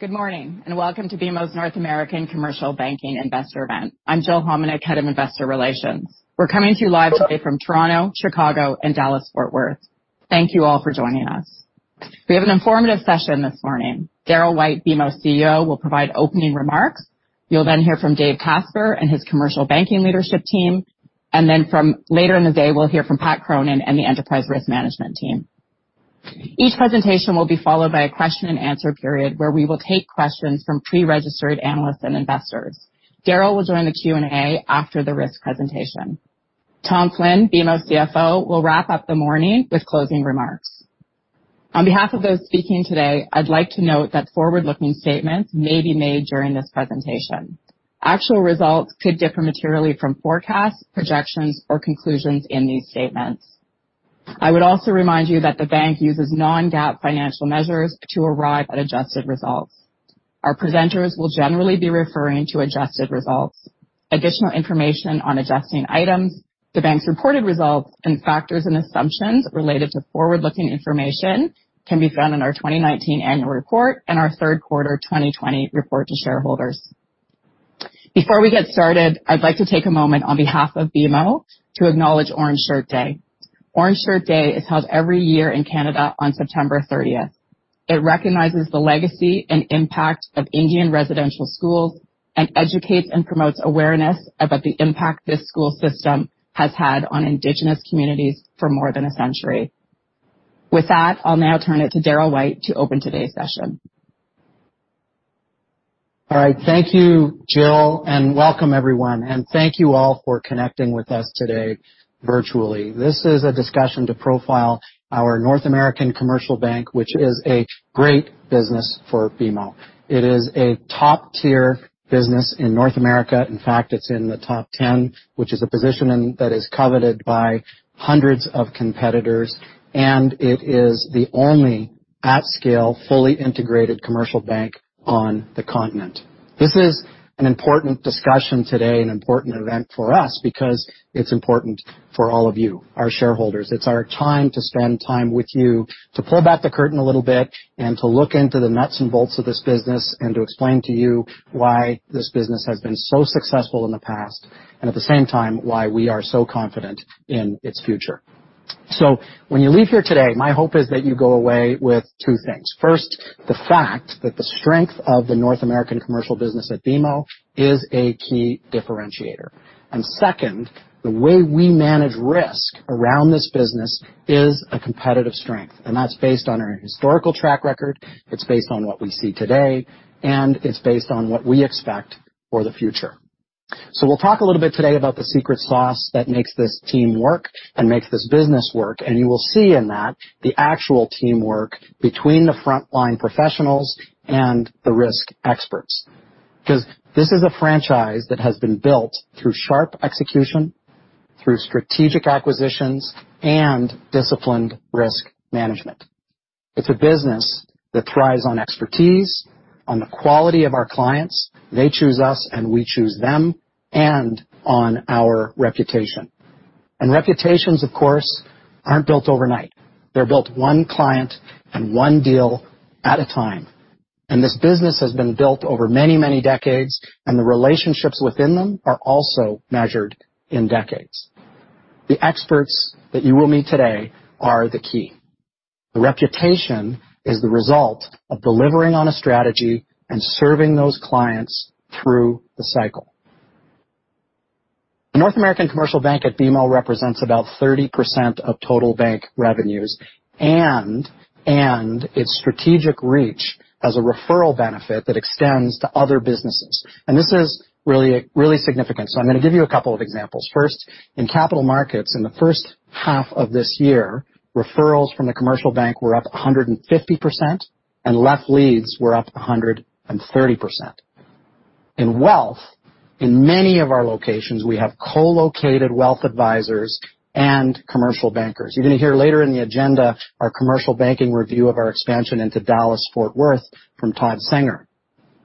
Good morning, and welcome to BMO's North American Commercial Banking Investor event. I'm Jill Hominick, Head of Investor Relations. We're coming to you live today from Toronto, Chicago, and Dallas Fort Worth. Thank you all for joining us. We have an informative session this morning. Darryl White, BMO's CEO, will provide opening remarks. You'll then hear from David Casper and his commercial banking leadership team. Later in the day, we'll hear from Patrick Cronin and the enterprise risk management team. Each presentation will be followed by a question and answer period where we will take questions from pre-registered analysts and investors. Darryl will join the Q&A after the risk presentation. Tom Flynn, BMO CFO, will wrap up the morning with closing remarks. On behalf of those speaking today, I'd like to note that forward-looking statements may be made during this presentation. Actual results could differ materially from forecasts, projections, or conclusions in these statements. I would also remind you that the bank uses non-GAAP financial measures to arrive at adjusted results. Our presenters will generally be referring to adjusted results. Additional information on adjusting items, the bank's reported results, and factors and assumptions related to forward-looking information can be found in our 2019 annual report and our third quarter 2020 report to shareholders. Before we get started, I'd like to take a moment on behalf of BMO to acknowledge Orange Shirt Day. Orange Shirt Day is held every year in Canada on 30th September. It recognizes the legacy and impact of Indian residential schools and educates and promotes awareness about the impact this school system has had on indigenous communities for more than a century. With that, I'll now turn it to Darryl White to open today's session. All right. Thank you, Jill, and welcome everyone, and thank you all for connecting with us today virtually. This is a discussion to profile our North American Commercial Bank, which is a great business for BMO. It is a top-tier business in North America. In fact, it's in the top 10, which is a position that is coveted by hundreds of competitors, and it is the only at-scale, fully integrated commercial bank on the continent. This is an important discussion today, an important event for us because it's important for all of you, our shareholders. It's our time to spend time with you, to pull back the curtain a little bit and to look into the nuts and bolts of this business, and to explain to you why this business has been so successful in the past, and at the same time, why we are so confident in its future. When you leave here today, my hope is that you go away with two things. First, the fact that the strength of the North American Commercial Business at BMO is a key differentiator. Second, the way we manage risk around this business is a competitive strength, and that's based on our historical track record, it's based on what we see today, and it's based on what we expect for the future. We'll talk a little bit today about the secret sauce that makes this team work and makes this business work, and you will see in that the actual teamwork between the frontline professionals and the risk experts. Because this is a franchise that has been built through sharp execution, through strategic acquisitions, and disciplined risk management. It's a business that thrives on expertise, on the quality of our clients, they choose us, and we choose them, and on our reputation. Reputations, of course, aren't built overnight. They're built one client and one deal at a time. This business has been built over many, many decades, and the relationships within them are also measured in decades. The experts that you will meet today are the key. The reputation is the result of delivering on a strategy and serving those clients through the cycle. The North American Commercial Bank at BMO represents about 30% of total bank revenues and its strategic reach as a referral benefit that extends to other businesses. This is really significant. I'm going to give you a couple of examples. First, in capital markets, in the first half of this year, referrals from the commercial bank were up 150% and net leads were up 130%. In wealth, in many of our locations, we have co-located wealth advisors and commercial bankers. You're going to hear later in the agenda our commercial banking review of our expansion into Dallas Fort Worth from Todd Senger.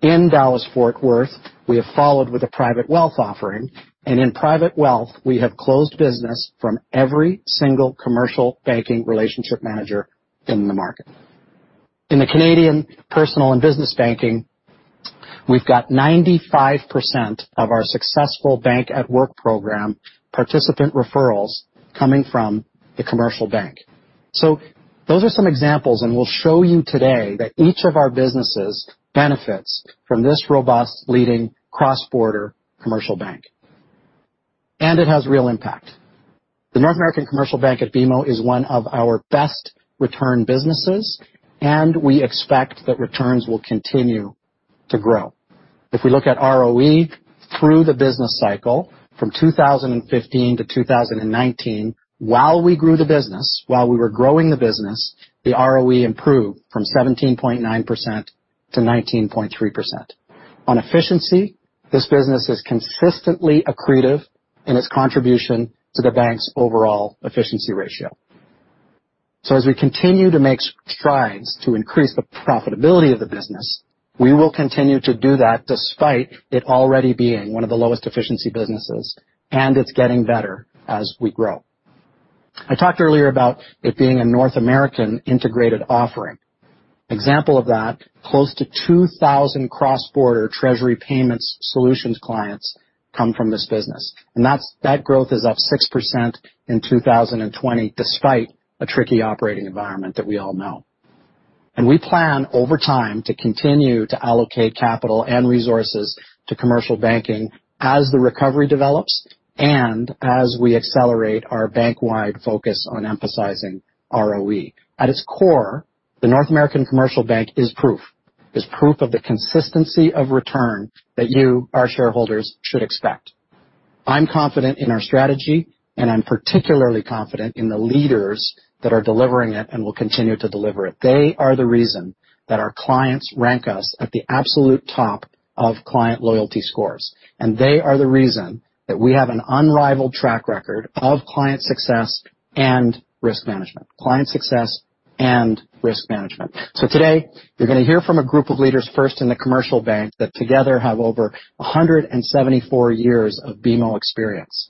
In Dallas Fort Worth, we have followed with a private wealth offering, and in private wealth, we have closed business from every single commercial banking relationship manager in the market. In the Canadian personal and business banking, we've got 95% of our successful BMO Bank at Work Program participant referrals coming from the commercial bank. Those are some examples, and we'll show you today that each of our businesses benefits from this robust leading cross-border commercial bank. It has real impact. The North American Commercial Bank at BMO is one of our best return businesses, and we expect that returns will continue to grow. If we look at ROE through the business cycle from 2015-2019, while we grew the business, while we were growing the business, the ROE improved from 17.9%-19.3%. On efficiency, this business is consistently accretive in its contribution to the bank's overall efficiency ratio. As we continue to make strides to increase the profitability of the business, we will continue to do that despite it already being one of the lowest efficiency businesses, and it's getting better as we grow. I talked earlier about it being a North American integrated offering. Example of that, close to 2,000 cross-border treasury payments solutions clients come from this business. That growth is up 6% in 2020, despite a tricky operating environment that we all know. We plan over time to continue to allocate capital and resources to commercial banking as the recovery develops and as we accelerate our bank-wide focus on emphasizing ROE. At its core, the North American Commercial Bank is proof of the consistency of return that you, our shareholders, should expect. I'm confident in our strategy, and I'm particularly confident in the leaders that are delivering it and will continue to deliver it. They are the reason that our clients rank us at the absolute top of client loyalty scores. They are the reason that we have an unrivaled track record of client success and risk management. Today, you're going to hear from a group of leaders first in the Commercial Bank that together have over 174 years of BMO experience.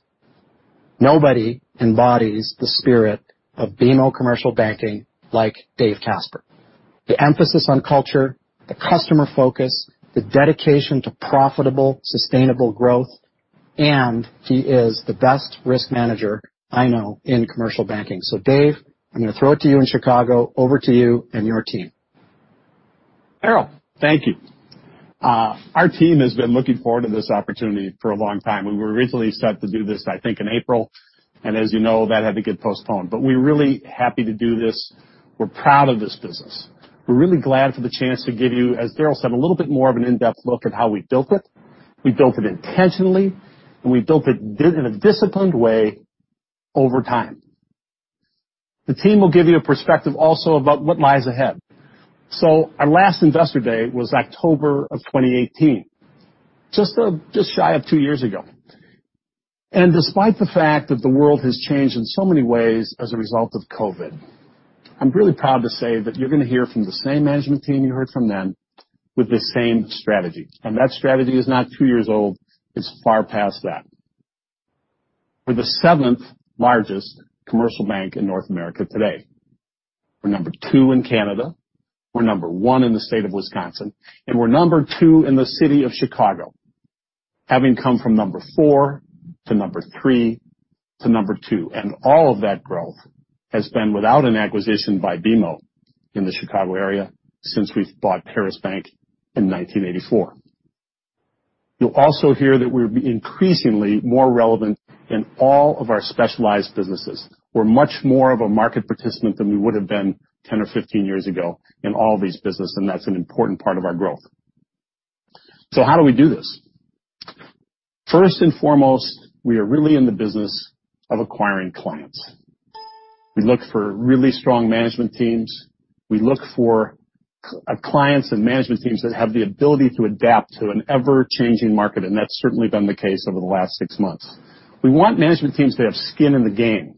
Nobody embodies the spirit of BMO Commercial Banking like Dave Casper. The emphasis on culture, the customer focus, the dedication to profitable, sustainable growth, and he is the best risk manager I know in Commercial Banking. Dave, I'm going to throw it to you in Chicago. Over to you and your team. Darryl, thank you. Our team has been looking forward to this opportunity for a long time. We were originally set to do this, I think, in April, and as you know, that had to get postponed. We're really happy to do this. We're proud of this business. We're really glad for the chance to give you, as Darryl said, a little bit more of an in-depth look at how we built it. We built it intentionally, and we built it in a disciplined way over time. The team will give you a perspective also about what lies ahead. Our last Investor Day was October of 2018. Just shy of two years ago. Despite the fact that the world has changed in so many ways as a result of COVID, I'm really proud to say that you're going to hear from the same management team you heard from then with the same strategy. That strategy is not two years old. It's far past that. We're the seventh largest commercial bank in North America today. We're number two in Canada. We're number one in the state of Wisconsin. We're number two in the city of Chicago, having come from number four to number three to number two. All of that growth has been without an acquisition by BMO in the Chicago area since we've bought Harris Bank in 1984. You'll also hear that we're increasingly more relevant in all of our specialized businesses. We are much more of a market participant than we would have been 10 or 15 years ago in all these businesses, and that is an important part of our growth. How do we do this? First and foremost, we are really in the business of acquiring clients. We look for really strong management teams. We look for clients and management teams that have the ability to adapt to an ever-changing market, and that is certainly been the case over the last six months. We want management teams that have skin in the game.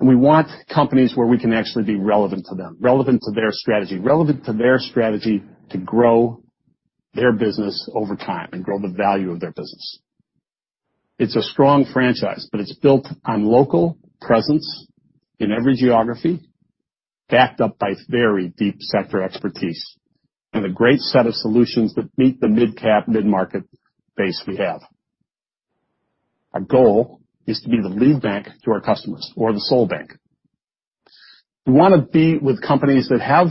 We want companies where we can actually be relevant to them, relevant to their strategy, relevant to their strategy to grow their business over time and grow the value of their business. It's a strong franchise, it's built on local presence in every geography, backed up by very deep sector expertise and a great set of solutions that meet the midcap, mid-market base we have. Our goal is to be the lead bank to our customers or the sole bank. We want to be with companies that have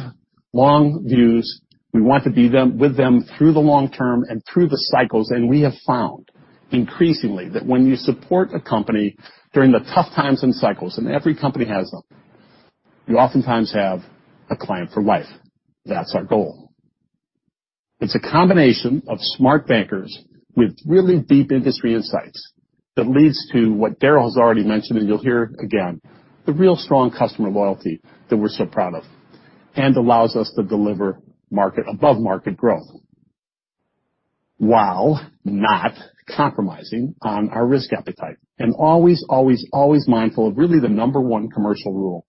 long views. We want to be with them through the long term and through the cycles. We have found increasingly that when you support a company during the tough times and cycles, and every company has them, you oftentimes have a client for life. That's our goal. It's a combination of smart bankers with really deep industry insights that leads to what Darryl has already mentioned, and you'll hear again, the real strong customer loyalty that we're so proud of and allows us to deliver above market growth while not compromising on our risk appetite. Always mindful of really the number one commercial rule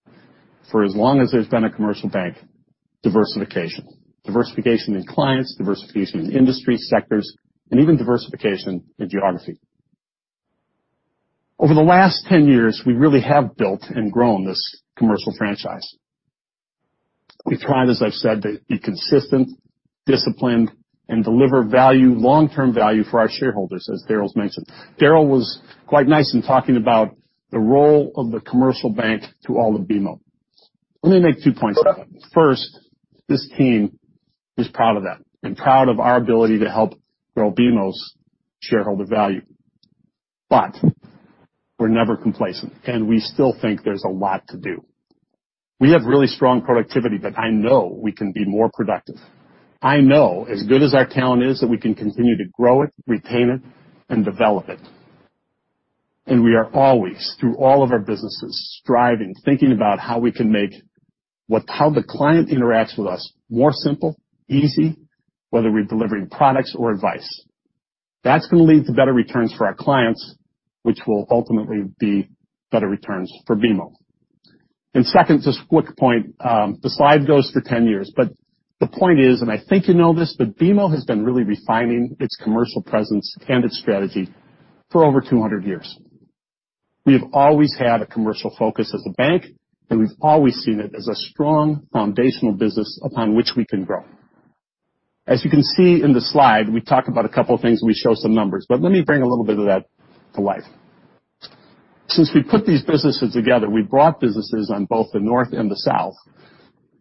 for as long as there's been a commercial bank, diversification. Diversification in clients, diversification in industry sectors, and even diversification in geography. Over the last 10 years, we really have built and grown this commercial franchise. We've tried, as I've said, to be consistent, disciplined, and deliver value, long-term value for our shareholders, as Darryl's mentioned. Darryl was quite nice in talking about the role of the commercial bank to all of BMO. Let me make two points about that. First, this team is proud of that and proud of our ability to help grow BMO's shareholder value. We're never complacent, and we still think there's a lot to do. We have really strong productivity, but I know we can be more productive. I know as good as our talent is that we can continue to grow it, retain it, and develop it. We are always, through all of our businesses, striving, thinking about how we can make how the client interacts with us more simple, easy, whether we're delivering products or advice. That's going to lead to better returns for our clients, which will ultimately be better returns for BMO. Second, just a quick point. The slide goes for 10 years, but the point is, and I think you know this, but BMO has been really refining its commercial presence and its strategy for over 200 years. We have always had a commercial focus as a bank, and we've always seen it as a strong foundational business upon which we can grow. As you can see in the slide, we talk about a couple of things, and we show some numbers. Let me bring a little bit of that to life. Since we put these businesses together, we've brought businesses on both the North and the South,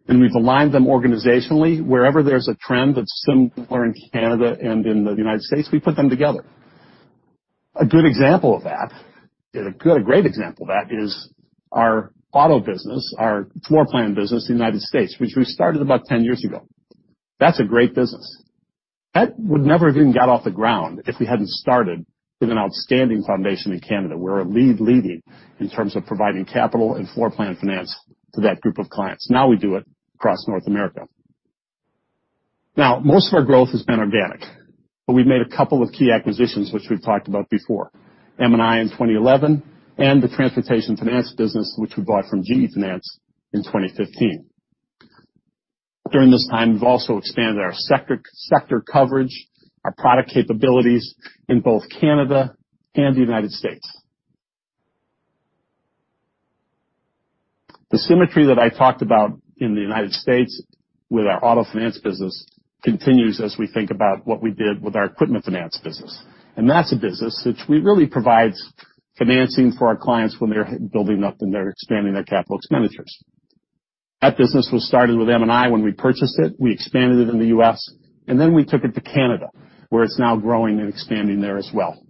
and we've aligned them organizationally. Wherever there's a trend that's similar in Canada and in the United States, we put them together. A good example of that is our auto business, our floor plan business in the United States, which we started about 10 years ago. That's a great business. That would never have even got off the ground if we hadn't started with an outstanding foundation in Canada. We're a leading in terms of providing capital and floor plan finance to that group of clients. We do it across North America. Most of our growth has been organic, but we've made a couple of key acquisitions, which we've talked about before, M&I in 2011 and the transportation finance business, which we bought from GE Capital in 2015. During this time, we've also expanded our sector coverage, our product capabilities in both Canada and the United States. The symmetry that I talked about in the United States with our auto finance business continues as we think about what we did with our equipment finance business. That's a business which really provides financing for our clients when they're building up and they're expanding their capital expenditures. That business was started with M&I when we purchased it. We expanded it in the U.S., and then we took it to Canada, where it's now growing and expanding there as well.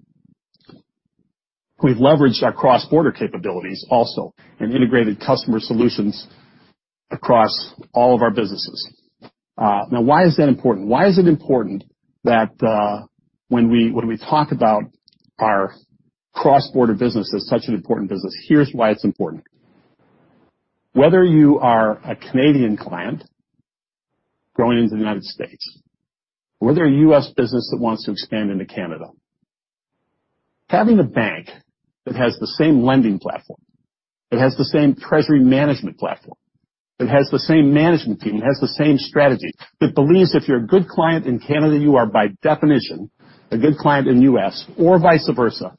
We've leveraged our cross-border capabilities also and integrated customer solutions across all of our businesses. Why is that important? Why is it important that when we talk about our cross-border business as such an important business? Here's why it's important. Whether you are a Canadian client going into the United States or whether you're a U.S. business that wants to expand into Canada, having a bank that has the same lending platform, that has the same treasury management platform, that has the same management team, has the same strategy, that believes if you're a good client in Canada, you are by definition a good client in the U.S. or vice versa,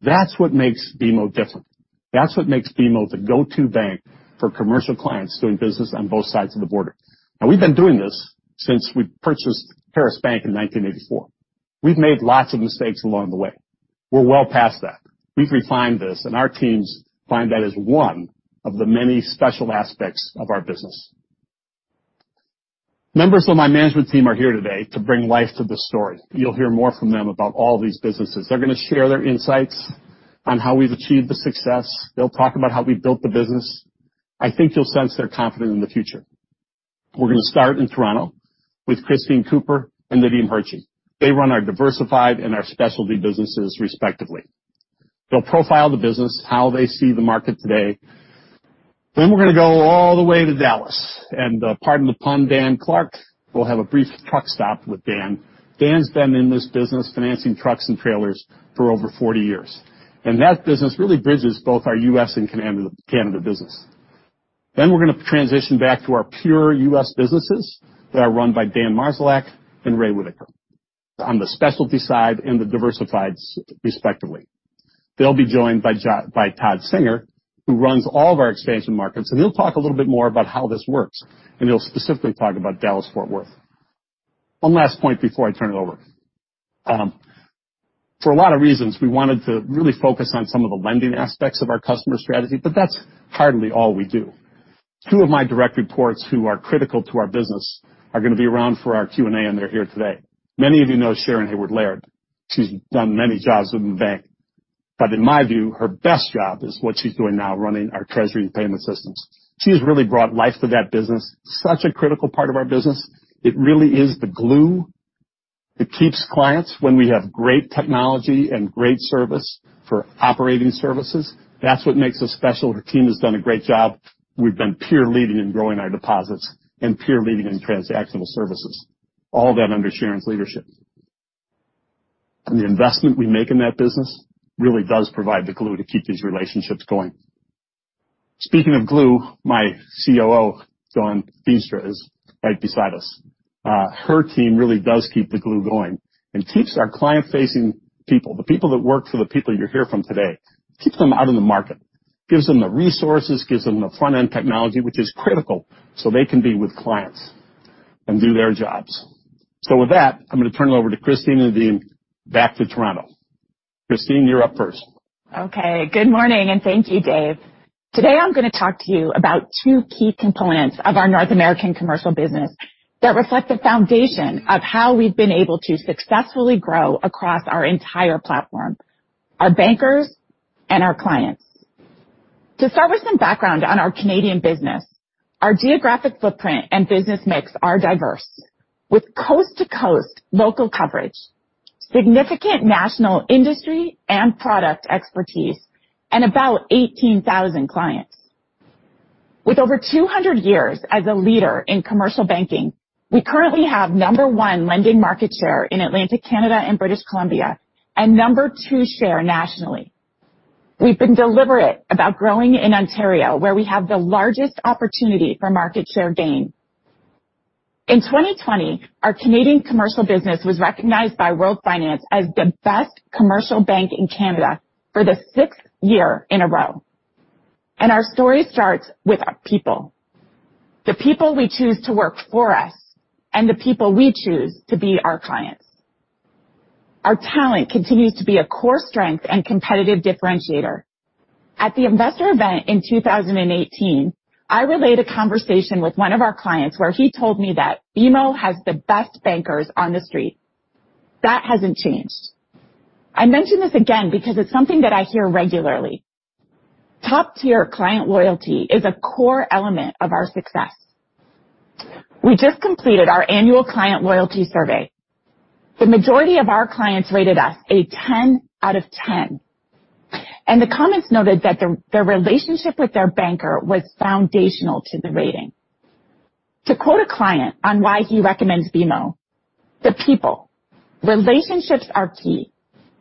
that's what makes BMO different. That's what makes BMO the go-to bank for commercial clients doing business on both sides of the border. We've been doing this since we purchased Harris Bank in 1984. We've made lots of mistakes along the way. We're well past that. We've refined this, and our teams find that as one of the many special aspects of our business. Members of my management team are here today to bring life to the story. You'll hear more from them about all these businesses. They're going to share their insights on how we've achieved the success. They'll talk about how we built the business. I think you'll sense they're confident in the future. We're going to start in Toronto with Christine Viau and Nadim Hirji. They run our diversified and our specialty businesses respectively. They'll profile the business, how they see the market today. We're going to go all the way to Dallas. Pardon the pun, Dan Clark, we'll have a brief truck stop with Dan. Dan's been in this business financing trucks and trailers for over 40 years. That business really bridges both our U.S. and Canada business. We're going to transition back to our pure U.S. businesses that are run by Dan Marzillak and Ray Whitacre on the specialty side and the diversifieds respectively. They'll be joined by Todd Senger, who runs all of our expansion markets. He'll talk a little bit more about how this works. He'll specifically talk about Dallas Fort Worth. One last point before I turn it over. For a lot of reasons, we wanted to really focus on some of the lending aspects of our customer strategy, but that's hardly all we do. Two of my direct reports who are critical to our business are going to be around for our Q&A, and they're here today. Many of you know Sharon Haward-Laird. She's done many jobs within the bank. In my view, her best job is what she's doing now, running our treasury and payment systems. She has really brought life to that business, such a critical part of our business. It really is the glue that keeps clients when we have great technology and great service for operating services. That's what makes us special. Her team has done a great job. We've been peer leading in growing our deposits and peer leading in transactional services. All of that under Sharon's leadership. The investment we make in that business really does provide the glue to keep these relationships going. Speaking of glue, my COO, Dawn Veenstra, is right beside us. Her team really does keep the glue going and keeps our client-facing people, the people that work for the people you hear from today, keeps them out in the market. Gives them the resources, gives them the front-end technology, which is critical so they can be with clients and do their jobs. With that, I'm going to turn it over to Christine and Nadim back to Toronto. Christine, you're up first. Okay. Good morning, and thank you, Dave. Today I'm going to talk to you about two key components of our North American Commercial Business that reflect the foundation of how we've been able to successfully grow across our entire platform, our bankers and our clients. To start with some background on our Canadian business, our geographic footprint and business mix are diverse, with coast-to-coast local coverage, significant national industry and product expertise, and about 18,000 clients. With over 200 years as a leader in commercial banking, we currently have number one lending market share in Atlantic Canada and British Columbia and number two share nationally. We've been deliberate about growing in Ontario, where we have the largest opportunity for market share gain. In 2020, our Canadian commercial business was recognized by World Finance as the best commercial bank in Canada for the sixth year in a row. Our story starts with our people, the people we choose to work for us and the people we choose to be our clients. Our talent continues to be a core strength and competitive differentiator. At the Investor Day in 2018, I relayed a conversation with one of our clients where he told me that BMO has the best bankers on the street. That hasn't changed. I mention this again because it's something that I hear regularly. Top-tier client loyalty is a core element of our success. We just completed our annual client loyalty survey. The majority of our clients rated us a 10 out of 10, and the comments noted that their relationship with their banker was foundational to the rating. To quote a client on why he recommends BMO, "The people. Relationships are key,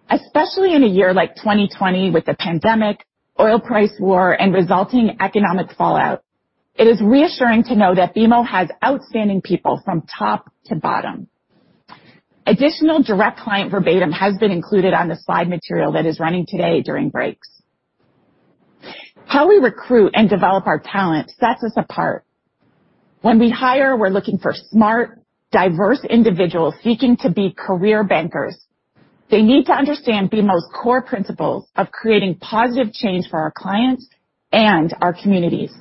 especially in a year like 2020 with the pandemic, oil price war, and resulting economic fallout. It is reassuring to know that BMO has outstanding people from top to bottom. Additional direct client verbatim has been included on the slide material that is running today during breaks. How we recruit and develop our talent sets us apart. When we hire, we're looking for smart, diverse individuals seeking to be career bankers. They need to understand BMO's core principles of creating positive change for our clients and our communities.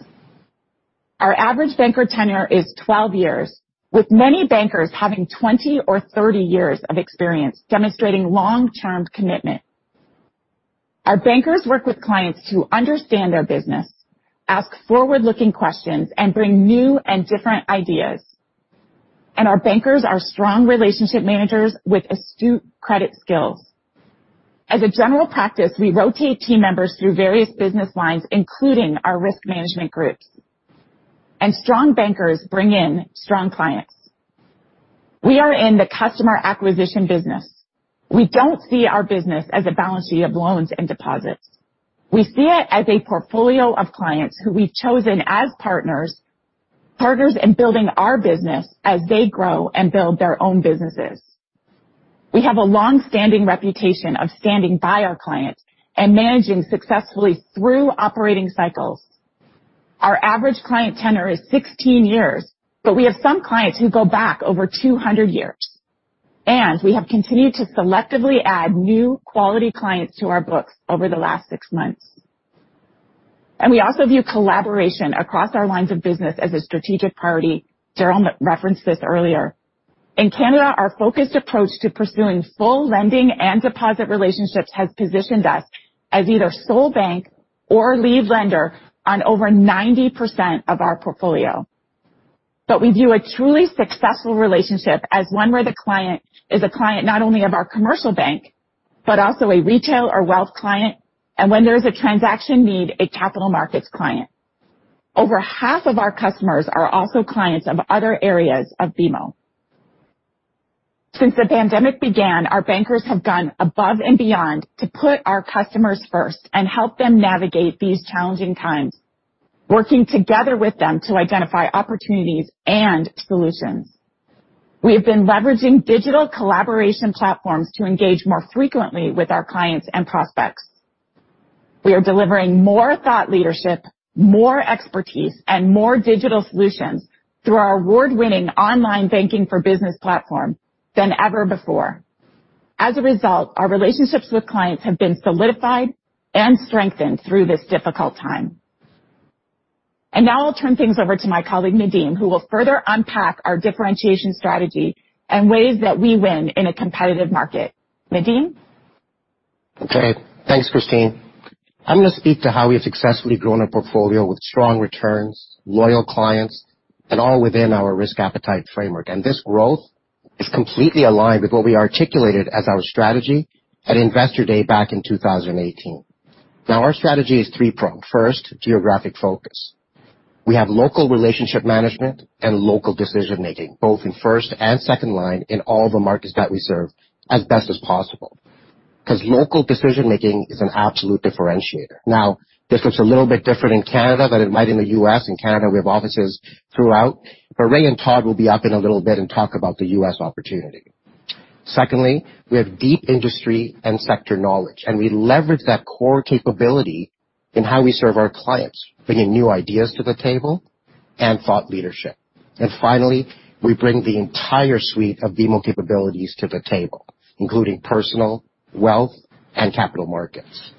Our average banker tenure is 12 years, with many bankers having 20 or 30 years of experience demonstrating long-term commitment. Our bankers work with clients to understand their business, ask forward-looking questions, and bring new and different ideas. Our bankers are strong relationship managers with astute credit skills. As a general practice, we rotate team members through various business lines, including our risk management groups. Strong bankers bring in strong clients. We are in the customer acquisition business. We don't see our business as a balance sheet of loans and deposits. We see it as a portfolio of clients who we've chosen as partners in building our business as they grow and build their own businesses. We have a long-standing reputation of standing by our clients and managing successfully through operating cycles. Our average client tenure is 16 years, but we have some clients who go back over 200 years. We have continued to selectively add new quality clients to our books over the last six months. We also view collaboration across our lines of business as a strategic priority. Darryl White referenced this earlier. In Canada, our focused approach to pursuing full lending and deposit relationships has positioned us as either sole bank or lead lender on over 90% of our portfolio. We view a truly successful relationship as one where the client is a client not only of our commercial bank, but also a retail or wealth client, and when there is a transaction need, a capital markets client. Over half of our customers are also clients of other areas of BMO. Since the pandemic began, our bankers have gone above and beyond to put our customers first and help them navigate these challenging times, working together with them to identify opportunities and solutions. We have been leveraging digital collaboration platforms to engage more frequently with our clients and prospects. We are delivering more thought leadership, more expertise, and more digital solutions through our award-winning online banking for business platform than ever before. As a result, our relationships with clients have been solidified and strengthened through this difficult time. Now I'll turn things over to my colleague, Nadim, who will further unpack our differentiation strategy and ways that we win in a competitive market. Nadim? Okay. Thanks, Christine. I'm gonna speak to how we have successfully grown a portfolio with strong returns, loyal clients, and all within our risk appetite framework. This growth is completely aligned with what we articulated as our strategy at Investor Day back in 2018. Now, our strategy is three-pronged. First, geographic focus. We have local relationship management and local decision-making, both in first and second line in all the markets that we serve as best as possible, because local decision-making is an absolute differentiator. Now, this looks a little bit different in Canada than it might in the U.S. In Canada, we have offices throughout, but Ray and Todd will be up in a little bit and talk about the U.S. opportunity. Secondly, we have deep industry and sector knowledge. We leverage that core capability in how we serve our clients, bringing new ideas to the table and thought leadership. Finally, we bring the entire suite of BMO capabilities to the table, including personal, wealth, and Capital Markets.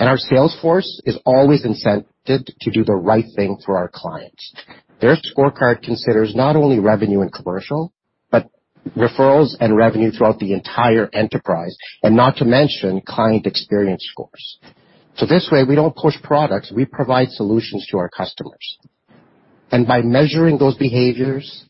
Our sales force is always incented to do the right thing for our clients. Their scorecard considers not only revenue and commercial, but referrals and revenue throughout the entire enterprise, and not to mention client experience scores. This way, we don't push products, we provide solutions to our customers. By measuring those behaviors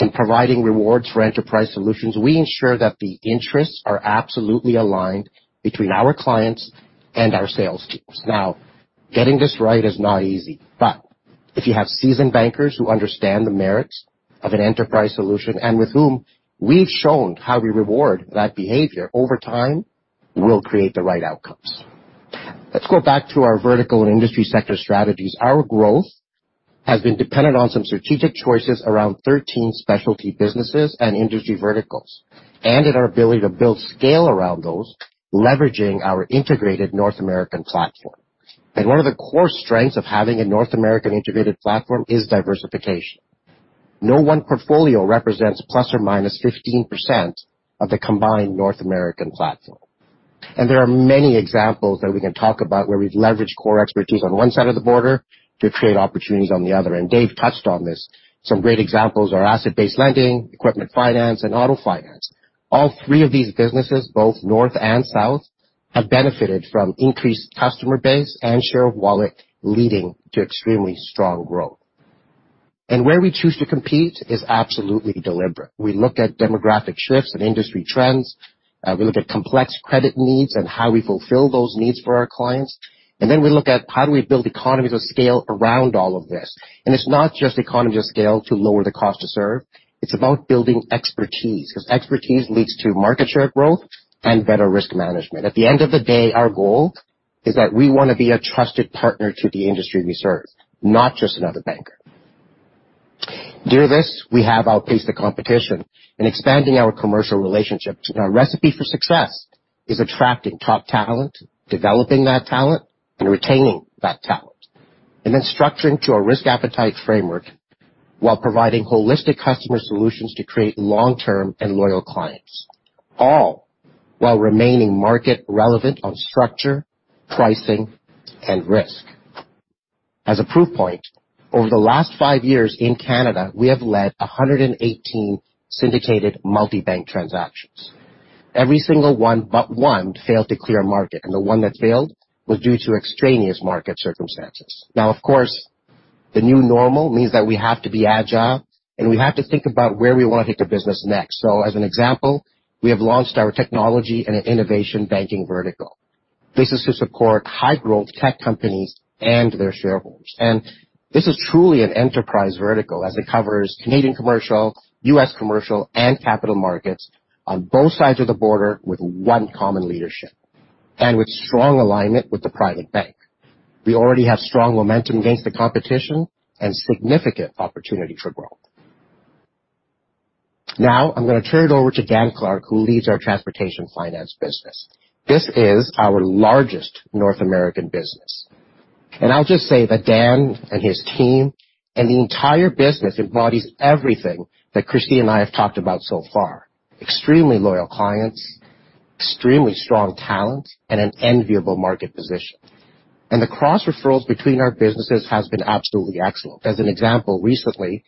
and providing rewards for enterprise solutions, we ensure that the interests are absolutely aligned between our clients and our sales teams. Getting this right is not easy. If you have seasoned bankers who understand the merits of an enterprise solution and with whom we've shown how we reward that behavior over time, we'll create the right outcomes. Let's go back to our vertical and industry sector strategies. Our growth has been dependent on some strategic choices around 13 specialty businesses and industry verticals, and in our ability to build scale around those, leveraging our integrated North American platform. One of the core strengths of having a North American integrated platform is diversification. No one portfolio represents ±15% of the combined North American platform. There are many examples that we can talk about where we've leveraged core expertise on one side of the border to create opportunities on the other. Dave touched on this. Some great examples are asset-based lending, equipment finance, and auto finance. All three of these businesses, both north and south, have benefited from increased customer base and share of wallet, leading to extremely strong growth. Where we choose to compete is absolutely deliberate. We look at demographic shifts and industry trends. We look at complex credit needs and how we fulfill those needs for our clients. Then we look at how do we build economies of scale around all of this. It's not just economies of scale to lower the cost to serve. It's about building expertise, because expertise leads to market share growth and better risk management. At the end of the day, our goal is that we want to be a trusted partner to the industry we serve, not just another banker. Due to this, we have outpaced the competition in expanding our commercial relationships. Our recipe for success is attracting top talent, developing that talent, and retaining that talent, then structuring to a risk appetite framework while providing holistic customer solutions to create long-term and loyal clients, all while remaining market relevant on structure, pricing, and risk. As a proof point, over the last five years in Canada, we have led 118 syndicated multi-bank transactions. Every single one but one failed to clear market. The one that failed was due to extraneous market circumstances. Of course, the new normal means that we have to be agile and we have to think about where we want to take the business next. As an example, we have launched our technology and innovation banking vertical. This is to support high-growth tech companies and their shareholders. This is truly an enterprise vertical as it covers Canadian commercial, U.S. commercial, and Capital Markets on both sides of the border with one common leadership and with strong alignment with the private bank. We already have strong momentum against the competition and significant opportunity for growth. Now I'm going to turn it over to Dan Clark, who leads our transportation finance business. This is our largest North American business. I'll just say that Dan and his team and the entire business embodies everything that Christine and I have talked about so far. Extremely loyal clients, extremely strong talent, and an enviable market position. The cross-referrals between our businesses has been absolutely excellent. As an example, recently,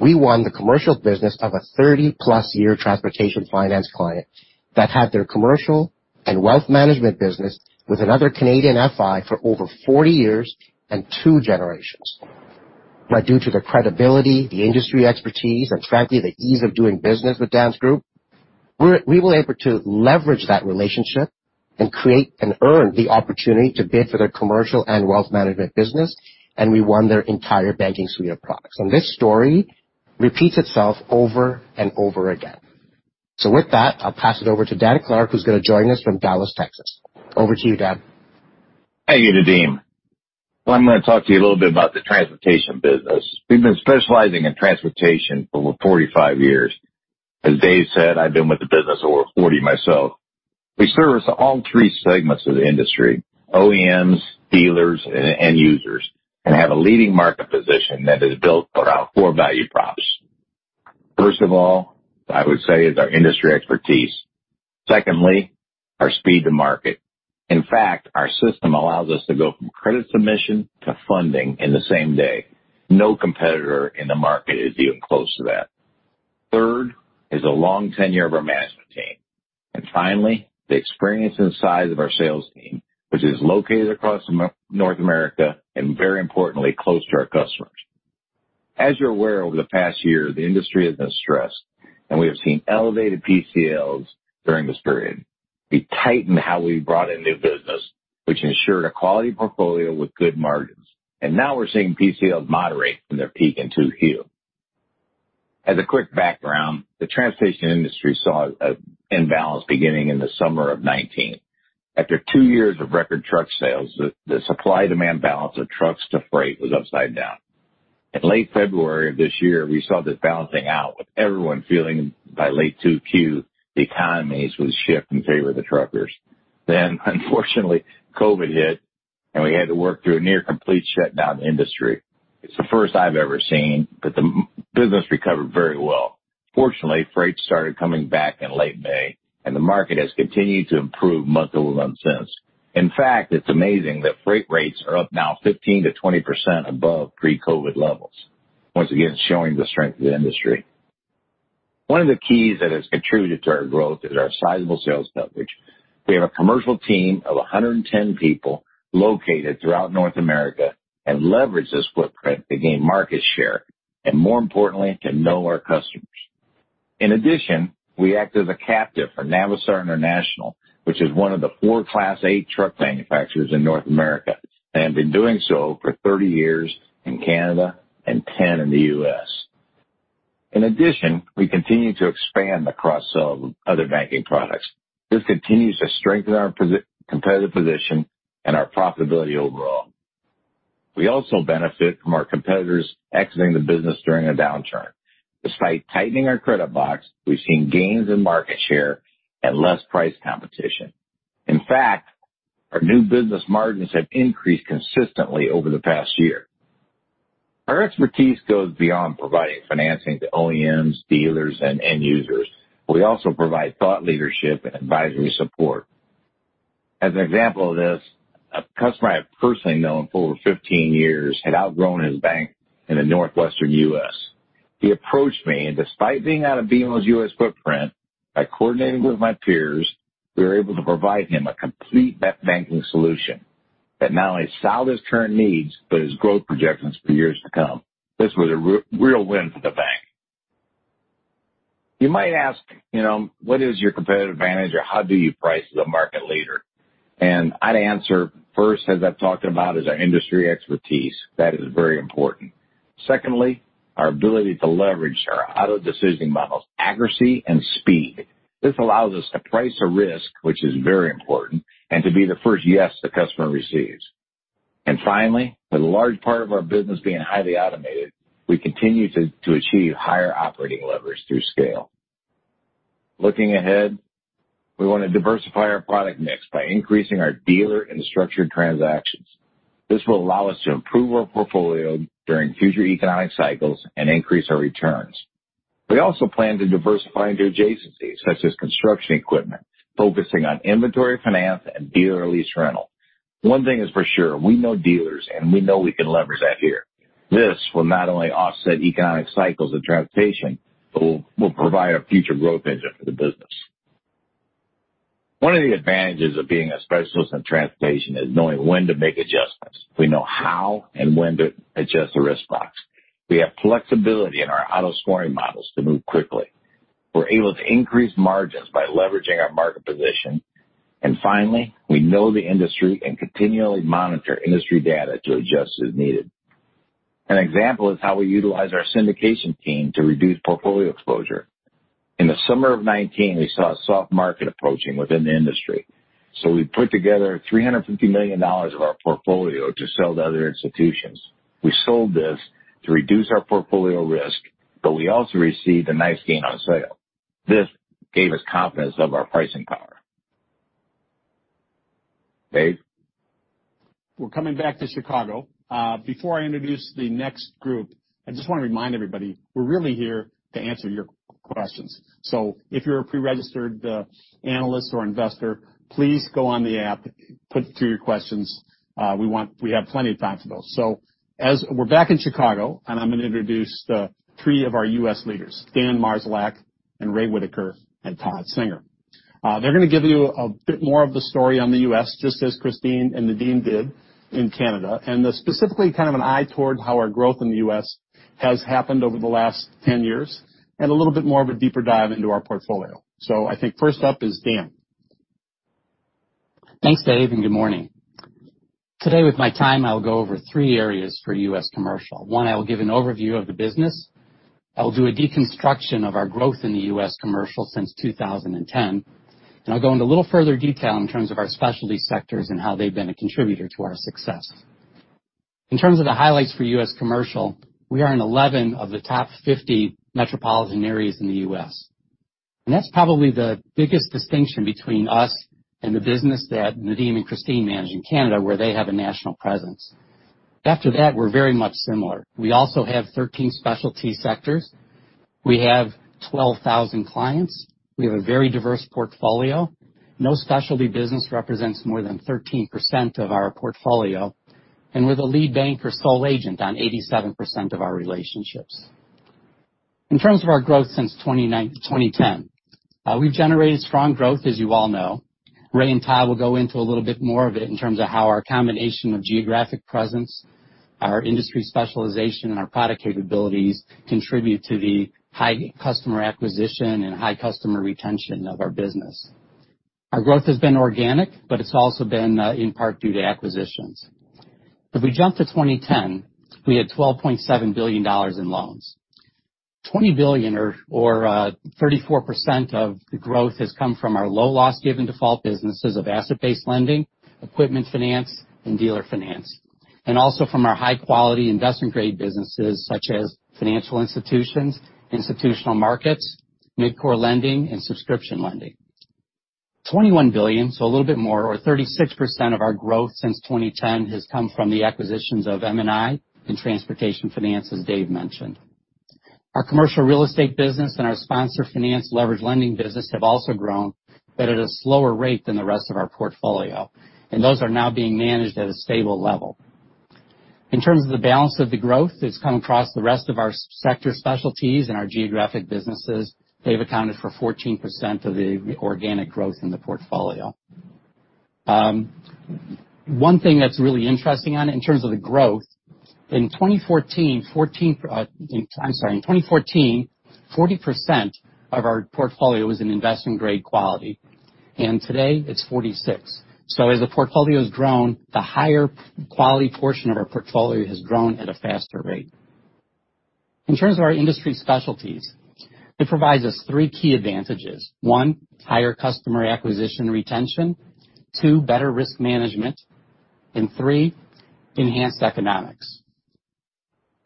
we won the commercial business of a 30+ year transportation finance client that had their commercial and Wealth Management business with another Canadian FI for over 40 years and two generations. Due to the credibility, the industry expertise, and frankly, the ease of doing business with Dan's group, we were able to leverage that relationship and create and earn the opportunity to bid for their commercial and Wealth Management business, we won their entire banking suite of products. This story repeats itself over and over again. With that, I'll pass it over to Dan Clark, who's going to join us from Dallas, Texas. Over to you, Dan. Thank you, Nadim. I'm going to talk to you a little bit about the transportation business. We've been specializing in transportation for over 45 years. As Dave said, I've been with the business over 40 myself. We service all three segments of the industry, OEMs, dealers, and end users, and have a leading market position that is built around four value props. First of all, I would say, is our industry expertise. Secondly, our speed to market. In fact, our system allows us to go from credit submission to funding in the same day. No competitor in the market is even close to that. Third is the long tenure of our management team. Finally, the experience and size of our sales team, which is located across North America and very importantly, close to our customers. As you're aware, over the past year, the industry has been stressed, and we have seen elevated PCLs during this period. We tightened how we brought in new business, which ensured a quality portfolio with good margins. Now we're seeing PCLs moderate from their peak in 2Q. As a quick background, the transportation industry saw an imbalance beginning in the summer of 2019. After two years of record truck sales, the supply-demand balance of trucks to freight was upside down. In late February of this year, we saw this balancing out with everyone feeling by late 2Q the economies would shift in favor of the truckers. Unfortunately, COVID hit and we had to work through a near complete shutdown industry. It's the first I've ever seen, the business recovered very well. Fortunately, freight started coming back in late May, and the market has continued to improve month-over-month since. In fact, it's amazing that freight rates are up now 15%-20% above pre-COVID levels. Once again, showing the strength of the industry. One of the keys that has contributed to our growth is our sizable sales coverage. We have a commercial team of 110 people located throughout North America and leverage this footprint to gain market share, and more importantly, to know our customers. We act as a captive for Navistar International, which is one of the four Class eight truck manufacturers in North America, and have been doing so for 30 years in Canada and 10 in the U.S. We continue to expand the cross-sell of other banking products. This continues to strengthen our competitive position and our profitability overall. We also benefit from our competitors exiting the business during a downturn. Despite tightening our credit box, we've seen gains in market share and less price competition. In fact, our new business margins have increased consistently over the past year. Our expertise goes beyond providing financing to OEMs, dealers, and end users. We also provide thought leadership and advisory support. As an example of this, a customer I've personally known for over 15 years had outgrown his bank in the northwestern U.S. He approached me, despite being out of BMO's U.S. footprint, by coordinating with my peers, we were able to provide him a complete banking solution that not only solved his current needs, but his growth projections for years to come. This was a real win for the bank. You might ask, what is your competitive advantage or how do you price as a market leader? I'd answer first, as I've talked about, is our industry expertise. That is very important. Secondly, our ability to leverage our auto-decision models' accuracy and speed. This allows us to price a risk, which is very important, and to be the first yes the customer receives. Finally, with a large part of our business being highly automated, we continue to achieve higher operating leverage through scale. Looking ahead, we want to diversify our product mix by increasing our dealer and structured transactions. This will allow us to improve our portfolio during future economic cycles and increase our returns. We also plan to diversify into adjacencies such as construction equipment, focusing on inventory finance and dealer lease rental. One thing is for sure, we know dealers, and we know we can leverage that here. This will not only offset economic cycles of transportation, but will provide a future growth engine for the business. One of the advantages of being a specialist in transportation is knowing when to make adjustments. We know how and when to adjust the risk box. We have flexibility in our auto scoring models to move quickly. We are able to increase margins by leveraging our market position. Finally, we know the industry and continually monitor industry data to adjust as needed. An example is how we utilize our syndication team to reduce portfolio exposure. In the summer of 2019, we saw a soft market approaching within the industry. We put together 350 million dollars of our portfolio to sell to other institutions. We sold this to reduce our portfolio risk, we also received a nice gain on sale. This gave us confidence of our pricing power. Dave? We're coming back to Chicago. Before I introduce the next group, I just want to remind everybody, we're really here to answer your questions. If you're a preregistered analyst or investor, please go on the app, put through your questions. We have plenty of time for those. As we're back in Chicago, and I'm going to introduce three of our U.S. leaders, Dan Marszalek, and Ray Whitacre, and Todd Senger. They're going to give you a bit more of the story on the U.S., just as Christine and Nadim did in Canada, and specifically kind of an eye toward how our growth in the U.S. has happened over the last 10 years and a little bit more of a deeper dive into our portfolio. I think first up is Dan. Thanks, Dave, good morning. Today with my time, I'll go over three areas for U.S. commercial. One, I will give an overview of the business. I'll do a deconstruction of our growth in the U.S. commercial since 2010. I'll go into a little further detail in terms of our specialty sectors and how they've been a contributor to our success. In terms of the highlights for U.S. commercial, we are in 11 of the top 50 metropolitan areas in the U.S. That's probably the biggest distinction between us and the business that Nadim and Christine manage in Canada, where they have a national presence. After that, we're very much similar. We also have 13 specialty sectors. We have 12,000 clients. We have a very diverse portfolio. No specialty business represents more than 13% of our portfolio, and we're the lead bank or sole agent on 87% of our relationships. In terms of our growth since 2010, we've generated strong growth as you all know. Ray and Todd will go into a little bit more of it in terms of how our combination of geographic presence, our industry specialization, and our product capabilities contribute to the high customer acquisition and high customer retention of our business. Our growth has been organic, but it's also been in part due to acquisitions. If we jump to 2010, we had 12.7 billion dollars in loans. 34% of the growth has come from our low loss given default businesses of asset-based lending, equipment finance, and dealer finance, and also from our high-quality investment-grade businesses such as financial institutions, institutional markets, mid-corp lending, and subscription lending. 21 billion, a little bit more, or 36% of our growth since 2010 has come from the acquisitions of M&I and Transportation Finance, as Dave mentioned. Our commercial real estate business and our sponsor finance leverage lending business have also grown, at a slower rate than the rest of our portfolio. Those are now being managed at a stable level. In terms of the balance of the growth that's come across the rest of our sector specialties and our geographic businesses, they've accounted for 14% of the organic growth in the portfolio. One thing that's really interesting on it in terms of the growth, in 2014, 40% of our portfolio was in investment grade quality, and today it's 46%. As the portfolio has grown, the higher quality portion of our portfolio has grown at a faster rate. In terms of our industry specialties, it provides us three key advantages. One, higher customer acquisition retention, two, better risk management, three, enhanced economics.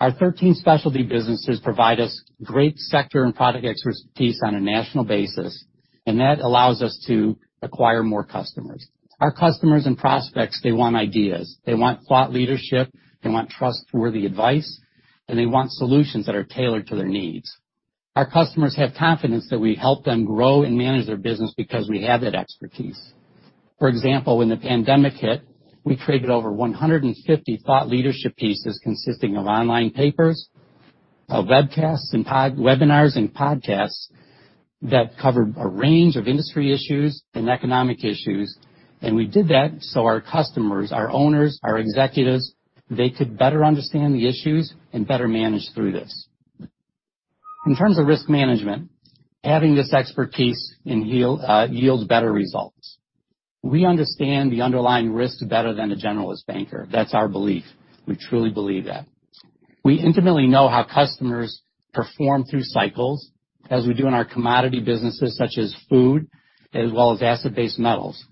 Our 13 specialty businesses provide us great sector and product expertise on a national basis, that allows us to acquire more customers. Our customers and prospects, they want ideas. They want thought leadership, they want trustworthy advice, they want solutions that are tailored to their needs. Our customers have confidence that we help them grow and manage their business because we have that expertise. For example, when the pandemic hit, we created over 150 thought leadership pieces consisting of online papers, webinars and podcasts that covered a range of industry issues and economic issues. We did that so our customers, our owners, our executives, they could better understand the issues and better manage through this. In terms of risk management, having this expertise yields better results. We understand the underlying risks better than a generalist banker. That's our belief. We truly believe that. We intimately know how customers perform through cycles as we do in our commodity businesses such as food, as well as asset-based metals.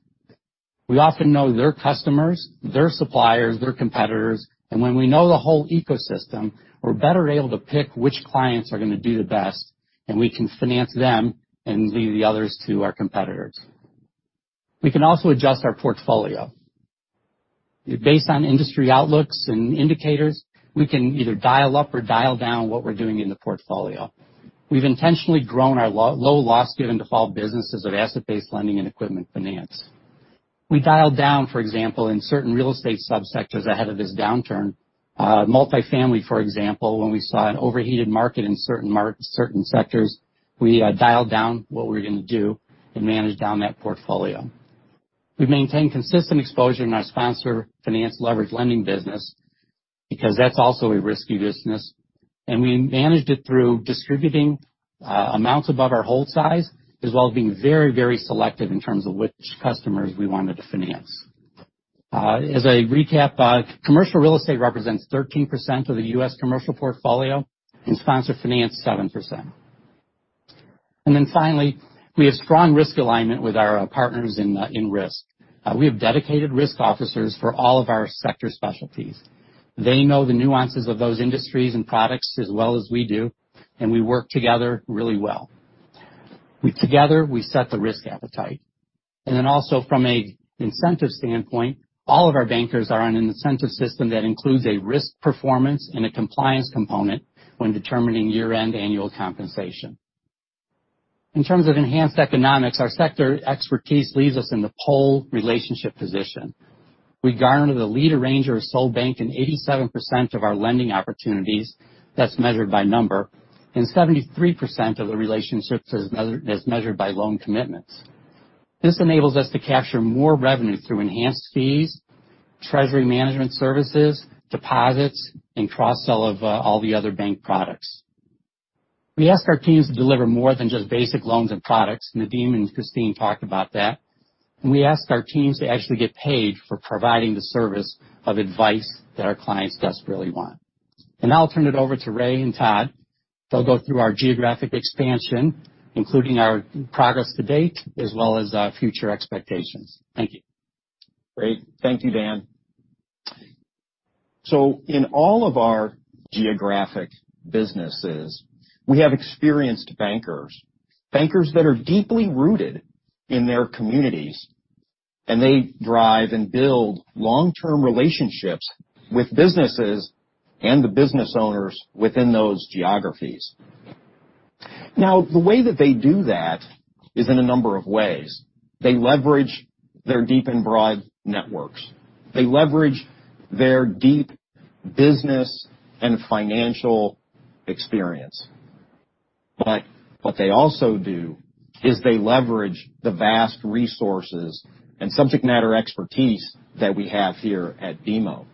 We often know their customers, their suppliers, their competitors, and when we know the whole ecosystem, we're better able to pick which clients are going to do the best, and we can finance them and leave the others to our competitors. We can also adjust our portfolio. Based on industry outlooks and indicators, we can either dial up or dial down what we're doing in the portfolio. We've intentionally grown our low loss given default businesses of asset-based lending and equipment finance. We dialed down, for example, in certain real estate sub-sectors ahead of this downturn. Multifamily, for example, when we saw an overheated market in certain sectors, we dialed down what we were going to do and managed down that portfolio. We've maintained consistent exposure in our sponsor finance leverage lending business because that's also a risky business, and we managed it through distributing amounts above our hold size, as well as being very selective in terms of which customers we wanted to finance. As a recap, commercial real estate represents 13% of the U.S. commercial portfolio and sponsor finance 7%. Finally, we have strong risk alignment with our partners in risk. We have dedicated risk officers for all of our sector specialties. They know the nuances of those industries and products as well as we do, and we work together really well. Together, we set the risk appetite. Also from an incentive standpoint, all of our bankers are on an incentive system that includes a risk performance and a compliance component when determining year-end annual compensation. In terms of enhanced economics, our sector expertise leaves us in the pole relationship position. We garner the lead arranger of sole bank in 87% of our lending opportunities, that's measured by number, and 73% of the relationships as measured by loan commitments. This enables us to capture more revenue through enhanced fees, treasury management services, deposits, and cross-sell of all the other bank products. We ask our teams to deliver more than just basic loans and products, and Nadim and Christine talked about that. We ask our teams to actually get paid for providing the service of advice that our clients desperately want. Now I'll turn it over to Ray and Todd. They'll go through our geographic expansion, including our progress to date as well as our future expectations. Thank you. Great. Thank you, Dan. In all of our geographic businesses, we have experienced bankers that are deeply rooted in their communities, and they drive and build long-term relationships with businesses and the business owners within those geographies. The way that they do that is in a number of ways. They leverage their deep and broad networks. They leverage their deep business and financial experience. What they also do is they leverage the vast resources and subject matter expertise that we have here at BMO.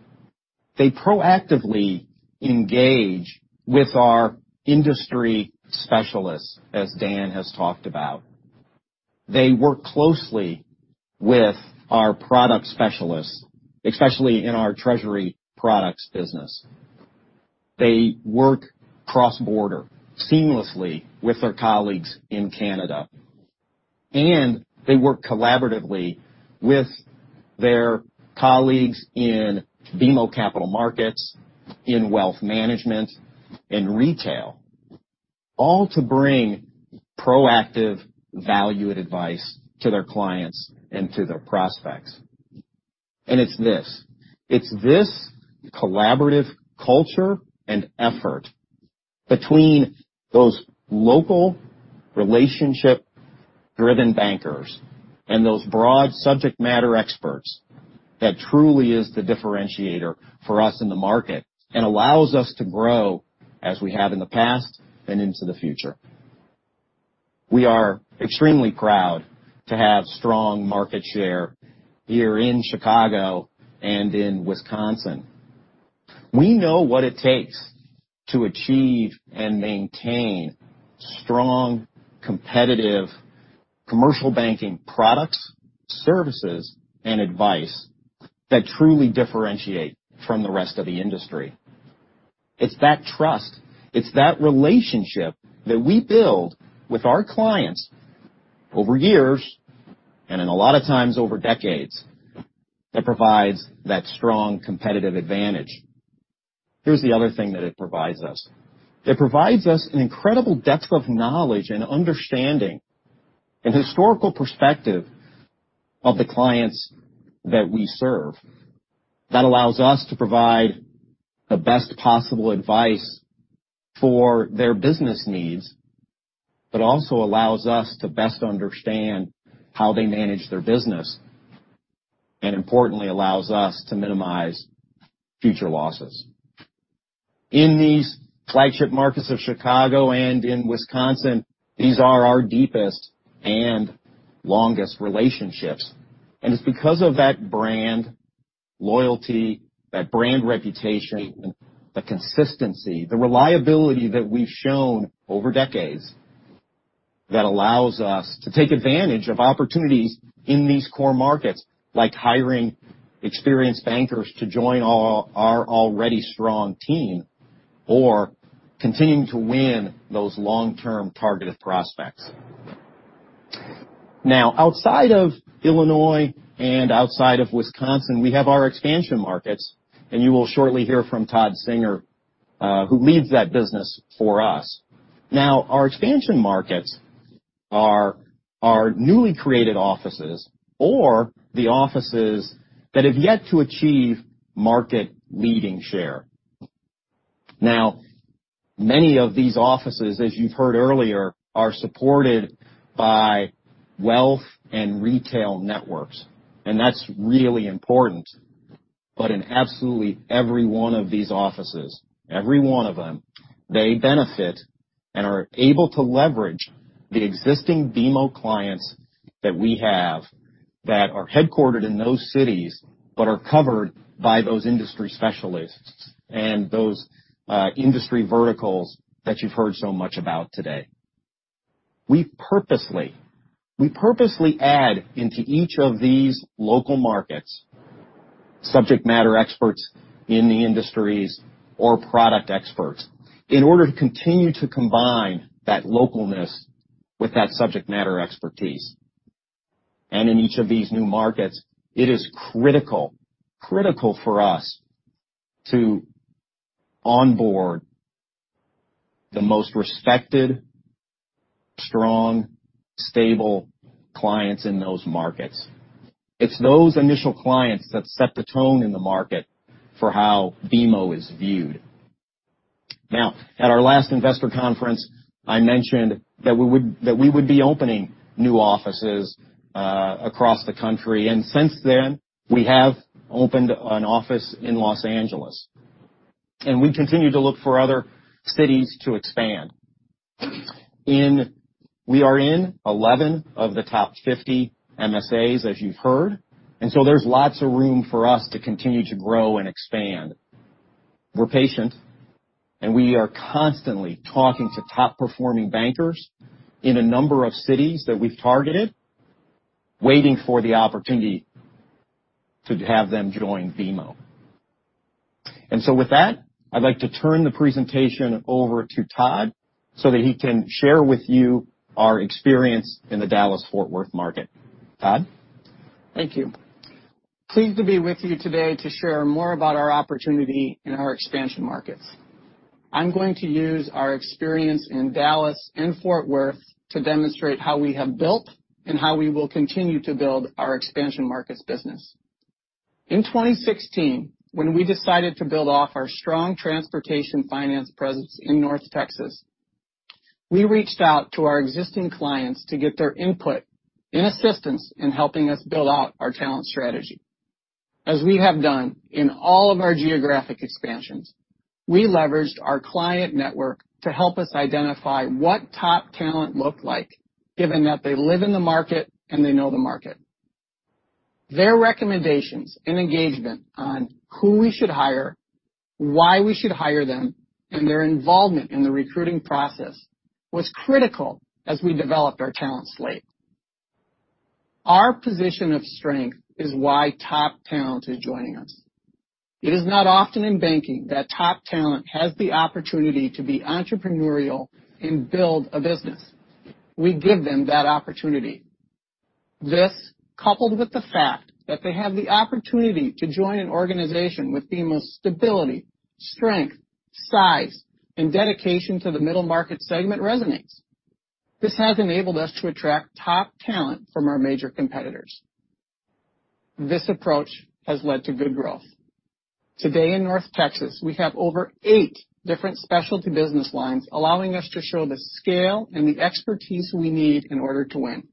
They proactively engage with our industry specialists, as Dan has talked about. They work closely with our product specialists, especially in our treasury products business. They work cross-border seamlessly with their colleagues in Canada, and they work collaboratively with their colleagues in BMO Capital Markets, in wealth management, in retail, all to bring proactive valued advice to their clients and to their prospects. It's this. It's this collaborative culture and effort between those local relationship-driven bankers and those broad subject matter experts that truly is the differentiator for us in the market and allows us to grow as we have in the past and into the future. We are extremely proud to have strong market share here in Chicago and in Wisconsin. We know what it takes to achieve and maintain strong, competitive commercial banking products, services, and advice that truly differentiate from the rest of the industry. It's that trust, it's that relationship that we build with our clients over years, and in a lot of times over decades, that provides that strong competitive advantage. Here's the other thing that it provides us. It provides us an incredible depth of knowledge and understanding and historical perspective of the clients that we serve. That allows us to provide the best possible advice for their business needs, but also allows us to best understand how they manage their business, and importantly, allows us to minimize future losses. In these flagship markets of Chicago and in Wisconsin, these are our deepest and longest relationships. It's because of that brand loyalty, that brand reputation, the consistency, the reliability that we've shown over decades that allows us to take advantage of opportunities in these core markets. Like hiring experienced bankers to join our already strong team or continuing to win those long-term targeted prospects. Outside of Illinois and outside of Wisconsin, we have our expansion markets, and you will shortly hear from Todd Senger, who leads that business for us. Our expansion markets are our newly created offices or the offices that have yet to achieve market-leading share. Many of these offices, as you've heard earlier, are supported by wealth and retail networks, and that's really important. In absolutely every one of these offices, every one of them, they benefit and are able to leverage the existing BMO clients that we have that are headquartered in those cities but are covered by those industry specialists and those industry verticals that you've heard so much about today. We purposely add into each of these local markets subject matter experts in the industries or product experts in order to continue to combine that localness with that subject matter expertise. In each of these new markets, it is critical for us to onboard the most respected, strong, stable clients in those markets. It's those initial clients that set the tone in the market for how BMO is viewed. Now, at our last investor conference, I mentioned that we would be opening new offices across the country. Since then, we have opened an office in L.A., and we continue to look for other cities to expand. We are in 11 of the top 50 MSAs, as you've heard, there's lots of room for us to continue to grow and expand. We're patient, and we are constantly talking to top-performing bankers in a number of cities that we've targeted, waiting for the opportunity to have them join BMO. With that, I'd like to turn the presentation over to Todd so that he can share with you our experience in the Dallas-Fort Worth market. Todd? Thank you. Pleased to be with you today to share more about our opportunity in our expansion markets. I'm going to use our experience in Dallas and Fort Worth to demonstrate how we have built and how we will continue to build our expansion markets business. In 2016, when we decided to build off our strong transportation finance presence in North Texas, we reached out to our existing clients to get their input and assistance in helping us build out our talent strategy. As we have done in all of our geographic expansions, we leveraged our client network to help us identify what top talent looked like, given that they live in the market and they know the market. Their recommendations and engagement on who we should hire, why we should hire them, and their involvement in the recruiting process was critical as we developed our talent slate. Our position of strength is why top talent is joining us. It is not often in banking that top talent has the opportunity to be entrepreneurial and build a business. We give them that opportunity. This, coupled with the fact that they have the opportunity to join an organization with BMO's stability, strength, size, and dedication to the middle market segment resonates. This has enabled us to attract top talent from our major competitors. This approach has led to good growth. Today in North Texas, we have over eight different specialty business lines, allowing us to show the scale and the expertise we need in order to win.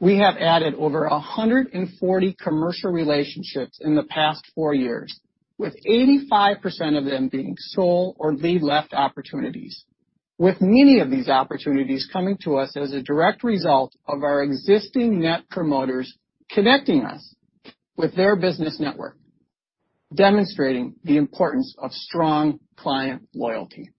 We have added over 140 commercial relationships in the past four years, with 85% of them being sole or lead left opportunities. With many of these opportunities coming to us as a direct result of our existing net promoters connecting us with their business network, demonstrating the importance of strong client loyalty.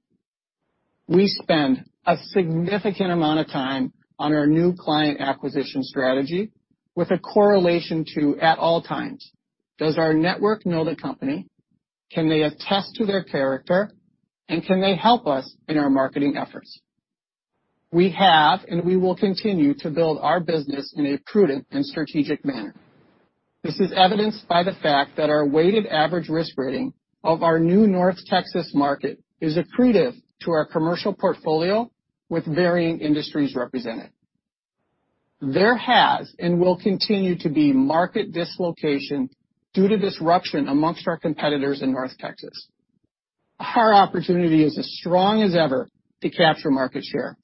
We spend a significant amount of time on our new client acquisition strategy with a correlation to, at all times, does our network know the company? Can they attest to their character? Can they help us in our marketing efforts? We have, and we will continue to build our business in a prudent and strategic manner. This is evidenced by the fact that our weighted average risk rating of our new North Texas market is accretive to our commercial portfolio with varying industries represented. There has and will continue to be market dislocation due to disruption amongst our competitors in North Texas. Our opportunity is as strong as ever to capture market share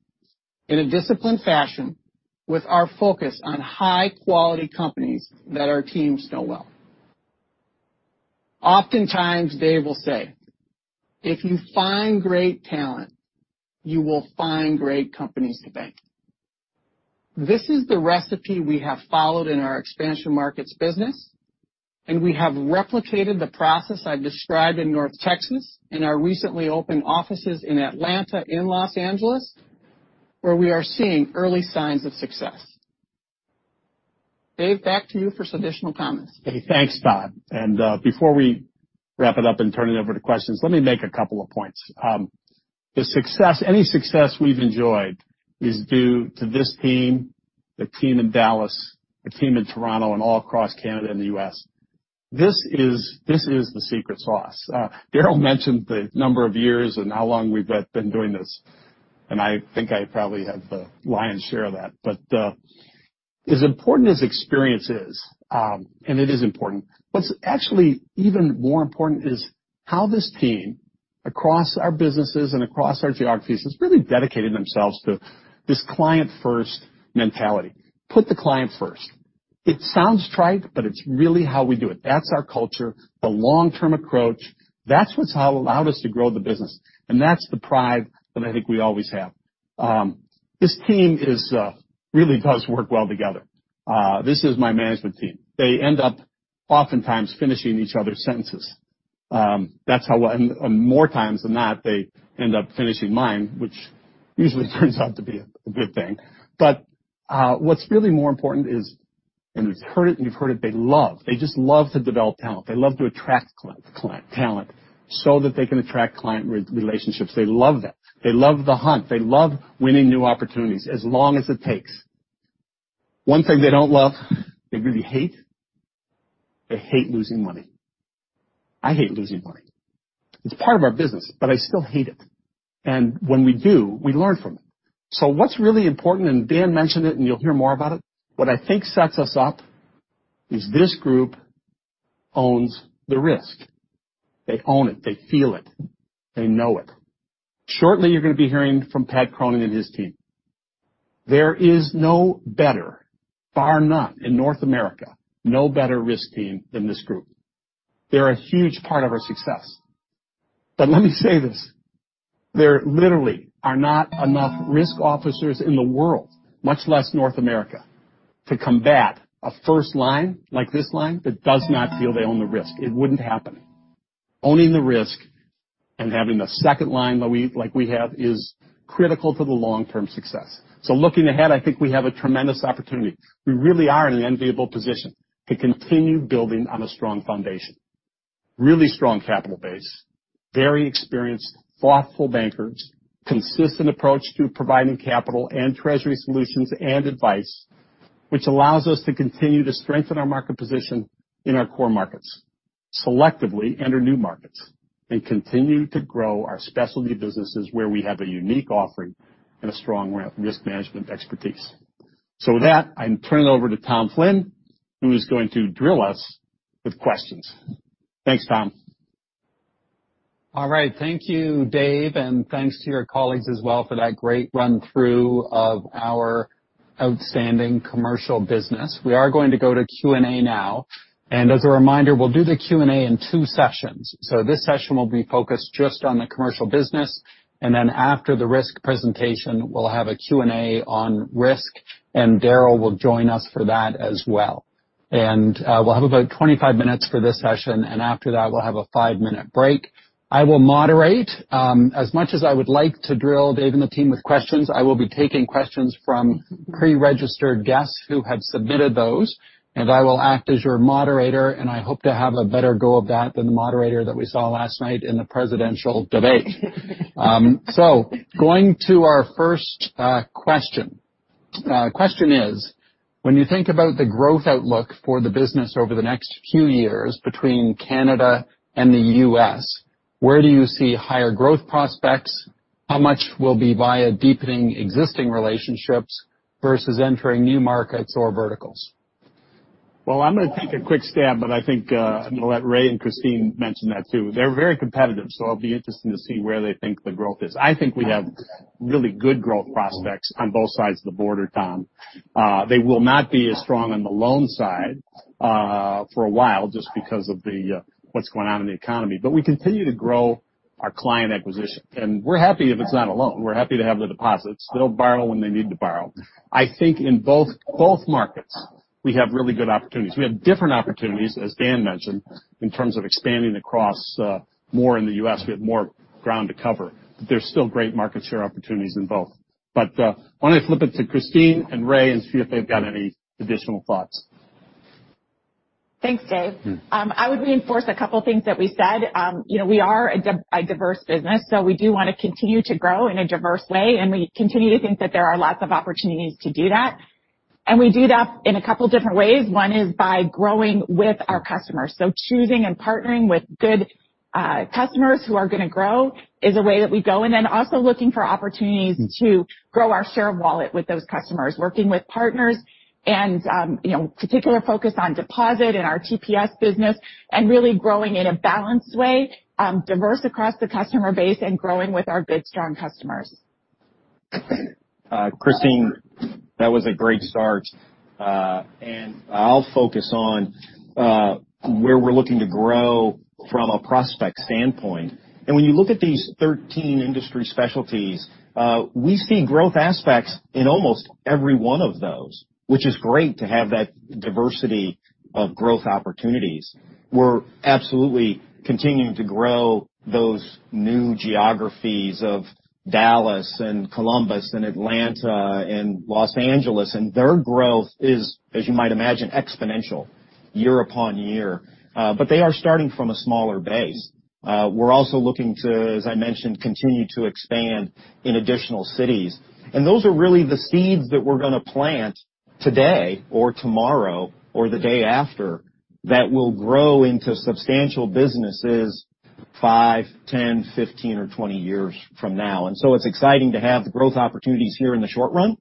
in a disciplined fashion with our focus on high-quality companies that our teams know well. Oftentimes, Dave will say, "If you find great talent, you will find great companies to bank." This is the recipe we have followed in our expansion markets business, and we have replicated the process I've described in North Texas, in our recently opened offices in Atlanta and Los Angeles, where we are seeing early signs of success. Dave, back to you for some additional comments. Hey, thanks, Todd. Before we wrap it up and turn it over to questions, let me make a couple of points. Any success we've enjoyed is due to this team, the team in Dallas, the team in Toronto, and all across Canada and the U.S. This is the secret sauce. Darryl mentioned the number of years and how long we've been doing this, and I think I probably have the lion's share of that. As important as experience is, and it is important, what's actually even more important is how this team, across our businesses and across our geographies, has really dedicated themselves to this client-first mentality. Put the client first. It sounds trite, but it's really how we do it. That's our culture, the long-term approach. That's what's allowed us to grow the business, and that's the pride that I think we always have. This team really does work well together. This is my management team. They end up oftentimes finishing each other's sentences. More times than not, they end up finishing mine, which usually turns out to be a good thing. What's really more important is, and you've heard it, they just love to develop talent. They love to attract talent so that they can attract client relationships. They love that. They love the hunt. They love winning new opportunities as long as it takes. One thing they don't love, they really hate, they hate losing money. I hate losing money. It's part of our business, but I still hate it. When we do, we learn from it. What's really important, and Dan mentioned it, and you'll hear more about it, what I think sets us up is this group owns the risk. They own it. They feel it. They know it. Shortly, you're going to be hearing from Patrick Cronin and his team. There is no better, bar none, in North America, no better risk team than this group. They're a huge part of our success. Let me say this, there literally are not enough risk officers in the world, much less North America, to combat a first line like this line that does not feel they own the risk. It wouldn't happen. Owning the risk and having the second line like we have is critical to the long-term success. Looking ahead, I think we have a tremendous opportunity. We really are in an enviable position to continue building on a strong foundation. Really strong capital base, very experienced, thoughtful bankers, consistent approach to providing capital and treasury solutions and advice, which allows us to continue to strengthen our market position in our core markets selectively enter new markets and continue to grow our specialty businesses where we have a unique offering and a strong risk management expertise. With that, I'm turning it over to Tom Flynn, who is going to drill us with questions. Thanks, Tom. All right. Thank you, Dave, and thanks to your colleagues as well for that great run-through of our outstanding commercial business. We are going to go to Q&A now. As a reminder, we'll do the Q&A in two sessions. This session will be focused just on the commercial business. Then after the risk presentation, we'll have a Q&A on risk, and Darryl will join us for that as well. We'll have about 25 minutes for this session, and after that, we'll have a five minutes break. I will moderate. As much as I would like to drill Dave and the team with questions, I will be taking questions from pre-registered guests who have submitted those, and I will act as your moderator, and I hope to have a better go of that than the moderator that we saw last night in the presidential debate. Going to our first question. Question is: When you think about the growth outlook for the business over the next few years between Canada and the U.S., where do you see higher growth prospects? How much will be via deepening existing relationships versus entering new markets or verticals? Well, I'm going to take a quick stab, but I think I'm going to let Ray and Christine mention that too. They're very competitive, so it'll be interesting to see where they think the growth is. I think we have really good growth prospects on both sides of the border, Tom. They will not be as strong on the loan side for a while, just because of what's going on in the economy. We continue to grow our client acquisition. We're happy if it's not a loan. We're happy to have the deposits. They'll borrow when they need to borrow. I think in both markets, we have really good opportunities. We have different opportunities, as Dan mentioned, in terms of expanding across more in the U.S. We have more ground to cover. There's still great market share opportunities in both. Why don't I flip it to Christine and Ray and see if they've got any additional thoughts. Thanks, Dave. I would reinforce a couple things that we said. We are a diverse business, so we do want to continue to grow in a diverse way, and we continue to think that there are lots of opportunities to do that. We do that in a couple different ways. One is by growing with our customers. Choosing and partnering with good customers who are going to grow is a way that we go. Also looking for opportunities to grow our share of wallet with those customers, working with partners and particular focus on deposit and our TPS business, and really growing in a balanced way, diverse across the customer base and growing with our good, strong customers. Christine, that was a great start. I'll focus on where we're looking to grow from a prospect standpoint. When you look at these 13 industry specialties, we see growth aspects in almost every one of those, which is great to have that diversity of growth opportunities. We're absolutely continuing to grow those new geographies of Dallas and Columbus and Atlanta and Los Angeles. Their growth is, as you might imagine, exponential year upon year. They are starting from a smaller base. We're also looking to, as I mentioned, continue to expand in additional cities. Those are really the seeds that we're going to plant today or tomorrow or the day after that will grow into substantial businesses five, 10, 15 or 20 years from now. It's exciting to have the growth opportunities here in the short run,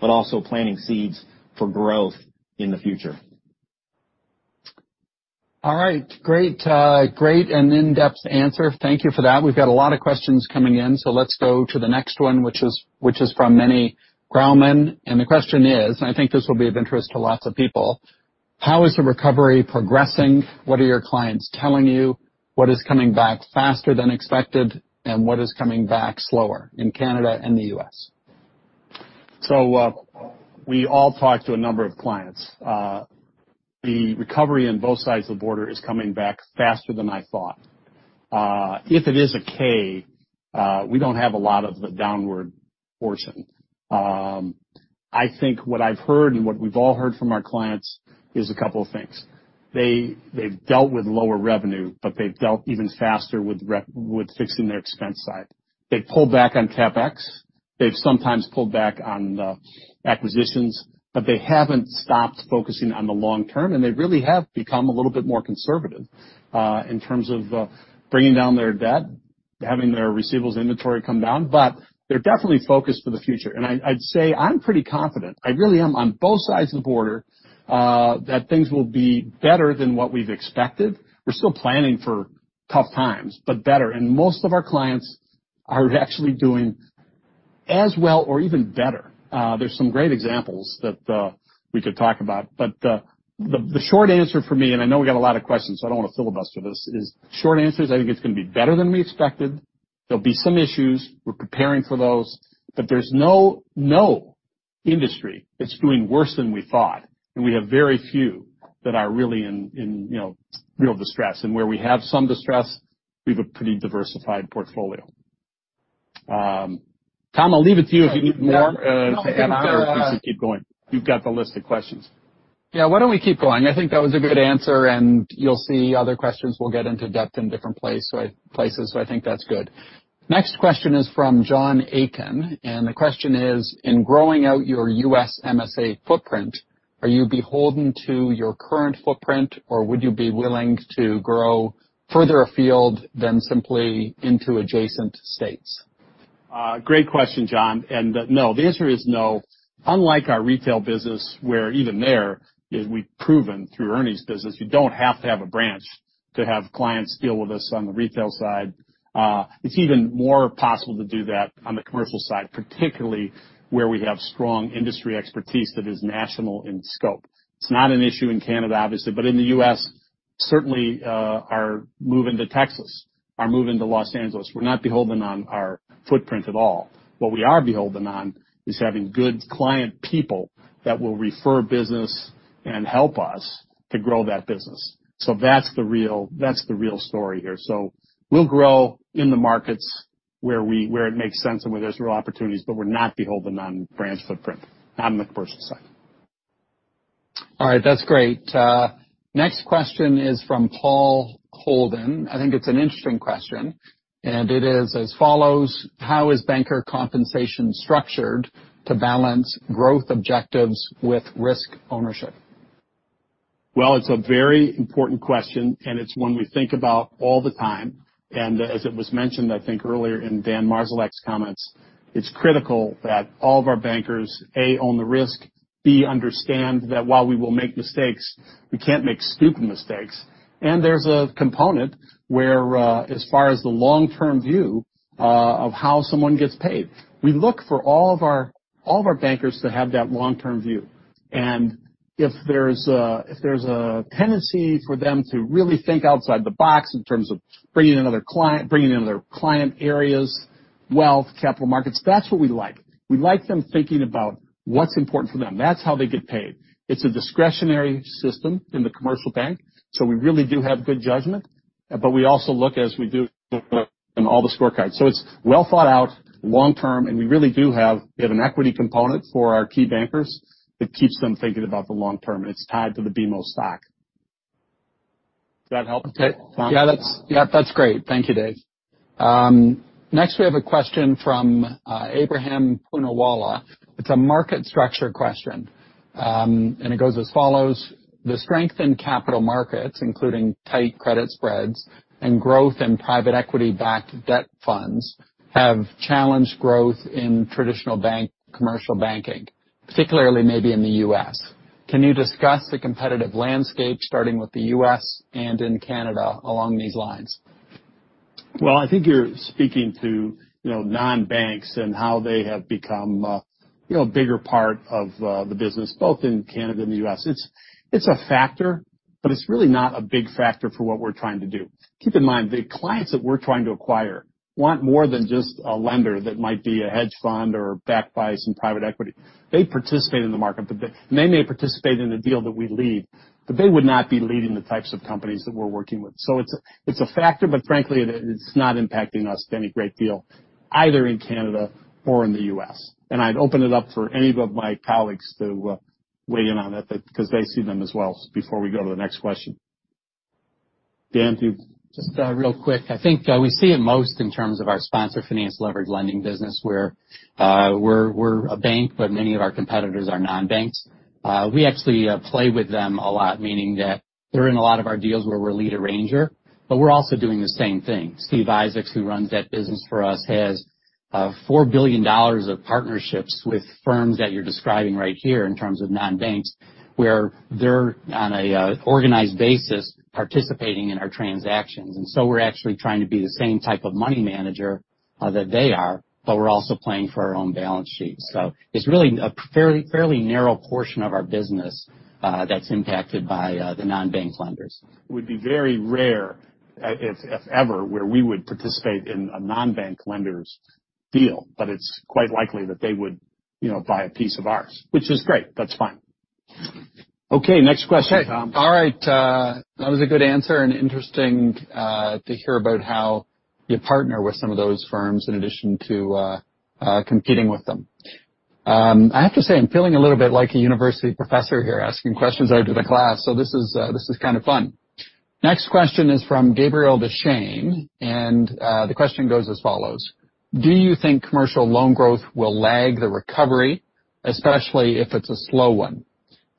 but also planting seeds for growth in the future. All right. Great and in-depth answer. Thank you for that. We've got a lot of questions coming in, so let's go to the next one, which is from Meny Grauman. The question is, and I think this will be of interest to lots of people, how is the recovery progressing? What are your clients telling you? What is coming back faster than expected, and what is coming back slower in Canada and the U.S.? We all talk to a number of clients. The recovery in both sides of the border is coming back faster than I thought. If it is a K, we don't have a lot of the downward portion. I think what I've heard and what we've all heard from our clients is a couple of things. They've dealt with lower revenue, but they've dealt even faster with fixing their expense side. They've pulled back on CapEx. They've sometimes pulled back on acquisitions, but they haven't stopped focusing on the long term, and they really have become a little bit more conservative in terms of bringing down their debt, having their receivables inventory come down. They're definitely focused for the future. I'd say I'm pretty confident, I really am, on both sides of the border, that things will be better than what we've expected. We're still planning for tough times, but better. Most of our clients are actually doing as well or even better. There's some great examples that we could talk about. The short answer from me, and I know we got a lot of questions, so I don't want to filibuster this, is, I think it's going to be better than we expected. There'll be some issues. We're preparing for those. There's no industry that's doing worse than we thought, and we have very few that are really in real distress. Where we have some distress, we have a pretty diversified portfolio. Tom, I'll leave it to you if you need more. No. If not, I'm happy to keep going. You've got the list of questions. Yeah, why don't we keep going? I think that was a good answer, and you'll see other questions will get into depth in different places. I think that's good. Next question is from John Aiken, and the question is: in growing out your U.S. MSA footprint, are you beholden to your current footprint, or would you be willing to grow further afield than simply into adjacent states? Great question, John. No. The answer is no. Unlike our retail business, where even there, we've proven through Ernie's business, you don't have to have a branch to have clients deal with us on the retail side. It's even more possible to do that on the commercial side, particularly where we have strong industry expertise that is national in scope. It's not an issue in Canada, obviously. In the U.S., certainly our move into Texas, our move into Los Angeles, we're not beholden on our footprint at all. What we are beholden on is having good client people that will refer business and help us to grow that business. That's the real story here. We'll grow in the markets where it makes sense and where there's real opportunities, but we're not beholden on branch footprint on the commercial side. All right, that's great. Next question is from Paul Holden. I think it's an interesting question, and it is as follows: how is banker compensation structured to balance growth objectives with risk ownership? Well, it's a very important question, and it's one we think about all the time. As it was mentioned, I think earlier in Dan Marszalek's comments, it's critical that all of our bankers, A, own the risk. B, understand that while we will make mistakes, we can't make stupid mistakes. There's a component where as far as the long-term view of how someone gets paid. We look for all of our bankers to have that long-term view. If there's a tendency for them to really think outside the box in terms of bringing in other client areas, wealth, capital markets, that's what we like. We like them thinking about what's important for them. That's how they get paid. It's a discretionary system in the commercial bank, so we really do have good judgment. We also look as we do in all the scorecards. It's well thought out long term, and we really do have an equity component for our key bankers that keeps them thinking about the long term, and it's tied to the BMO stock. Does that help? Okay. Yeah, that's great. Thank you, Dave. Next we have a question from Ebrahim Poonawala. It's a market structure question. It goes as follows: the strength in capital markets, including tight credit spreads and growth in private equity-backed debt funds, have challenged growth in traditional bank commercial banking, particularly maybe in the U.S. Can you discuss the competitive landscape, starting with the U.S. and in Canada along these lines? Well, I think you're speaking to non-banks and how they have become a bigger part of the business, both in Canada and the U.S. It's a factor, but it's really not a big factor for what we're trying to do. Keep in mind, the clients that we're trying to acquire want more than just a lender that might be a hedge fund or backed by some private equity. They participate in the market, and they may participate in the deal that we lead, but they would not be leading the types of companies that we're working with. It's a factor, but frankly, it's not impacting us any great deal either in Canada or in the U.S. I'd open it up for any of my colleagues to weigh in on it because they see them as well, before we go to the next question. Dan? Just real quick. I think we see it most in terms of our sponsor finance leverage lending business, where we're a bank, but many of our competitors are non-banks. We actually play with them a lot, meaning that they're in a lot of our deals where we're lead arranger, but we're also doing the same thing. Stephen Isaacs, who runs that business for us, has 4 billion dollars of partnerships with firms that you're describing right here in terms of non-banks, where they're on an organized basis participating in our transactions. We're actually trying to be the same type of money manager that they are, but we're also playing for our own balance sheet. It's really a fairly narrow portion of our business that's impacted by the non-bank lenders. It would be very rare, if ever, where we would participate in a non-bank lender's deal, but it's quite likely that they would buy a piece of ours, which is great. That's fine. Next question, Tom. All right. That was a good answer and interesting to hear about how you partner with some of those firms in addition to competing with them. I have to say, I'm feeling a little bit like a university professor here asking questions out to the class, so this is kind of fun. Next question is from Gabriel Dechaine, and the question goes as follows: Do you think commercial loan growth will lag the recovery, especially if it's a slow one?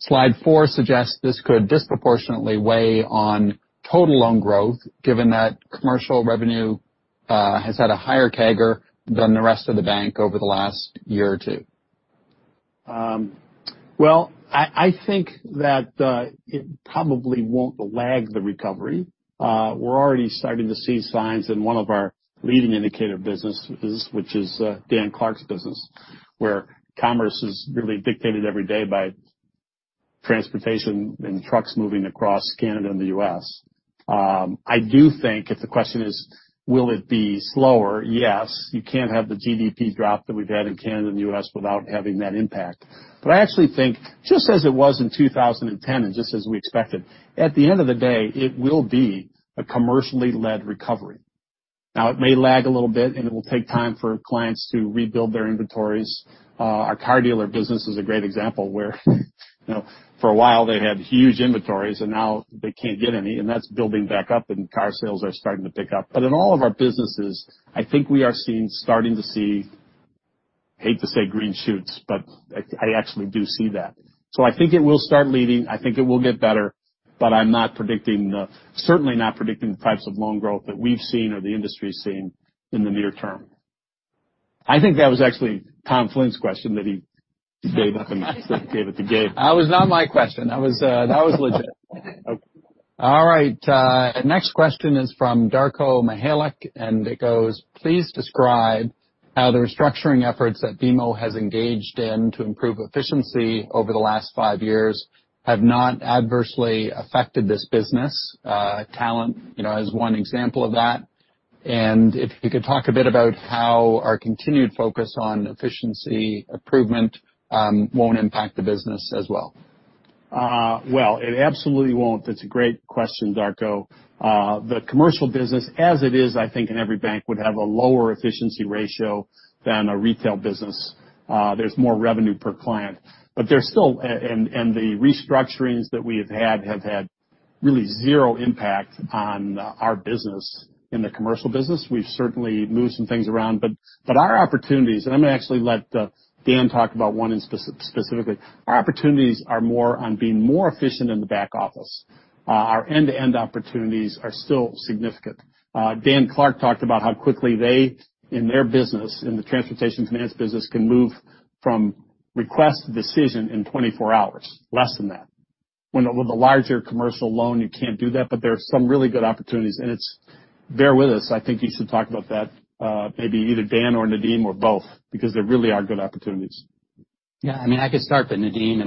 Slide four suggests this could disproportionately weigh on total loan growth, given that commercial revenue has had a higher CAGR than the rest of the Bank of Montreal over the last year or two. Well, I think that it probably won't lag the recovery. We're already starting to see signs in one of our leading indicator businesses, which is Dan Clark's business, where commerce is really dictated every day by transportation and trucks moving across Canada and the U.S. I do think if the question is, will it be slower? Yes. You can't have the GDP drop that we've had in Canada and the U.S. without having that impact. I actually think just as it was in 2010 and just as we expected, at the end of the day, it will be a commercially led recovery. It may lag a little bit, and it will take time for clients to rebuild their inventories. Our car dealer business is a great example where for a while they had huge inventories and now they can't get any, and that's building back up, and car sales are starting to pick up. In all of our businesses, I think we are starting to see, hate to say, green shoots, but I actually do see that. I think it will start leading. I think it will get better, but I'm certainly not predicting the types of loan growth that we've seen or the industry's seen in the near term. I think that was actually Tom Flynn's question that he gave at the gate. That was not my question. That was legit. Okay. All right. Next question is from Darko Mihelic, and it goes: Please describe how the restructuring efforts that BMO has engaged in to improve efficiency over the last five years have not adversely affected this business. Talent as one example of that. If you could talk a bit about how our continued focus on efficiency improvement won't impact the business as well. Well, it absolutely won't. That's a great question, Darko. The commercial business, as it is, I think in every bank would have a lower efficiency ratio than a retail business. There's more revenue per client. The restructurings that we have had have had really zero impact on our business. In the commercial business we've certainly moved some things around, but our opportunities, and I'm going to actually let Dan talk about one specifically. Our opportunities are more on being more efficient in the back office. Our end-to-end opportunities are still significant. Dan Clark talked about how quickly they, in their business, in the transportation finance business, can move from request to decision in 24 hours, less than that. With a larger commercial loan, you can't do that, but there are some really good opportunities and it's Bear with us. I think you should talk about that, maybe either Dan or Nadim or both, because there really are good opportunities. Yeah, I could start. Nadim,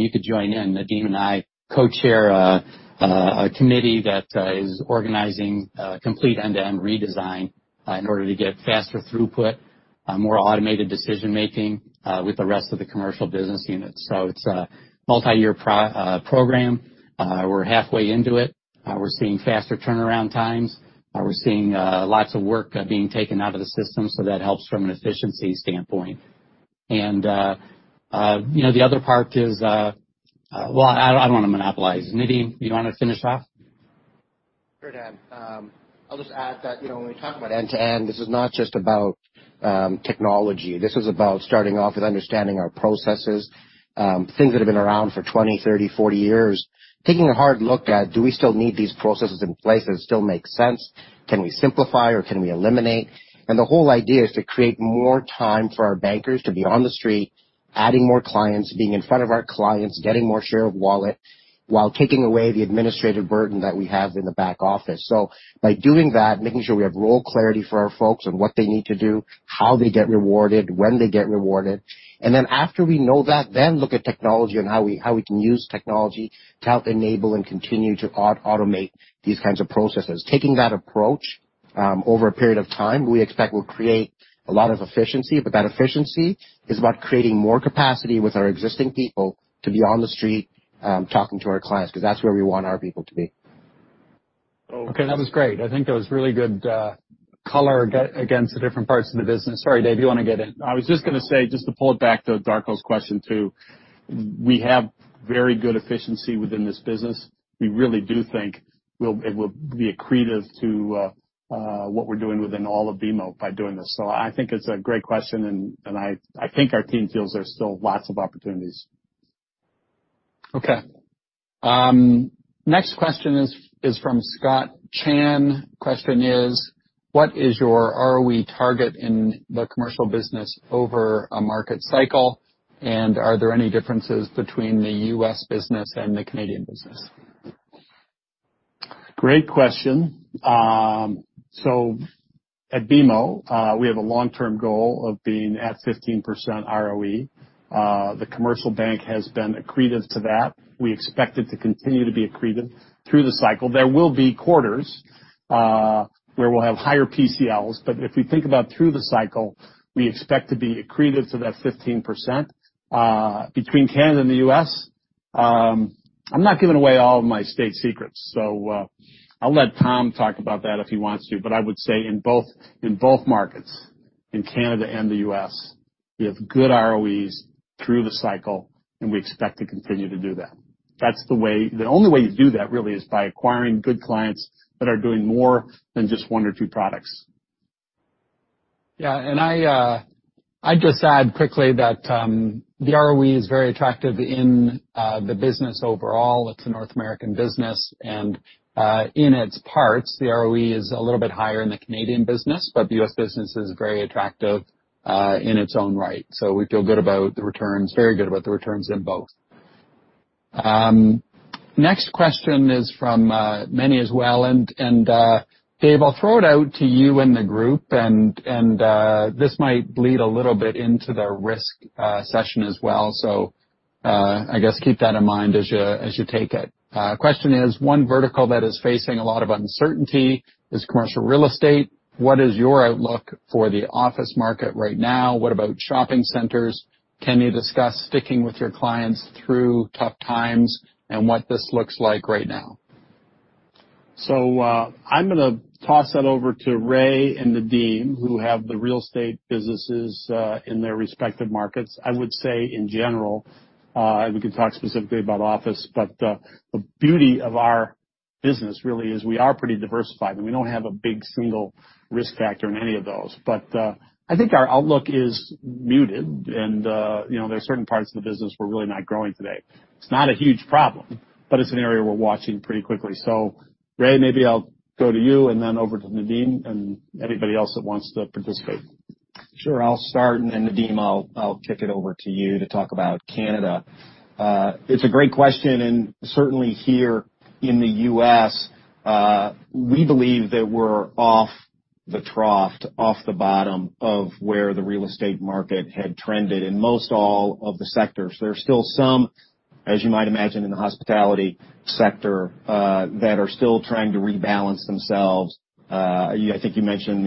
you could join in. Nadim and I co-chair a committee that is organizing a complete end-to-end redesign in order to get faster throughput, more automated decision-making with the rest of the commercial business unit. It's a multi-year program. We're halfway into it. We're seeing faster turnaround times. We're seeing lots of work being taken out of the system. That helps from an efficiency standpoint. The other part is, Well, I don't want to monopolize. Nadim, you want to finish off? Sure, Dan. I'll just add that when we talk about end-to-end, this is not just about technology. This is about starting off with understanding our processes, things that have been around for 20, 30, 40 years. Taking a hard look at, do we still need these processes in place? Does it still make sense? Can we simplify or can we eliminate? The whole idea is to create more time for our bankers to be on the street, adding more clients, being in front of our clients, getting more share of wallet while taking away the administrative burden that we have in the back office. By doing that, making sure we have role clarity for our folks on what they need to do, how they get rewarded, when they get rewarded. After we know that, then look at technology and how we can use technology to help enable and continue to automate these kinds of processes. Taking that approach over a period of time, we expect will create a lot of efficiency. That efficiency is about creating more capacity with our existing people to be on the street talking to our clients, because that's where we want our people to be. That was great. I think that was really good color against the different parts of the business. Sorry, Dave, you want to get in? I was just going to say, just to pull it back to Darko's question too. We have very good efficiency within this business. We really do think it will be accretive to what we're doing within all of BMO by doing this. I think it's a great question, and I think our team feels there's still lots of opportunities. Okay. Next question is from Scott Chan. Question is, what is your ROE target in the commercial business over a market cycle? Are there any differences between the U.S. business and the Canadian business? Great question. At BMO, we have a long-term goal of being at 15% ROE. The commercial bank has been accretive to that. We expect it to continue to be accretive through the cycle. There will be quarters where we'll have higher PCLs, but if we think about through the cycle, we expect to be accretive to that 15%. Between Canada and the U.S., I'm not giving away all of my state secrets, so I'll let Tom talk about that if he wants to. I would say in both markets, in Canada and the U.S., we have good ROEs through the cycle, and we expect to continue to do that. The only way you do that, really, is by acquiring good clients that are doing more than just one or two products. And I'd just add quickly that the ROE is very attractive in the business overall. It's a North American business, and in its parts, the ROE is a little bit higher in the Canadian business, but the U.S. business is very attractive in its own right. We feel very good about the returns in both. Next question is from Meny as well, and Dave, I'll throw it out to you and the group, and this might bleed a little bit into the risk session as well. I guess keep that in mind as you take it. Question is, one vertical that is facing a lot of uncertainty is commercial real estate. What is your outlook for the office market right now? What about shopping centers? Can you discuss sticking with your clients through tough times and what this looks like right now? I'm going to toss that over to Ray and Nadim, who have the real estate businesses in their respective markets. I would say in general, we can talk specifically about office, but the beauty of our business really is we are pretty diversified, and we don't have a big single risk factor in any of those. I think our outlook is muted and there are certain parts of the business we're really not growing today. It's not a huge problem, but it's an area we're watching pretty quickly. Ray, maybe I'll go to you and then over to Nadim and anybody else that wants to participate. Sure. I'll start and then Nadim, I'll kick it over to you to talk about Canada. Certainly here in the U.S., we believe that we're off the trough, off the bottom of where the real estate market had trended in most all of the sectors. There's still some, as you might imagine, in the hospitality sector that are still trying to rebalance themselves. I think you mentioned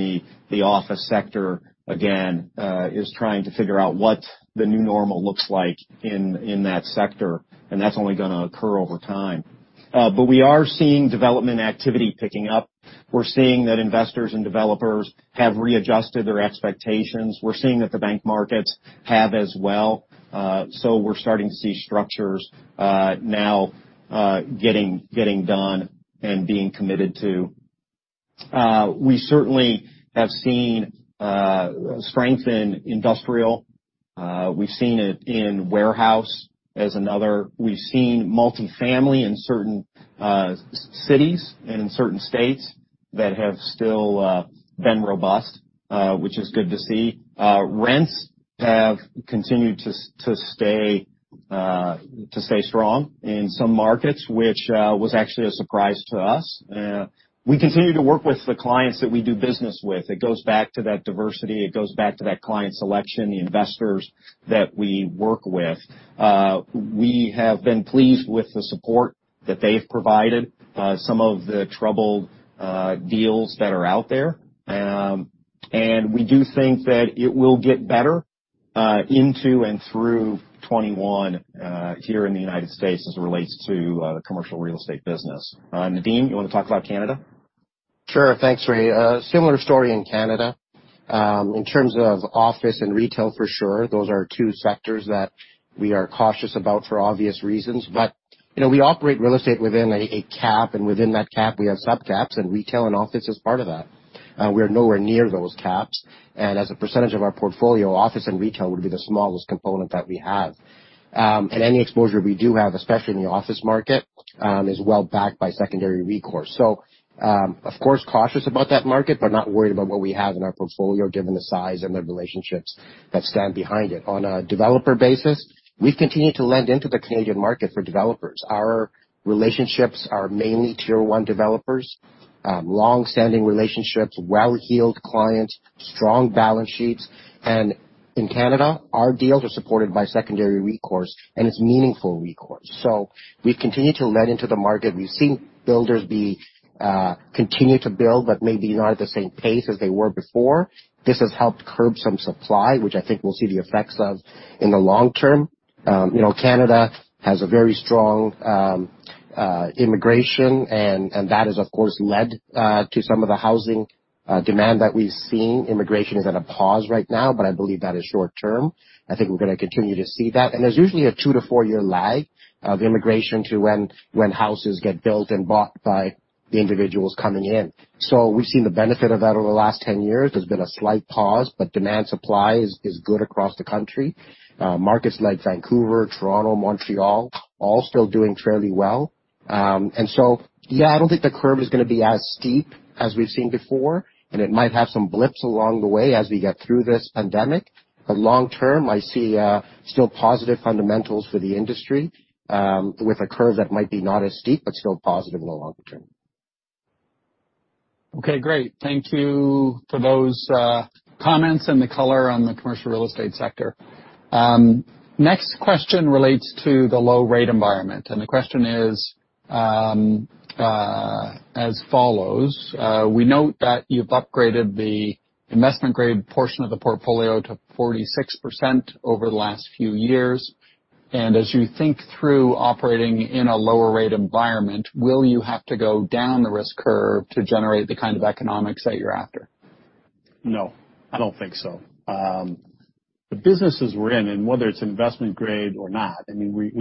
the office sector again is trying to figure out what the new normal looks like in that sector, and that's only going to occur over time. We are seeing development activity picking up. We're seeing that investors and developers have readjusted their expectations. We're seeing that the bank markets have as well. We're starting to see structures now getting done and being committed to. We certainly have seen strength in industrial. We've seen it in warehouse as another. We've seen multifamily in certain cities and in certain states. That have still been robust, which is good to see. Rents have continued to stay strong in some markets, which was actually a surprise to us. We continue to work with the clients that we do business with. It goes back to that diversity, it goes back to that client selection, the investors that we work with. We have been pleased with the support that they've provided some of the troubled deals that are out there. We do think that it will get better into and through 2021 here in the U.S. as it relates to the commercial real estate business. Nadim, you want to talk about Canada? Sure. Thanks, Ray. Similar story in Canada. In terms of office and retail, for sure, those are two sectors that we are cautious about for obvious reasons. We operate real estate within a cap, and within that cap we have sub-caps, and retail and office is part of that. We are nowhere near those caps. As a percentage of our portfolio, office and retail would be the smallest component that we have. Any exposure we do have, especially in the office market, is well-backed by secondary recourse. Of course, cautious about that market, but not worried about what we have in our portfolio, given the size and the relationships that stand behind it. On a developer basis, we've continued to lend into the Canadian market for developers. Our relationships are mainly Tier One developers, longstanding relationships, well-heeled clients, strong balance sheets. In Canada, our deals are supported by secondary recourse, and it's meaningful recourse. We've continued to lend into the market. We've seen builders continue to build, but maybe not at the same pace as they were before. This has helped curb some supply, which I think we'll see the effects of in the long term. Canada has a very strong immigration, and that has, of course, led to some of the housing demand that we've seen. Immigration is at a pause right now, but I believe that is short-term. I think we're going to continue to see that. There's usually a two- to four-year lag of immigration to when houses get built and bought by the individuals coming in. We've seen the benefit of that over the last 10 years. There's been a slight pause, but demand supply is good across the country. Markets like Vancouver, Toronto, Montreal, all still doing fairly well. Yeah, I don't think the curve is going to be as steep as we've seen before, and it might have some blips along the way as we get through this pandemic. Long term, I see still positive fundamentals for the industry with a curve that might be not as steep, but still positive in the long term. Okay, great. Thank you for those comments and the color on the commercial real estate sector. Next question relates to the low rate environment. The question is as follows: We note that you've upgraded the investment grade portion of the portfolio to 46% over the last few years. As you think through operating in a lower rate environment, will you have to go down the risk curve to generate the kind of economics that you're after? No. I don't think so. The businesses we're in, whether it's investment grade or not, for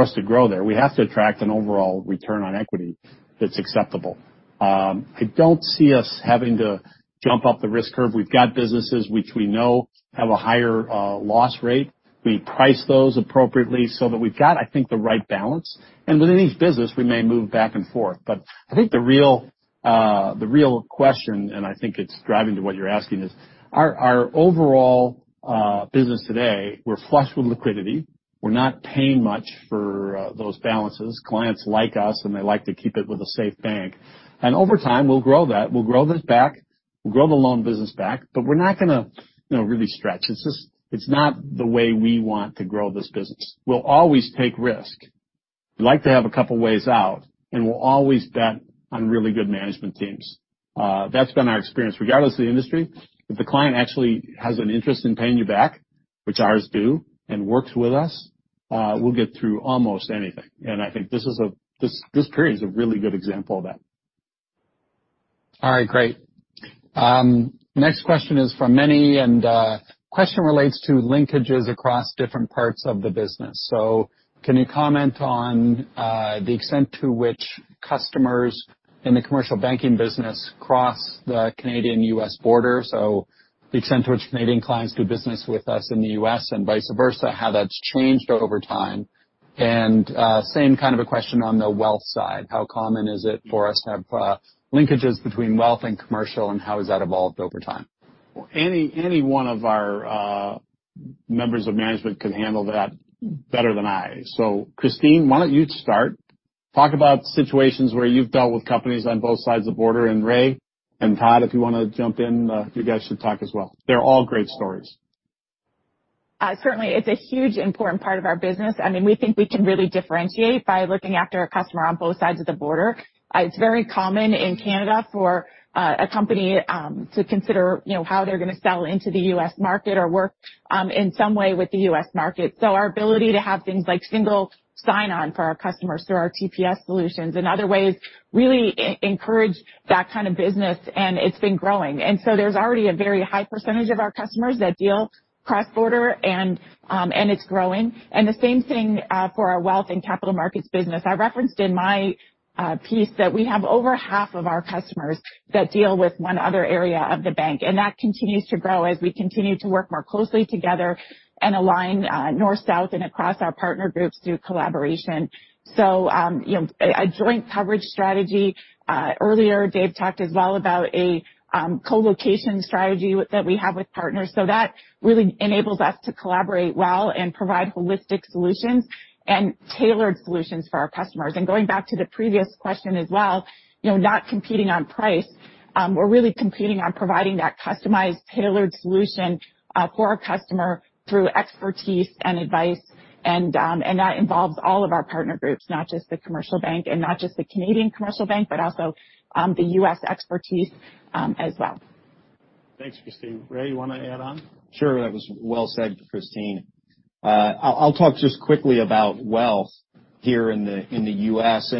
us to grow there, we have to attract an overall return on equity that's acceptable. I don't see us having to jump up the risk curve. We've got businesses which we know have a higher loss rate. We price those appropriately so that we've got, I think, the right balance. Within each business, we may move back and forth. I think the real question, I think it's driving to what you're asking, is our overall business today, we're flush with liquidity. We're not paying much for those balances. Clients like us, they like to keep it with a safe bank. Over time, we'll grow that. We'll grow this back. We'll grow the loan business back. We're not going to really stretch. It's not the way we want to grow this business. We'll always take risk. We like to have a couple ways out, and we'll always bet on really good management teams. That's been our experience. Regardless of the industry, if the client actually has an interest in paying you back, which ours do, and works with us, we'll get through almost anything. I think this period is a really good example of that. All right, great. Next question is from Meny. The question relates to linkages across different parts of the business. Can you comment on the extent to which customers in the commercial banking business cross the Canadian U.S. border? The extent to which Canadian clients do business with us in the U.S. and vice versa, how that's changed over time. Same kind of a question on the wealth side. How common is it for us to have linkages between wealth and commercial, and how has that evolved over time? Any one of our members of management could handle that better than I. Christine, why don't you start? Talk about situations where you've dealt with companies on both sides of the border. Ray and Todd, if you want to jump in, you guys should talk as well. They're all great stories. Certainly. It's a huge, important part of our business. We think we can really differentiate by looking after a customer on both sides of the border. It's very common in Canada for a company to consider how they're going to sell into the U.S. market or work in some way with the U.S. market. Our ability to have things like single sign-on for our customers through our TPS solutions and other ways really encourage that kind of business, and it's been growing. There's already a very high percentage of our customers that deal cross-border and it's growing. The same thing for our Wealth and Capital Markets business. I referenced in my piece that we have over half of our customers that deal with one other area of the bank, and that continues to grow as we continue to work more closely together and align north, south, and across our partner groups through collaboration. A joint coverage strategy. Earlier, Dave talked as well about a co-location strategy that we have with partners. That really enables us to collaborate well and provide holistic solutions and tailored solutions for our customers. Going back to the previous question as well, not competing on price. We're really competing on providing that customized, tailored solution for our customer through expertise and advice, and that involves all of our partner groups, not just the commercial bank and not just the Canadian commercial bank, but also the U.S. expertise as well. Thanks, Christine. Ray, you want to add on? Sure. That was well said, Christine. I'll talk just quickly about wealth here in the U.S.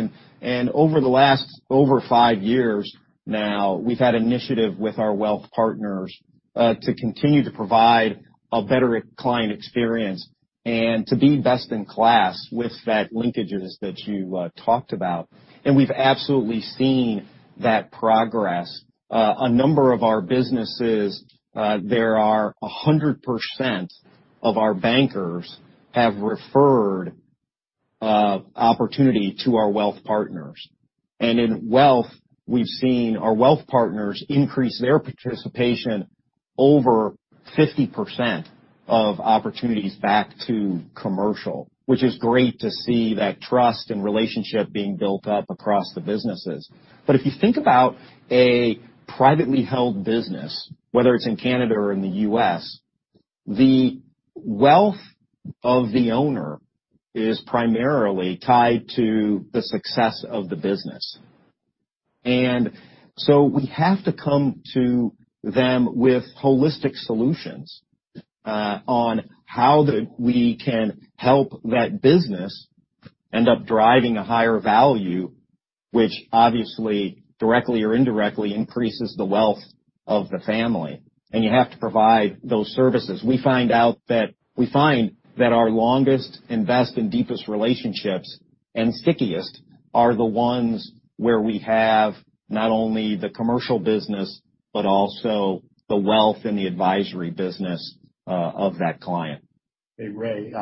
Over the last over five years now, we've had initiative with our wealth partners to continue to provide a better client experience and to be best in class with that linkages that you talked about. We've absolutely seen that progress. A number of our businesses there are 100% of our bankers have referred opportunity to our wealth partners. In wealth, we've seen our wealth partners increase their participation over 50% of opportunities back to commercial, which is great to see that trust and relationship being built up across the businesses. If you think about a privately held business, whether it's in Canada or in the U.S., the wealth of the owner is primarily tied to the success of the business. We have to come to them with holistic solutions on how we can help that business end up driving a higher value, which obviously, directly or indirectly, increases the wealth of the family. You have to provide those services. We find that our longest and best and deepest relationships, and stickiest, are the ones where we have not only the commercial business but also the wealth and the advisory business of that client. Hey, Ray.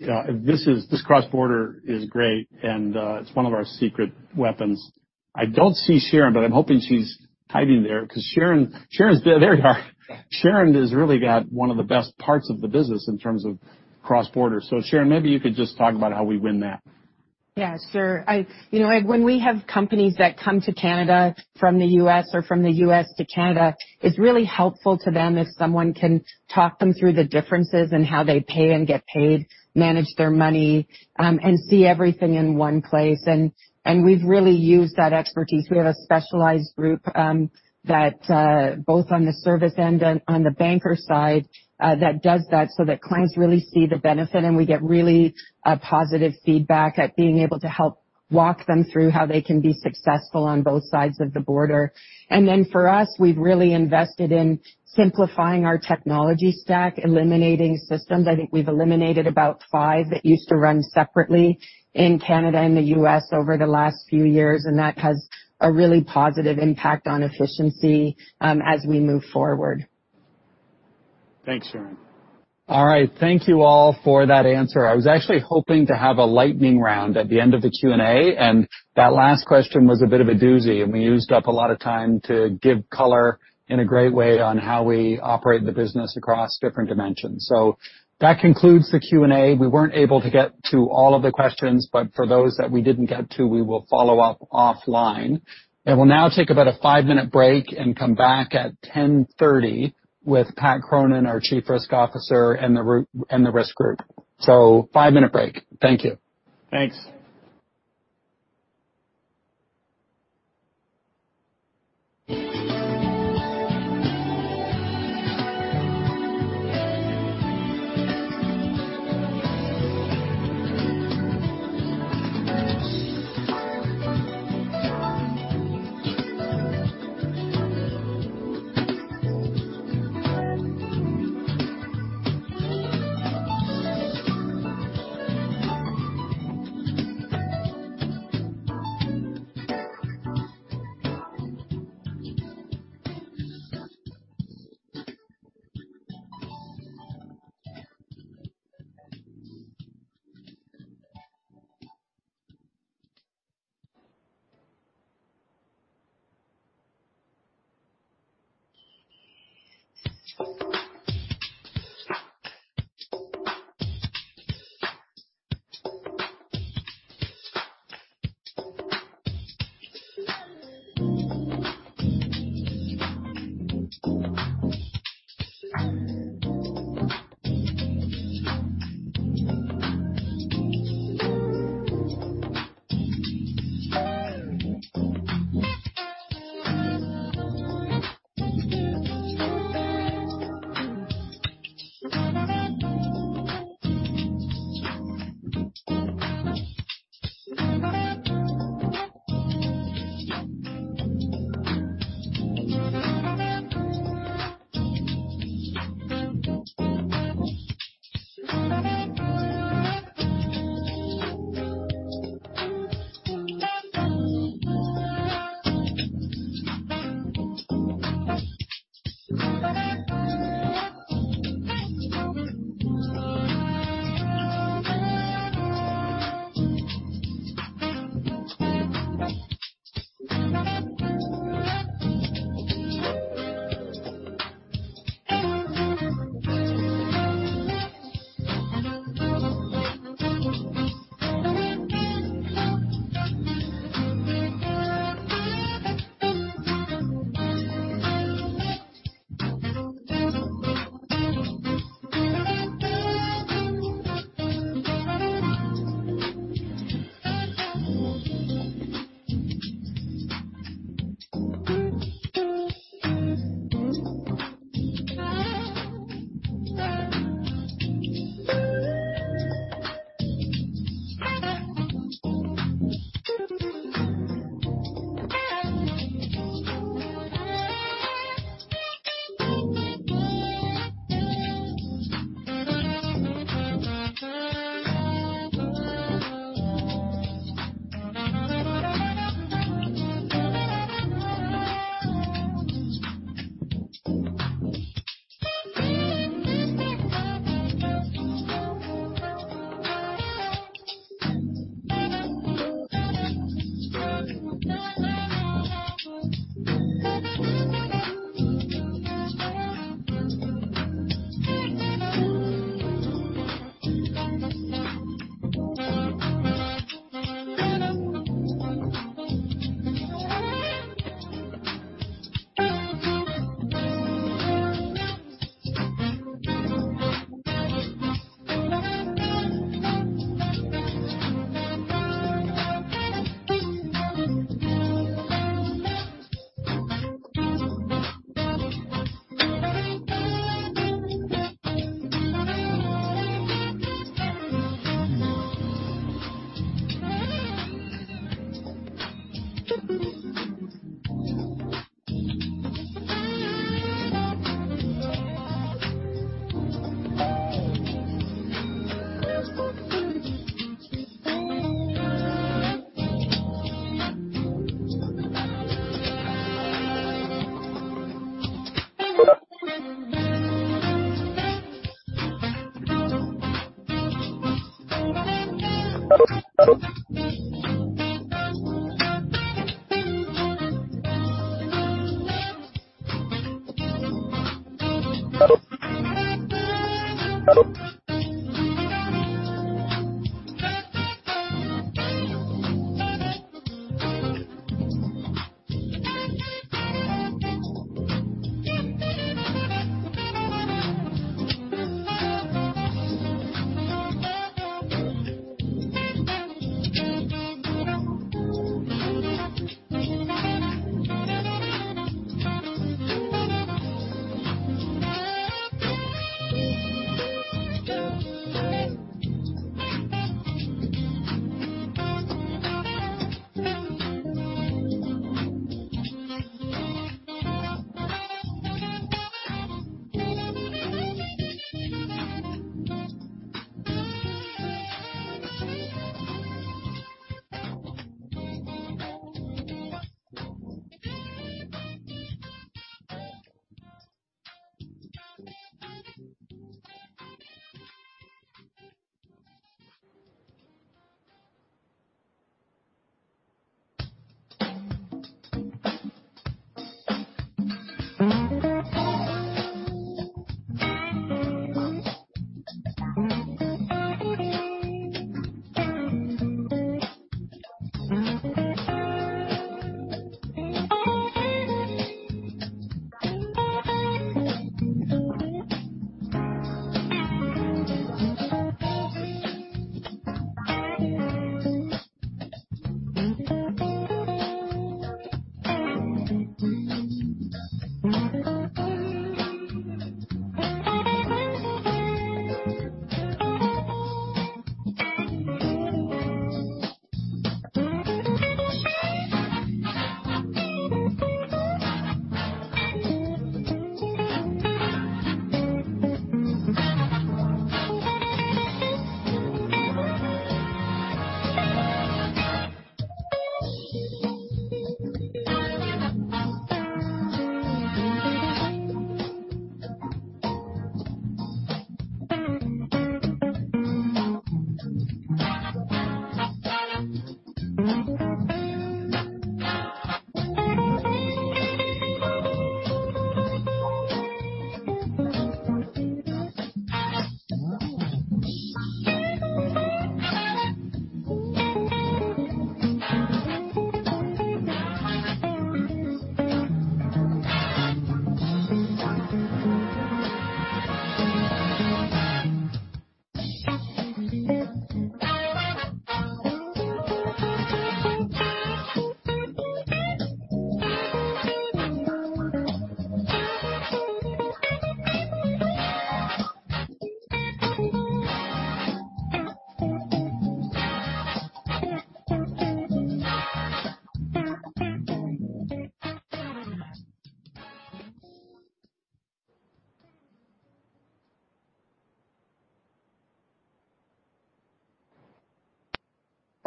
This cross-border is great and it's one of our secret weapons. I don't see Sharon, but I'm hoping she's hiding there because. There you are. Sharon has really got one of the best parts of the business in terms of cross-border. Sharon, maybe you could just talk about how we win that. Yeah, sure. When we have companies that come to Canada from the U.S. or from the U.S. to Canada, it's really helpful to them if someone can talk them through the differences in how they pay and get paid, manage their money, and see everything in one place. We've really used that expertise. We have a specialized group that both on the service end and on the banker side that does that so that clients really see the benefit, and we get really positive feedback at being able to help walk them through how they can be successful on both sides of the border. For us, we've really invested in simplifying our technology stack, eliminating systems. I think we've eliminated about five that used to run separately in Canada and the U.S. over the last few years, and that has a really positive impact on efficiency as we move forward. Thanks, Sharon. All right. Thank you all for that answer. I was actually hoping to have a lightning round at the end of the Q&A, and that last question was a bit of a doozy, and we used up a lot of time to give color in a great way on how we operate the business across different dimensions. That concludes the Q&A. We weren't able to get to all of the questions, but for those that we didn't get to, we will follow up offline. We'll now take about a five-minute break and come back at 10:30 with Patrick Cronin, our Chief Risk Officer, and the risk group. Five minutes break. Thank you. Thanks.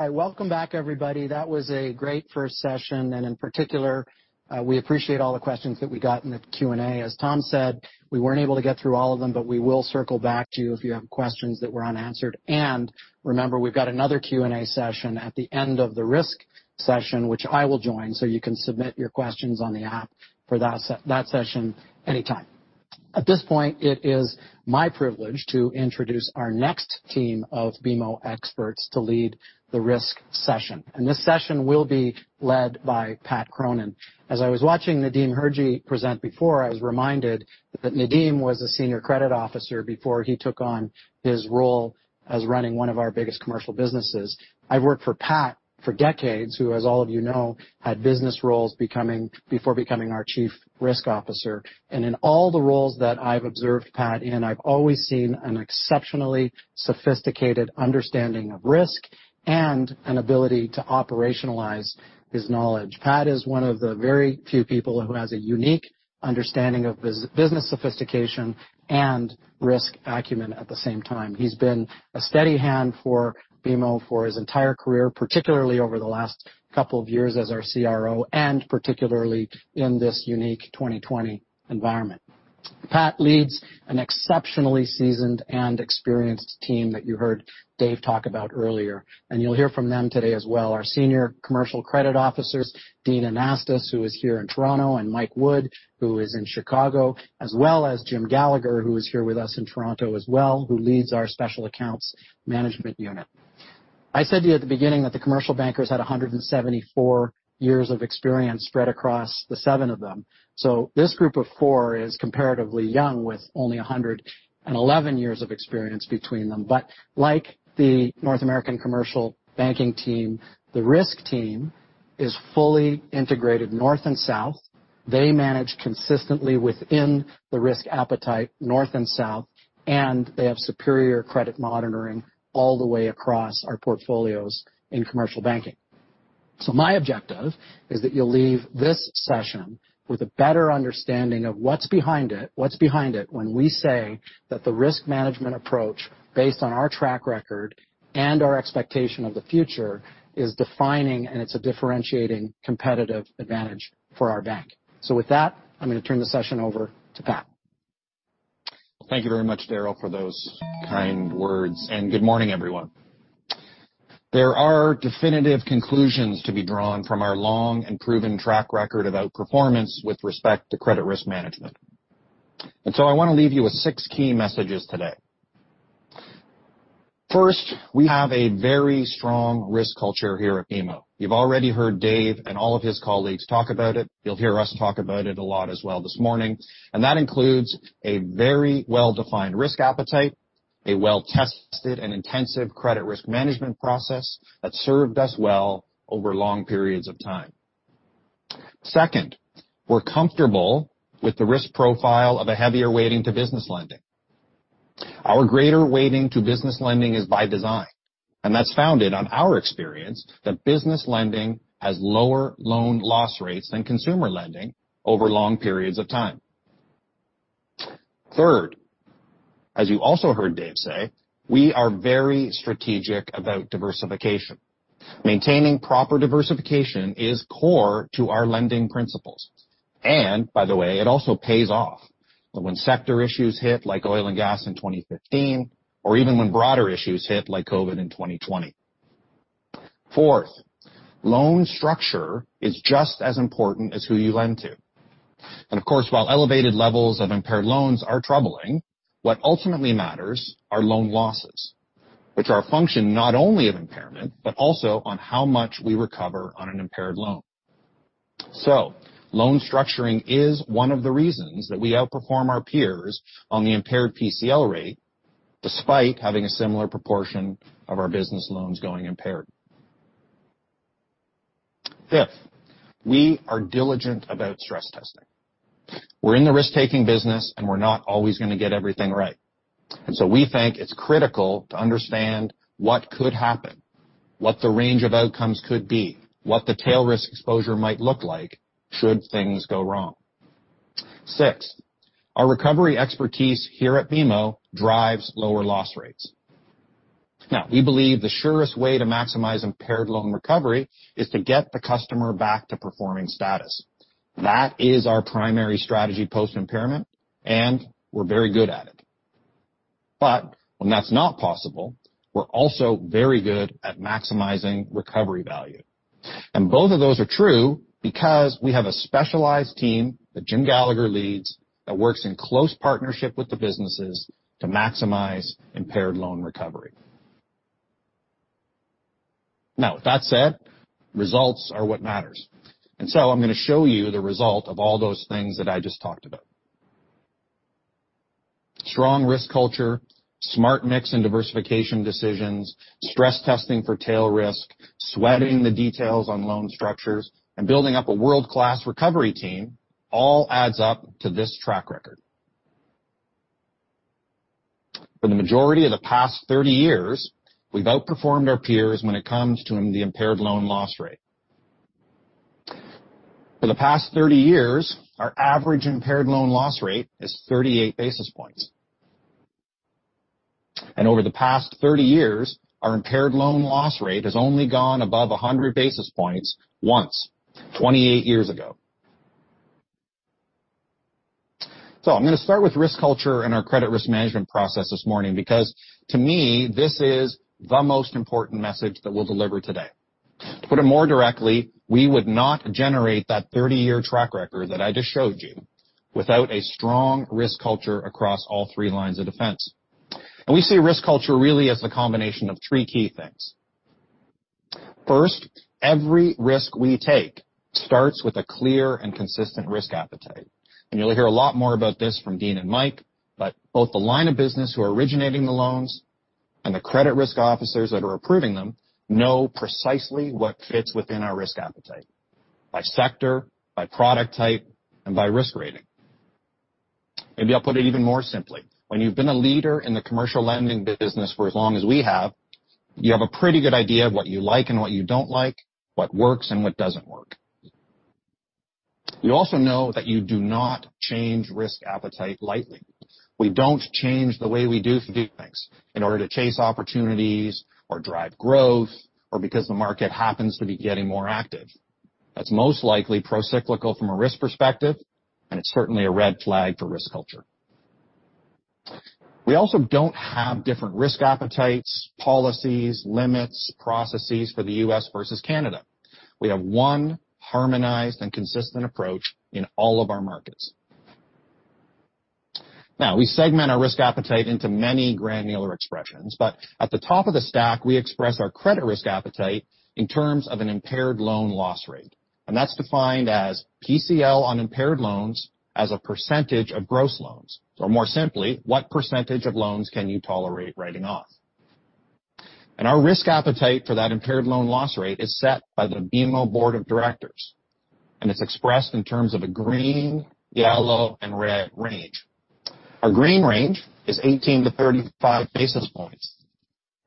Hi. Welcome back, everybody. That was a great first session. In particular, we appreciate all the questions that we got in the Q&A. As Tom said, we weren't able to get through all of them. We will circle back to you if you have questions that were unanswered. Remember, we've got another Q&A session at the end of the risk session, which I will join. You can submit your questions on the app for that session anytime. At this point, it is my privilege to introduce our next team of BMO experts to lead the risk session. This session will be led by Pat Cronin. As I was watching Nadim Hirji present before, I was reminded that Nadim was a senior credit officer before he took on his role as running one of our biggest commercial businesses. I've worked for Pat for decades, who, as all of you know, had business roles before becoming our Chief Risk Officer. In all the roles that I've observed Pat in, I've always seen an exceptionally sophisticated understanding of risk and an ability to operationalize his knowledge. Pat is one of the very few people who has a unique understanding of business sophistication and risk acumen at the same time. He's been a steady hand for BMO for his entire career, particularly over the last couple of years as our CRO, and particularly in this unique 2020 environment. Pat leads an exceptionally seasoned and experienced team that you heard Dave talk about earlier, and you'll hear from them today as well. Our senior commercial credit officers, Dean Anastas, who is here in Toronto, and Mike Wood, who is in Chicago, as well as Jim Gallagher, who is here with us in Toronto as well, who leads our Special Accounts Management Unit. I said to you at the beginning that the commercial bankers had 174 years of experience spread across the seven of them. This group of four is comparatively young, with only 111 years of experience between them. Like the North American Commercial Banking team, the risk team is fully integrated north and south. They manage consistently within the risk appetite north and south, and they have superior credit monitoring all the way across our portfolios in commercial banking. My objective is that you'll leave this session with a better understanding of what's behind it when we say that the risk management approach, based on our track record and our expectation of the future, is defining and it's a differentiating competitive advantage for our bank. With that, I'm going to turn the session over to Pat. Thank you very much, Darryl, for those kind words. Good morning, everyone. There are definitive conclusions to be drawn from our long and proven track record of outperformance with respect to credit risk management. I want to leave you with six key messages today. First, we have a very strong risk culture here at BMO. You've already heard Dave and all of his colleagues talk about it. You'll hear us talk about it a lot as well this morning, and that includes a very well-defined risk appetite, a well-tested and intensive credit risk management process that's served us well over long periods of time. Second, we're comfortable with the risk profile of a heavier weighting to business lending. Our greater weighting to business lending is by design. That's founded on our experience that business lending has lower loan loss rates than consumer lending over long periods of time. Third, as you also heard Dave say, we are very strategic about diversification. Maintaining proper diversification is core to our lending principles. By the way, it also pays off when sector issues hit, like oil and gas in 2015, or even when broader issues hit, like COVID in 2020. Fourth, loan structure is just as important as who you lend to. Of course, while elevated levels of impaired loans are troubling, what ultimately matters are loan losses, which are a function not only of impairment, but also on how much we recover on an impaired loan. Loan structuring is one of the reasons that we outperform our peers on the impaired PCL rate despite having a similar proportion of our business loans going impaired. Fifth, we are diligent about stress testing. We're in the risk-taking business, and we're not always going to get everything right. We think it's critical to understand what could happen, what the range of outcomes could be, what the tail risk exposure might look like should things go wrong. Sixth, our recovery expertise here at BMO drives lower loss rates. Now, we believe the surest way to maximize impaired loan recovery is to get the customer back to performing status. That is our primary strategy post-impairment, and we're very good at it. When that's not possible, we're also very good at maximizing recovery value. Both of those are true because we have a specialized team that Jim Gallagher leads that works in close partnership with the businesses to maximize impaired loan recovery. With that said, results are what matters. I'm going to show you the result of all those things that I just talked about. Strong risk culture, smart mix and diversification decisions, stress testing for tail risk, sweating the details on loan structures, and building up a world-class recovery team all adds up to this track record. For the majority of the past 30 years, we've outperformed our peers when it comes to the impaired loan loss rate. For the past 30 years, our average impaired loan loss rate is 38 basis points. Over the past 30 years, our impaired loan loss rate has only gone above 100 basis points once, 28 years ago. I'm going to start with risk culture and our credit risk management process this morning, because to me, this is the most important message that we'll deliver today. To put it more directly, we would not generate that 30 year track record that I just showed you without a strong risk culture across all three lines of defense. We see risk culture really as the combination of three key things. First, every risk we take starts with a clear and consistent risk appetite. You'll hear a lot more about this from Dean and Mike, but both the line of business who are originating the loans and the credit risk officers that are approving them know precisely what fits within our risk appetite, by sector, by product type, and by risk rating. Maybe I'll put it even more simply. When you've been a leader in the commercial lending business for as long as we have, you have a pretty good idea of what you like and what you don't like, what works and what doesn't work. You also know that you do not change risk appetite lightly. We don't change the way we do things in order to chase opportunities or drive growth, or because the market happens to be getting more active. That's most likely procyclical from a risk perspective, and it's certainly a red flag for risk culture. We also don't have different risk appetites, policies, limits, processes for the U.S. versus Canada. We have one harmonized and consistent approach in all of our markets. Now, we segment our risk appetite into many granular expressions, but at the top of the stack, we express our credit risk appetite in terms of an impaired loan loss rate. That's defined as PCL on impaired loans as a percentage of gross loans. More simply, what percentage of loans can you tolerate writing off? Our risk appetite for that impaired loan loss rate is set by the BMO Board of Directors, and it's expressed in terms of a green, yellow, and red range. Our green range is 18-35 basis points.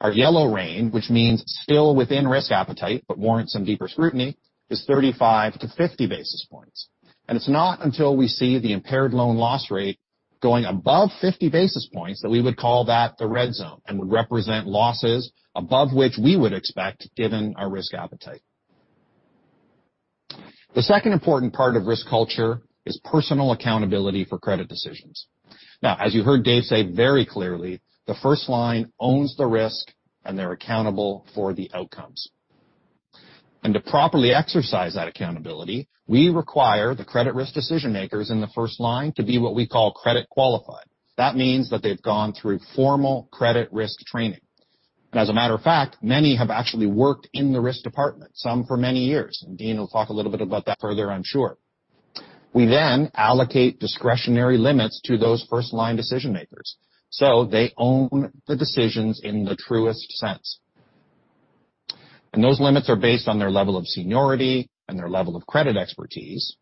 Our yellow range, which means still within risk appetite, but warrants some deeper scrutiny, is 35-50 basis points. It's not until we see the impaired loan loss rate going above 50 basis points that we would call that the red zone and would represent losses above which we would expect given our risk appetite. The second important part of risk culture is personal accountability for credit decisions. As you heard Dave say very clearly, the first line owns the risk, and they're accountable for the outcomes. To properly exercise that accountability, we require the credit risk decision-makers in the first line to be what we call credit qualified. That means that they've gone through formal credit risk training. As a matter of fact, many have actually worked in the risk department, some for many years. Dean will talk a little bit about that further, I'm sure. We allocate discretionary limits to those first-line decision-makers, so they own the decisions in the truest sense. Those limits are based on their level of seniority and their level of credit expertise.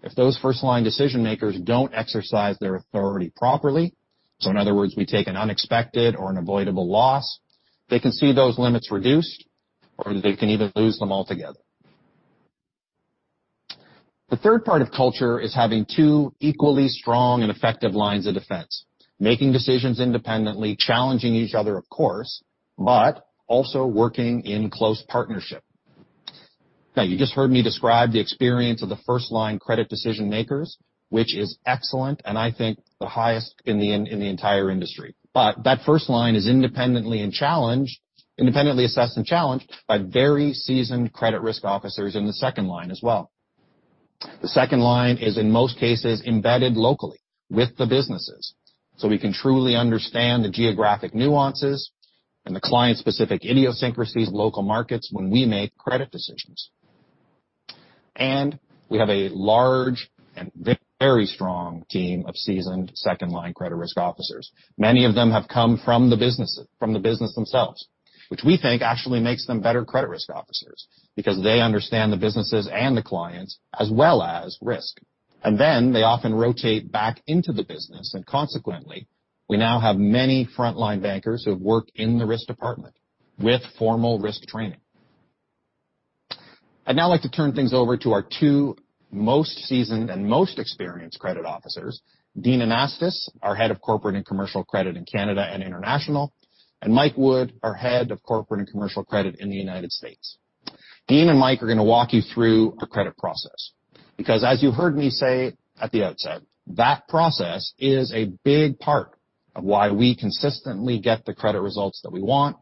If those first-line decision-makers don't exercise their authority properly, so in other words, we take an unexpected or an avoidable loss, they can see those limits reduced, or they can even lose them altogether. The third part of culture is having two equally strong and effective lines of defense. Making decisions independently, challenging each other, of course, but also working in close partnership. You just heard me describe the experience of the first-line credit decision-makers, which is excellent, and I think the highest in the entire industry. That first line is independently assessed and challenged by very seasoned credit risk officers in the second line as well. The second line is, in most cases, embedded locally with the businesses. We can truly understand the geographic nuances and the client-specific idiosyncrasies of local markets when we make credit decisions. We have a large and very strong team of seasoned second-line credit risk officers. Many of them have come from the business themselves, which we think actually makes them better credit risk officers because they understand the businesses and the clients as well as risk. Then they often rotate back into the business, and consequently, we now have many frontline bankers who have worked in the risk department with formal risk training. I'd now like to turn things over to our two most seasoned and most experienced credit officers, Dean Anastas, our Head of Corporate and Commercial Credit in Canada and International, and Mike Wood, our Head of Corporate and Commercial Credit in the U.S. Dean and Mike are going to walk you through our credit process, because as you heard me say at the outset, that process is a big part of why we consistently get the credit results that we want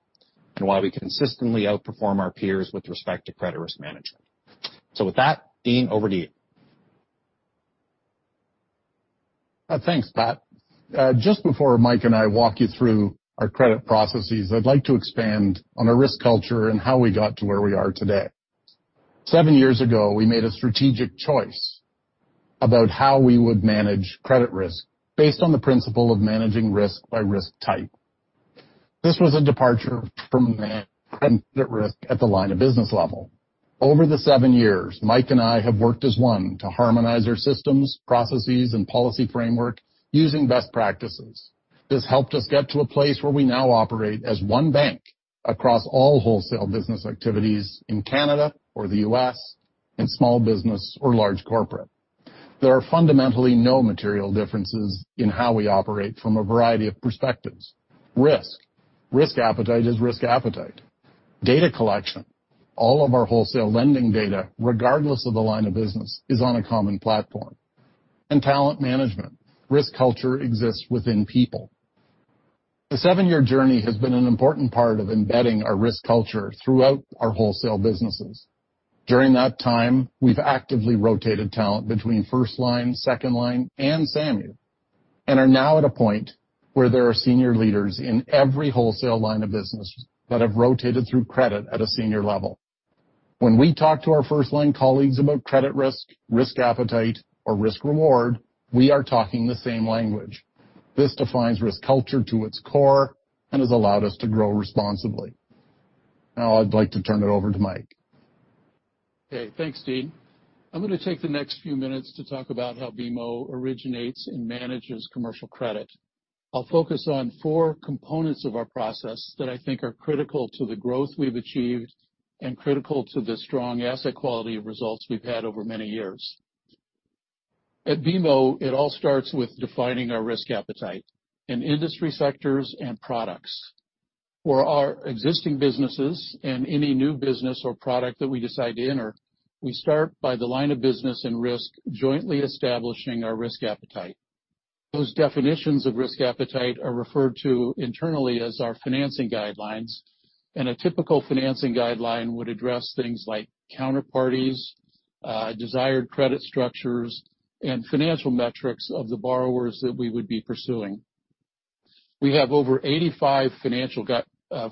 and why we consistently outperform our peers with respect to credit risk management. With that, Dean, over to you. Thanks, Pat. Just before Mike and I walk you through our credit processes, I'd like to expand on our risk culture and how we got to where we are today. Seven years ago, we made a strategic choice about how we would manage credit risk based on the principle of managing risk by risk type. This was a departure from managing credit risk at the line of business level. Over the seven years, Mike and I have worked as one to harmonize our systems, processes, and policy framework using best practices. This helped us get to a place where we now operate as one bank across all wholesale business activities in Canada or the U.S., in small business or large corporate. There are fundamentally no material differences in how we operate from a variety of perspectives. Risk. Risk appetite is risk appetite. Data collection. All of our wholesale lending data, regardless of the line of business, is on a common platform. Talent management. Risk culture exists within people. The seven-year journey has been an important part of embedding our risk culture throughout our wholesale businesses. During that time, we've actively rotated talent between first line, second line, and SAMU, and are now at a point where there are senior leaders in every wholesale line of business that have rotated through credit at a senior level. When we talk to our first-line colleagues about credit risk appetite, or risk reward, we are talking the same language. This defines risk culture to its core and has allowed us to grow responsibly. Now I'd like to turn it over to Mike. Okay, thanks, Dean. I'm going to take the next few minutes to talk about how BMO originates and manages commercial credit. I'll focus on four components of our process that I think are critical to the growth we've achieved and critical to the strong asset quality results we've had over many years. At BMO, it all starts with defining our risk appetite in industry sectors and products. For our existing businesses and any new business or product that we decide to enter, we start by the line of business and risk jointly establishing our risk appetite. Those definitions of risk appetite are referred to internally as our financing guidelines, and a typical financing guideline would address things like counterparties, desired credit structures, and financial metrics of the borrowers that we would be pursuing. We have over 85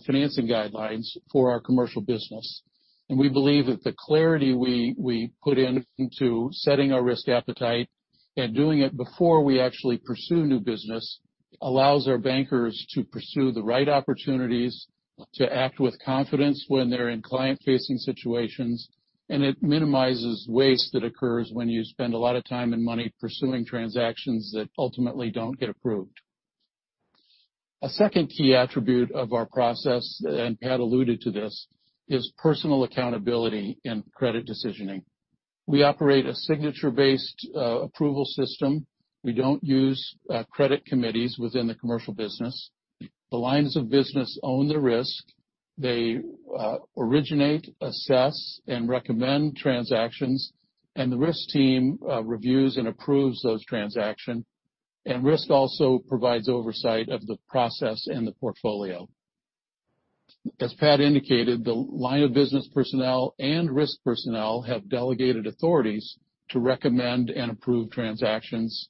financing guidelines for our commercial business, and we believe that the clarity we put in to setting our risk appetite and doing it before we actually pursue new business allows our bankers to pursue the right opportunities to act with confidence when they're in client-facing situations, and it minimizes waste that occurs when you spend a lot of time and money pursuing transactions that ultimately don't get approved. A second key attribute of our process, and Pat alluded to this, is personal accountability in credit decisioning. We operate a signature-based approval system. We don't use credit committees within the commercial business. The lines of business own the risk. They originate, assess, and recommend transactions, and the risk team reviews and approves those transactions. Risk also provides oversight of the process and the portfolio. As Pat indicated, the line of business personnel and risk personnel have delegated authorities to recommend and approve transactions.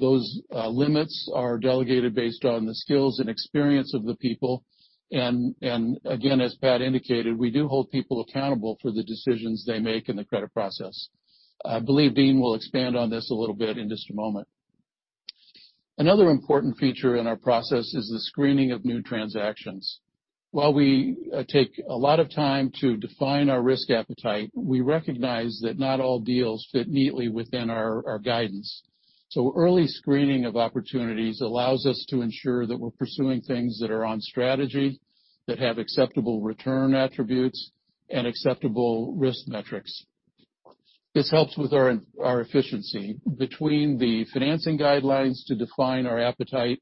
Those limits are delegated based on the skills and experience of the people. Again, as Pat indicated, we do hold people accountable for the decisions they make in the credit process. I believe Dean will expand on this a little bit in just a moment. Another important feature in our process is the screening of new transactions. While we take a lot of time to define our risk appetite, we recognize that not all deals fit neatly within our guidance. Early screening of opportunities allows us to ensure that we're pursuing things that are on strategy, that have acceptable return attributes, and acceptable risk metrics. This helps with our efficiency. Between the financing guidelines to define our appetite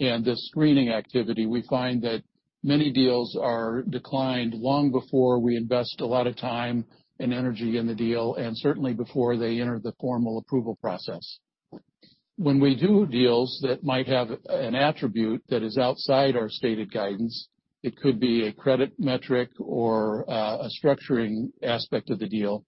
and the screening activity, we find that many deals are declined long before we invest a lot of time and energy in the deal, and certainly before they enter the formal approval process. When we do deals that might have an attribute that is outside our stated guidance, it could be a credit metric or a structuring aspect of the deal.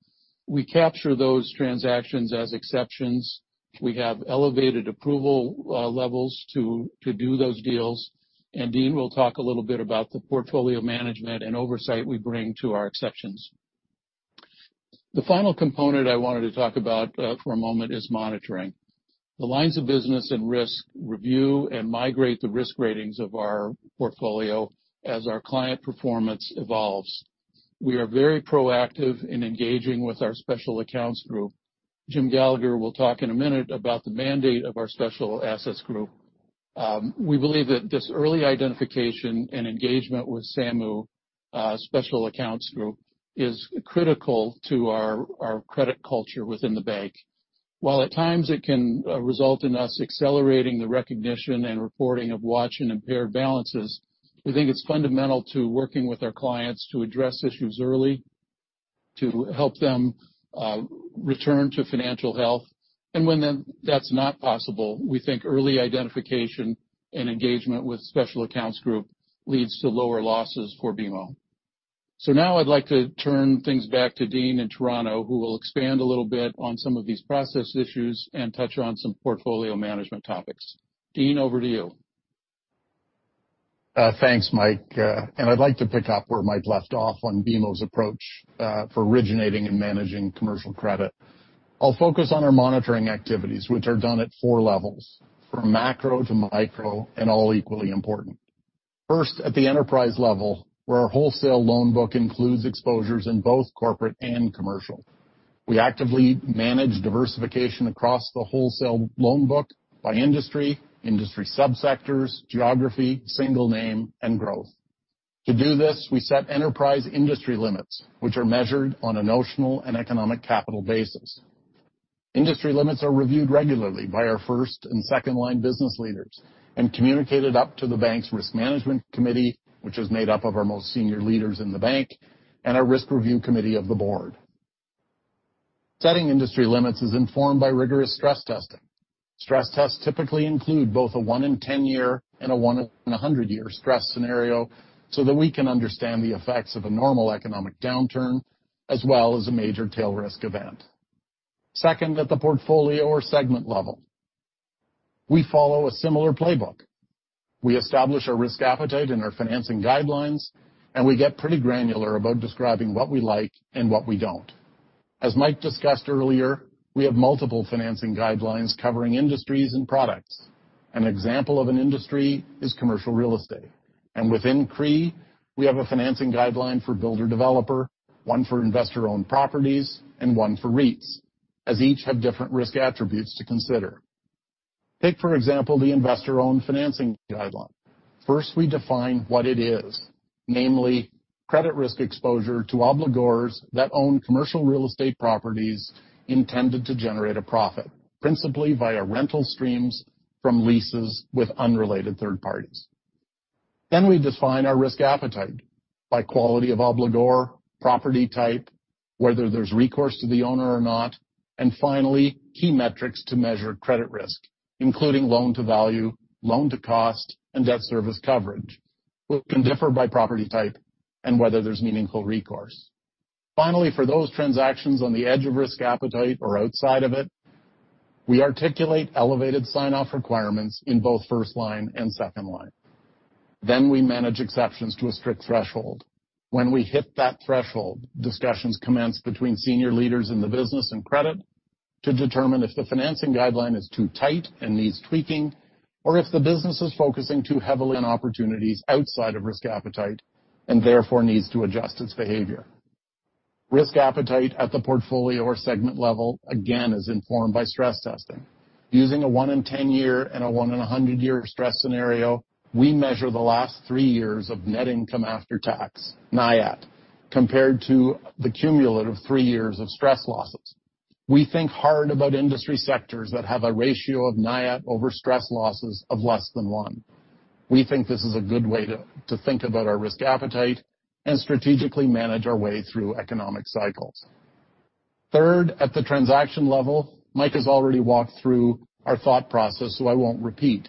We capture those transactions as exceptions. We have elevated approval levels to do those deals, and Dean will talk a little bit about the portfolio management and oversight we bring to our exceptions. The final component I wanted to talk about for a moment is monitoring. The lines of business and risk review and migrate the risk ratings of our portfolio as our client performance evolves. We are very proactive in engaging with our special accounts group. Jim Gallagher will talk in a minute about the mandate of our special assets group. We believe that this early identification and engagement with SAMU, Special Accounts Group, is critical to our credit culture within the bank. While at times it can result in us accelerating the recognition and reporting of watch and impaired balances, we think it's fundamental to working with our clients to address issues early, to help them return to financial health. When that's not possible, we think early identification and engagement with Special Accounts Group leads to lower losses for BMO. Now I'd like to turn things back to Dean in Toronto, who will expand a little bit on some of these process issues and touch on some portfolio management topics. Dean, over to you. Thanks, Mike. I'd like to pick up where Mike left off on BMO's approach for originating and managing commercial credit. I'll focus on our monitoring activities, which are done at four levels, from macro to micro, and all equally important. First, at the enterprise level, where our wholesale loan book includes exposures in both corporate and commercial. We actively manage diversification across the wholesale loan book by industry sub-sectors, geography, single name, and growth. To do this, we set enterprise industry limits, which are measured on a notional and economic capital basis. Industry limits are reviewed regularly by our first and second line business leaders and communicated up to the Bank's Risk Management Committee, which is made up of our most senior leaders in the Bank, and our Risk Review Committee of the Board. Setting industry limits is informed by rigorous stress testing. Stress tests typically include both a one in 10 year and a one in 100-year stress scenario, so that we can understand the effects of a normal economic downturn, as well as a major tail risk event. Second, at the portfolio or segment level. We follow a similar playbook. We establish our risk appetite and our financing guidelines, and we get pretty granular about describing what we like and what we don't. As Mike discussed earlier, we have multiple financing guidelines covering industries and products. An example of an industry is commercial real estate. Within CRE, we have a financing guideline for builder-developer, one for investor-owned properties, and one for REITs, as each have different risk attributes to consider. Take, for example, the investor-owned financing guideline. First, we define what it is, namely credit risk exposure to obligors that own commercial real estate properties intended to generate a profit, principally via rental streams from leases with unrelated third parties. We define our risk appetite by quality of obligor, property type, whether there's recourse to the owner or not, and finally, key metrics to measure credit risk, including loan-to-value, loan-to-cost, and debt service coverage, which can differ by property type and whether there's meaningful recourse. Finally, for those transactions on the edge of risk appetite or outside of it, we articulate elevated sign-off requirements in both first line and second line. We manage exceptions to a strict threshold. When we hit that threshold, discussions commence between senior leaders in the business and credit to determine if the financing guideline is too tight and needs tweaking, or if the business is focusing too heavily on opportunities outside of risk appetite and therefore needs to adjust its behavior. Risk appetite at the portfolio or segment level, again, is informed by stress testing. Using a one in 10 year and a one in 100 year stress scenario, we measure the last three years of net income after tax, NIAT, compared to the cumulative three years of stress losses. We think hard about industry sectors that have a ratio of NIAT over stress losses of less than one. We think this is a good way to think about our risk appetite and strategically manage our way through economic cycles. Third, at the transaction level, Mike has already walked through our thought process, so I won't repeat.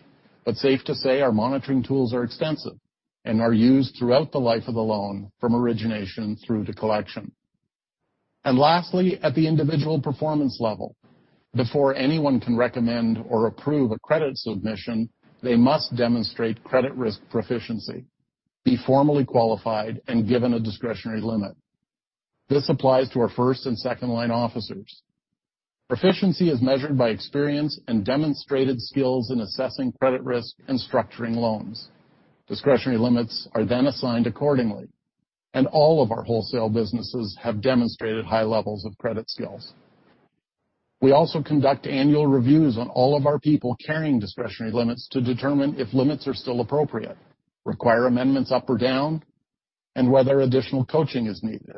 Safe to say, our monitoring tools are extensive and are used throughout the life of the loan from origination through to collection. Lastly, at the individual performance level, before anyone can recommend or approve a credit submission, they must demonstrate credit risk proficiency, be formally qualified and given a discretionary limit. This applies to our first and second line officers. Proficiency is measured by experience and demonstrated skills in assessing credit risk and structuring loans. Discretionary limits are then assigned accordingly, and all of our wholesale businesses have demonstrated high levels of credit skills. We also conduct annual reviews on all of our people carrying discretionary limits to determine if limits are still appropriate, require amendments up or down, and whether additional coaching is needed.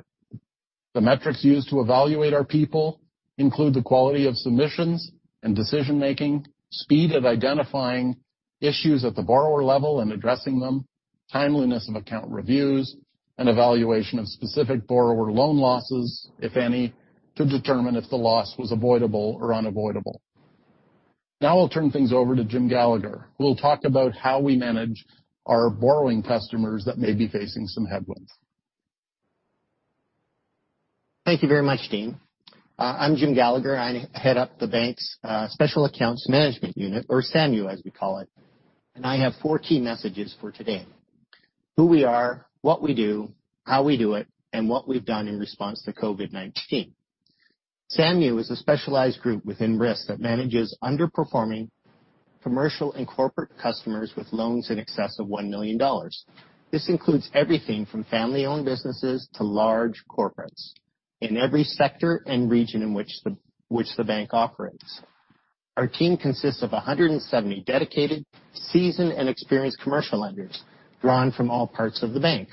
The metrics used to evaluate our people include the quality of submissions and decision-making, speed of identifying issues at the borrower level and addressing them, timeliness of account reviews, and evaluation of specific borrower loan losses, if any, to determine if the loss was avoidable or unavoidable. I'll turn things over to Jim Gallagher, who will talk about how we manage our borrowing customers that may be facing some headwinds. Thank you very much, Dean. I'm Jim Gallagher. I head up the bank's Special Accounts Management Unit, or SAMU as we call it, and I have four key messages for today. Who we are, what we do, how we do it, and what we've done in response to COVID-19. SAMU is a specialized group within risk that manages underperforming commercial and corporate customers with loans in excess of 1 million dollars. This includes everything from family-owned businesses to large corporates in every sector and region in which the bank operates. Our team consists of 170 dedicated, seasoned, and experienced commercial lenders drawn from all parts of the bank.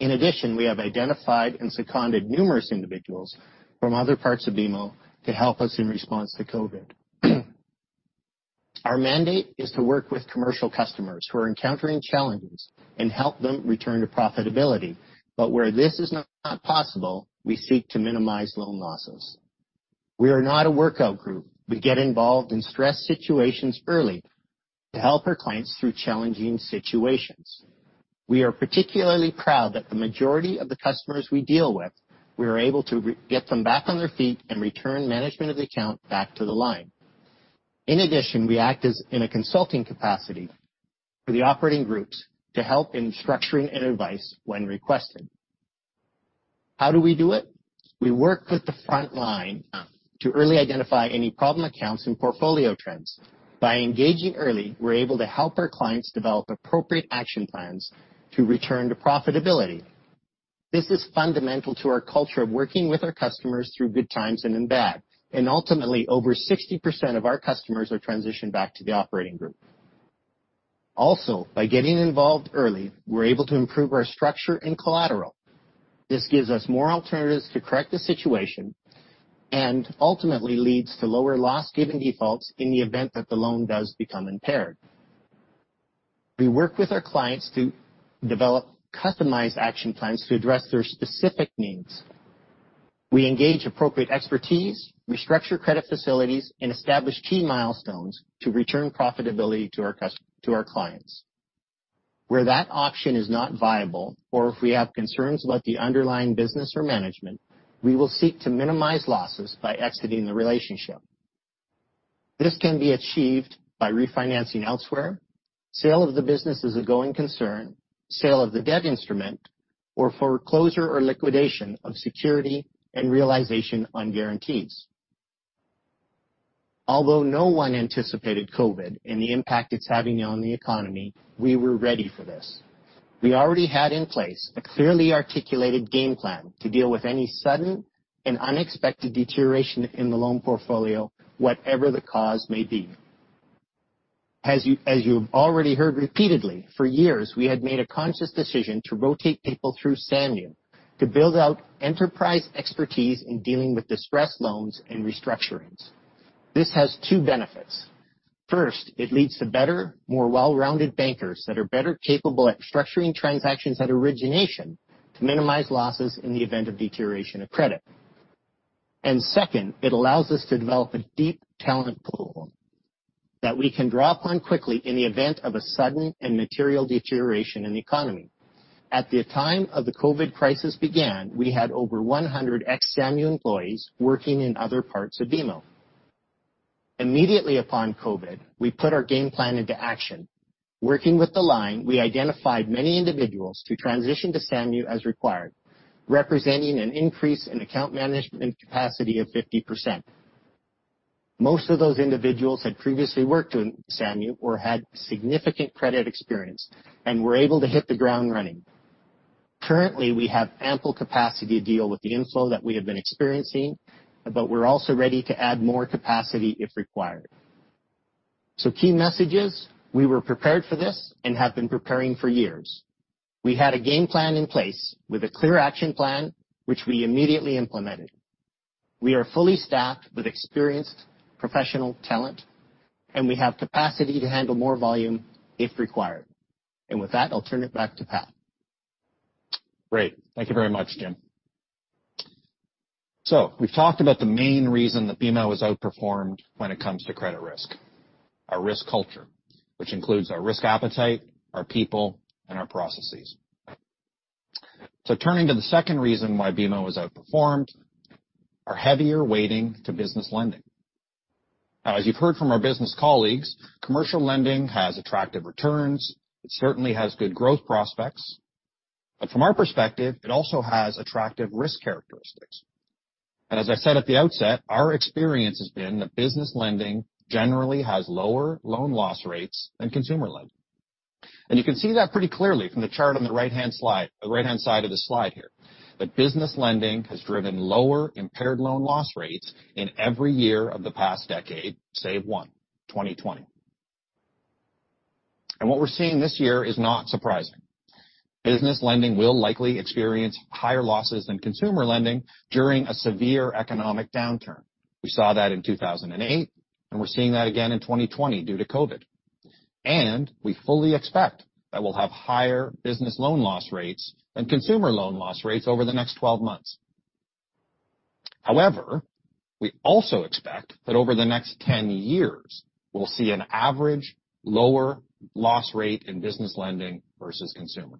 In addition, we have identified and seconded numerous individuals from other parts of BMO to help us in response to COVID. Our mandate is to work with commercial customers who are encountering challenges and help them return to profitability. Where this is not possible, we seek to minimize loan losses. We are not a workout group. We get involved in stress situations early to help our clients through challenging situations. We are particularly proud that the majority of the customers we deal with, we are able to get them back on their feet and return management of the account back to the line. In addition, we act as in a consulting capacity for the operating groups to help in structuring and advice when requested. How do we do it? We work with the front line to early identify any problem accounts and portfolio trends. By engaging early, we're able to help our clients develop appropriate action plans to return to profitability. This is fundamental to our culture of working with our customers through good times and in bad. Ultimately over 60% of our customers are transitioned back to the operating group. Also, by getting involved early, we're able to improve our structure and collateral. This gives us more alternatives to correct the situation and ultimately leads to lower loss given defaults in the event that the loan does become impaired. We work with our clients to develop customized action plans to address their specific needs. We engage appropriate expertise, restructure credit facilities, and establish key milestones to return profitability to our clients. Where that option is not viable, or if we have concerns about the underlying business or management, we will seek to minimize losses by exiting the relationship. This can be achieved by refinancing elsewhere, sale of the business as a going concern, sale of the debt instrument, or foreclosure or liquidation of security and realization on guarantees. Although no one anticipated COVID and the impact it's having on the economy, we were ready for this. We already had in place a clearly articulated game plan to deal with any sudden and unexpected deterioration in the loan portfolio, whatever the cause may be. As you've already heard repeatedly, for years, we had made a conscious decision to rotate people through SAMU to build out enterprise expertise in dealing with distressed loans and restructurings. This has two benefits. First, it leads to better, more well-rounded bankers that are better capable at structuring transactions at origination to minimize losses in the event of deterioration of credit. Second, it allows us to develop a deep talent pool that we can draw upon quickly in the event of a sudden and material deterioration in the economy. At the time of the COVID crisis began, we had over 100 ex-SAMU employees working in other parts of BMO. Immediately upon COVID, we put our game plan into action. Working with the line, we identified many individuals to transition to SAMU as required, representing an increase in account management capacity of 50%. Most of those individuals had previously worked in SAMU or had significant credit experience and were able to hit the ground running. Currently, we have ample capacity to deal with the inflow that we have been experiencing, but we're also ready to add more capacity if required. Key messages, we were prepared for this and have been preparing for years. We had a game plan in place with a clear action plan, which we immediately implemented. We are fully staffed with experienced professional talent, and we have capacity to handle more volume if required. With that, I'll turn it back to Pat. Great. Thank you very much, Jim. We've talked about the main reason that BMO has outperformed when it comes to credit risk, our risk culture, which includes our risk appetite, our people, and our processes. Turning to the second reason why BMO has outperformed, our heavier weighting to business lending. Now, as you've heard from our business colleagues, commercial lending has attractive returns. It certainly has good growth prospects. From our perspective, it also has attractive risk characteristics. As I said at the outset, our experience has been that business lending generally has lower loan loss rates than consumer lending. You can see that pretty clearly from the chart on the right-hand side of the slide here, that business lending has driven lower impaired loan loss rates in every year of the past decade, save one, 2020. What we're seeing this year is not surprising. Business lending will likely experience higher losses than consumer lending during a severe economic downturn. We saw that in 2008, and we're seeing that again in 2020 due to COVID. We fully expect that we'll have higher business loan loss rates than consumer loan loss rates over the next 12 months. However, we also expect that over the next 10 years, we'll see an average lower loss rate in business lending versus consumer.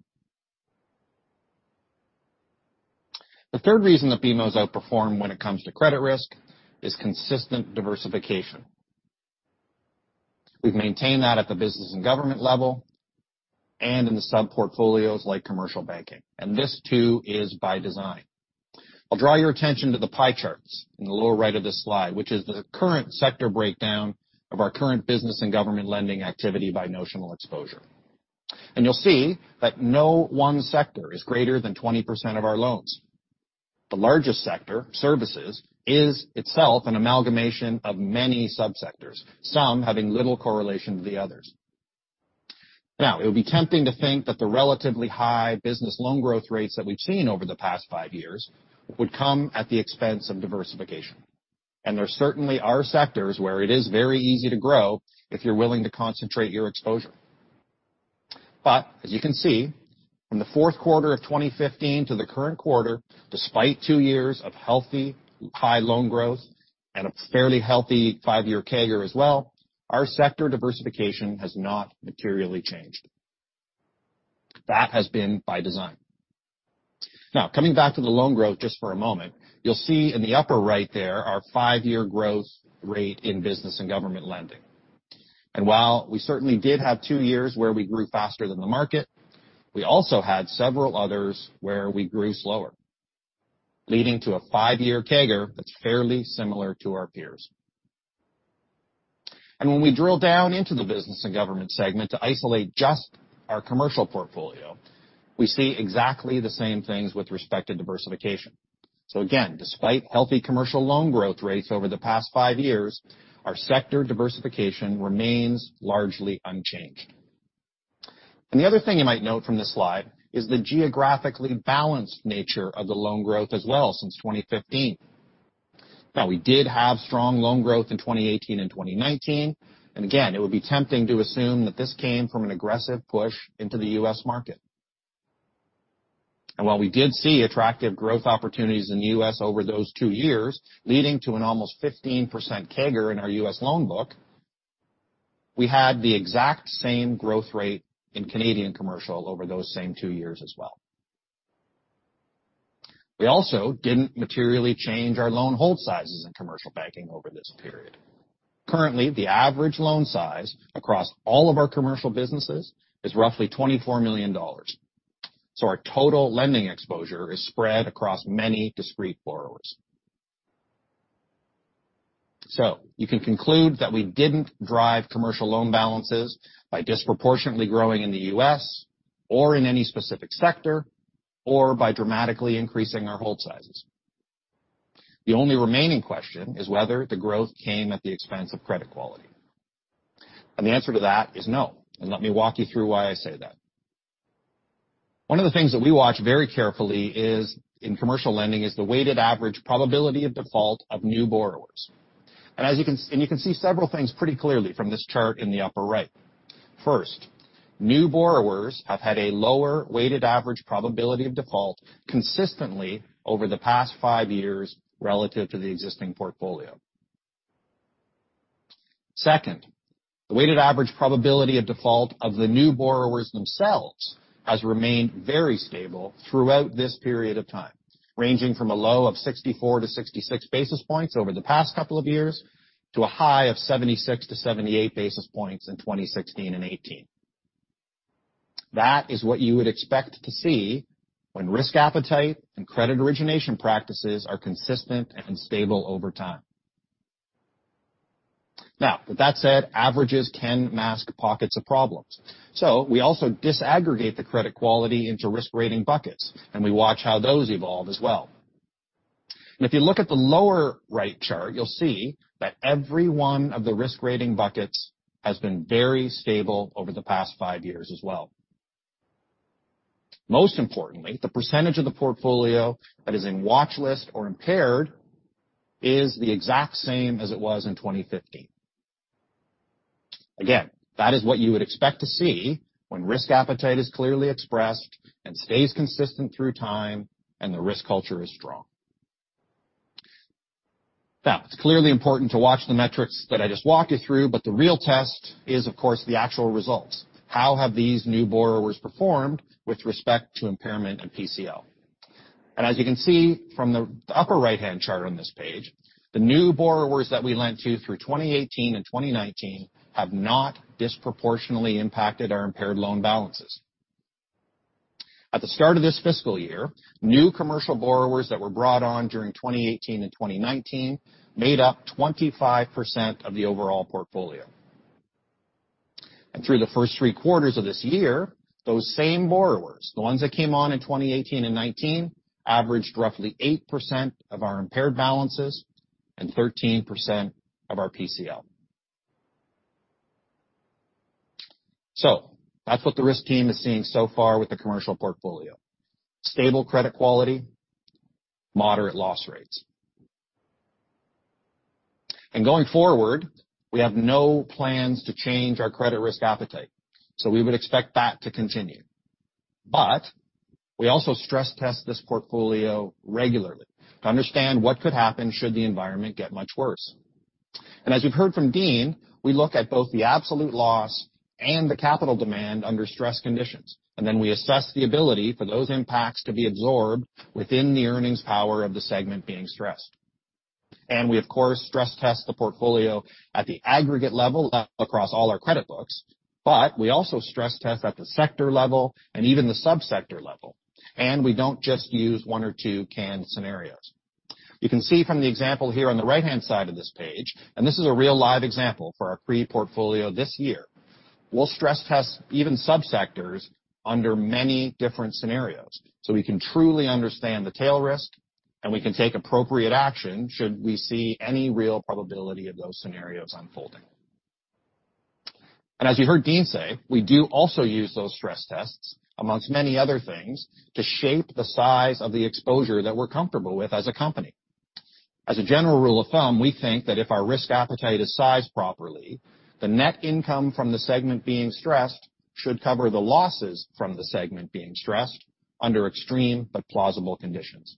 The third reason that BMO has outperformed when it comes to credit risk is consistent diversification. We've maintained that at the business and government level and in the sub-portfolios like commercial banking. This too is by design. I'll draw your attention to the pie charts in the lower right of this slide, which is the current sector breakdown of our current business and government lending activity by notional exposure. You'll see that no one sector is greater than 20% of our loans. The largest sector, services, is itself an amalgamation of many sub-sectors, some having little correlation to the others. It would be tempting to think that the relatively high business loan growth rates that we've seen over the past five years would come at the expense of diversification. There certainly are sectors where it is very easy to grow if you're willing to concentrate your exposure. As you can see, from the fourth quarter of 2015 to the current quarter, despite two years of healthy high loan growth and a fairly healthy five years CAGR as well. Our sector diversification has not materially changed. That has been by design. Coming back to the loan growth just for a moment, you'll see in the upper right there our five-year growth rate in business and government lending. While we certainly did have two years where we grew faster than the market, we also had several others where we grew slower, leading to a five-year CAGR that's fairly similar to our peers. When we drill down into the business and government segment to isolate just our commercial portfolio, we see exactly the same things with respect to diversification. Again, despite healthy commercial loan growth rates over the past five years, our sector diversification remains largely unchanged. The other thing you might note from this slide is the geographically balanced nature of the loan growth as well since 2015. We did have strong loan growth in 2018 and 2019, and again, it would be tempting to assume that this came from an aggressive push into the U.S. market. While we did see attractive growth opportunities in the U.S. over those two years, leading to an almost 15% CAGR in our U.S. loan book, we had the exact same growth rate in Canadian Commercial over those same two years as well. We also didn't materially change our loan hold sizes in commercial banking over this period. Currently, the average loan size across all of our commercial businesses is roughly 24 million dollars. Our total lending exposure is spread across many discrete borrowers. You can conclude that we didn't drive commercial loan balances by disproportionately growing in the U.S., or in any specific sector, or by dramatically increasing our hold sizes. The only remaining question is whether the growth came at the expense of credit quality. The answer to that is no. Let me walk you through why I say that. One of the things that we watch very carefully is in commercial lending is the weighted average probability of default of new borrowers. You can see several things pretty clearly from this chart in the upper right. New borrowers have had a lower weighted average probability of default consistently over the past five years relative to the existing portfolio. The weighted average probability of default of the new borrowers themselves has remained very stable throughout this period of time, ranging from a low of 64-66 basis points over the past couple of years, to a high of 76-78 basis points in 2016 and 2018. That is what you would expect to see when risk appetite and credit origination practices are consistent and stable over time. With that said, averages can mask pockets of problems. We also disaggregate the credit quality into risk-rating buckets, and we watch how those evolve as well. If you look at the lower right chart, you'll see that every one of the risk-rating buckets has been very stable over the past five years as well. Most importantly, the percentage of the portfolio that is in watchlist or impaired is the exact same as it was in 2015. Again, that is what you would expect to see when risk appetite is clearly expressed and stays consistent through time and the risk culture is strong. It's clearly important to watch the metrics that I just walked you through, but the real test is, of course, the actual results. How have these new borrowers performed with respect to impairment and PCL? As you can see from the upper right-hand chart on this page, the new borrowers that we lent to through 2018 and 2019 have not disproportionately impacted our impaired loan balances. At the start of this fiscal year, new commercial borrowers that were brought on during 2018 and 2019 made up 25% of the overall portfolio. Through the first three quarters of this year, those same borrowers, the ones that came on in 2018 and 2019, averaged roughly 8% of our impaired balances and 13% of our PCL. That's what the risk team is seeing so far with the commercial portfolio. Stable credit quality, moderate loss rates. Going forward, we have no plans to change our credit risk appetite, so we would expect that to continue. We also stress test this portfolio regularly to understand what could happen should the environment get much worse. As we've heard from Dean, we look at both the absolute loss and the capital demand under stress conditions, and then we assess the ability for those impacts to be absorbed within the earnings power of the segment being stressed. We, of course, stress test the portfolio at the aggregate level across all our credit books. We also stress test at the sector level and even the sub-sector level, and we don't just use one or two canned scenarios. You can see from the example here on the right-hand side of this page. This is a real live example for our CRE portfolio this year. We'll stress test even sub-sectors under many different scenarios so we can truly understand the tail risk, and we can take appropriate action should we see any real probability of those scenarios unfolding. As you heard Dean say, we do also use those stress tests, amongst many other things, to shape the size of the exposure that we're comfortable with as a company. As a general rule of thumb, we think that if our risk appetite is sized properly, the net income from the segment being stressed should cover the losses from the segment being stressed under extreme but plausible conditions.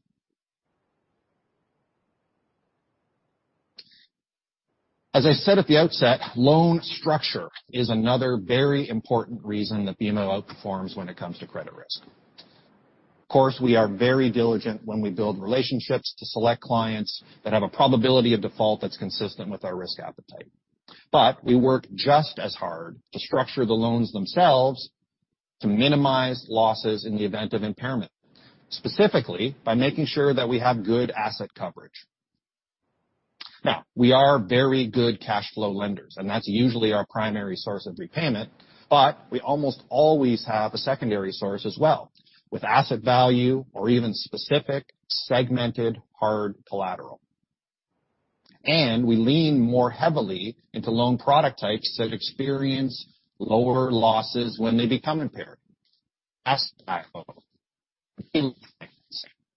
As I said at the outset, loan structure is another very important reason that BMO outperforms when it comes to credit risk. Of course, we are very diligent when we build relationships to select clients that have a probability of default that's consistent with our risk appetite. We work just as hard to structure the loans themselves to minimize losses in the event of impairment, specifically by making sure that we have good asset coverage. We are very good cash flow lenders, and that's usually our primary source of repayment, but we almost always have a secondary source as well, with asset value or even specific segmented hard collateral. We lean more heavily into loan product types that experience lower losses when they become impaired. Asset-backed loans,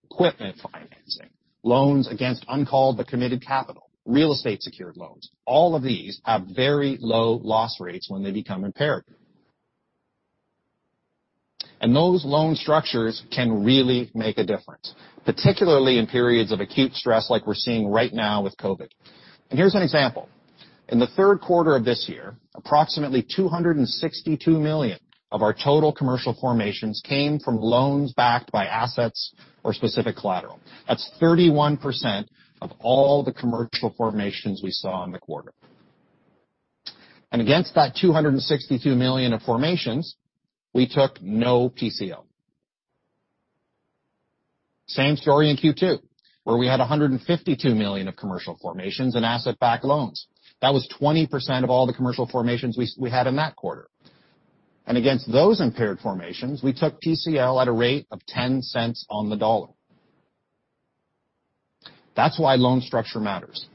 equipment financing, loans against uncalled, but committed capital, real estate secured loans. All of these have very low loss rates when they become impaired. Those loan structures can really make a difference, particularly in periods of acute stress like we're seeing right now with COVID. Here's an example. In the third quarter of this year, approximately 262 million of our total commercial formations came from loans backed by assets or specific collateral. That's 31% of all the commercial formations we saw in the quarter. Against that 262 million of formations, we took no PCL. Same story in Q2, where we had 152 million of commercial formations in asset-backed loans. That was 20% of all the commercial formations we had in that quarter. Against those impaired formations, we took PCL at a rate of 0.10 on the dollar. That's why loan structure matters.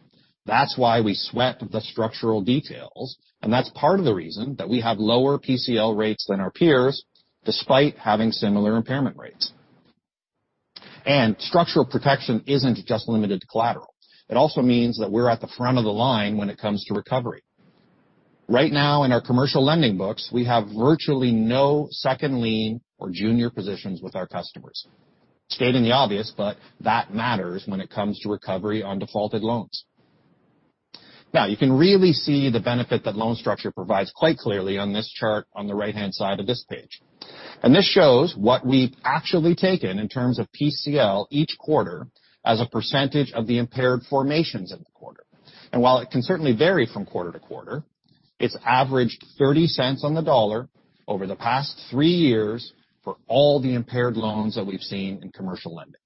That's why we sweat the structural details, and that's part of the reason that we have lower PCL rates than our peers, despite having similar impairment rates. Structural protection isn't just limited to collateral. It also means that we're at the front of the line when it comes to recovery. Right now, in our commercial lending books, we have virtually no second lien or junior positions with our customers. Stating the obvious, that matters when it comes to recovery on defaulted loans. You can really see the benefit that loan structure provides quite clearly on this chart on the right-hand side of this page. This shows what we've actually taken in terms of PCL each quarter as a percentage of the impaired formations of the quarter. While it can certainly vary from quarter to quarter, it's averaged 0.30 on the dollar over the past three years for all the impaired loans that we've seen in commercial lending.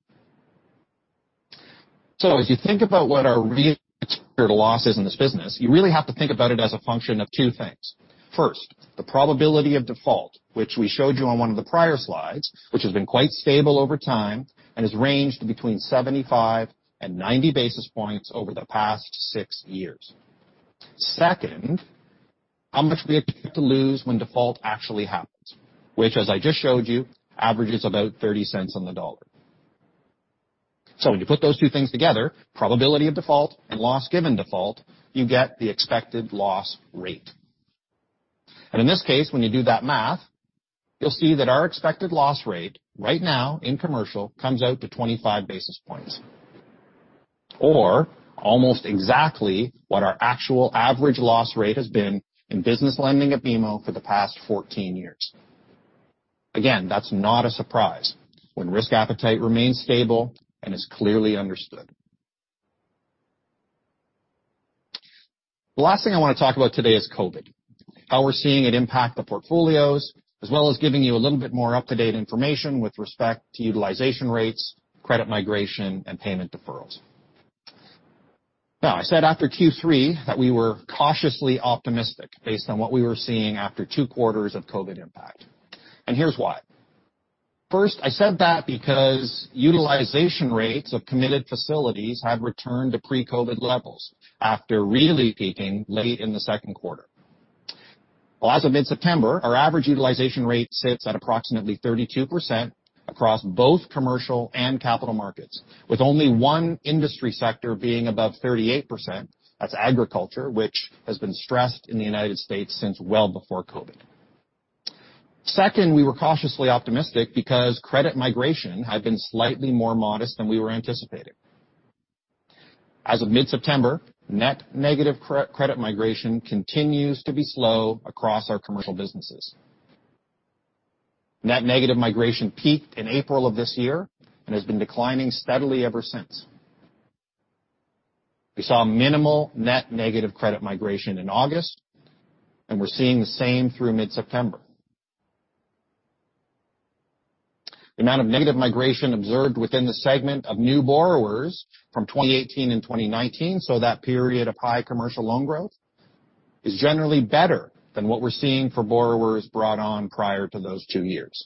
As you think about what our real expected loss is in this business, you really have to think about it as a function of two things. First, the probability of default, which we showed you on one of the prior slides, which has been quite stable over time and has ranged between 75 and 90 basis points over the past six years. Second, how much we expect to lose when default actually happens, which as I just showed you, averages about 0.30 on the dollar. When you put those two things together, probability of default and loss given default, you get the expected loss rate. In this case, when you do that math, you will see that our expected loss rate right now in commercial comes out to 25 basis points. Almost exactly what our actual average loss rate has been in business lending at BMO for the past 14 years. Again, that is not a surprise when risk appetite remains stable and is clearly understood. The last thing I want to talk about today is COVID, how we're seeing it impact the portfolios, as well as giving you a little bit more up-to-date information with respect to utilization rates, credit migration, and payment deferrals. I said after Q3 that we were cautiously optimistic based on what we were seeing after two quarters of COVID impact. Here's why. First, I said that because utilization rates of committed facilities have returned to pre-COVID levels after really peaking late in the second quarter. As of mid-September, our average utilization rate sits at approximately 32% across both commercial and capital markets, with only 1 industry sector being above 38%. That's agriculture, which has been stressed in the United States since well before COVID. Second, we were cautiously optimistic because credit migration had been slightly more modest than we were anticipating. As of mid-September, net negative credit migration continues to be slow across our commercial businesses. Net negative migration peaked in April of this year and has been declining steadily ever since. We saw minimal net negative credit migration in August, and we're seeing the same through mid-September. The amount of negative migration observed within the segment of new borrowers from 2018 and 2019, so that period of high commercial loan growth, is generally better than what we're seeing for borrowers brought on prior to those two years.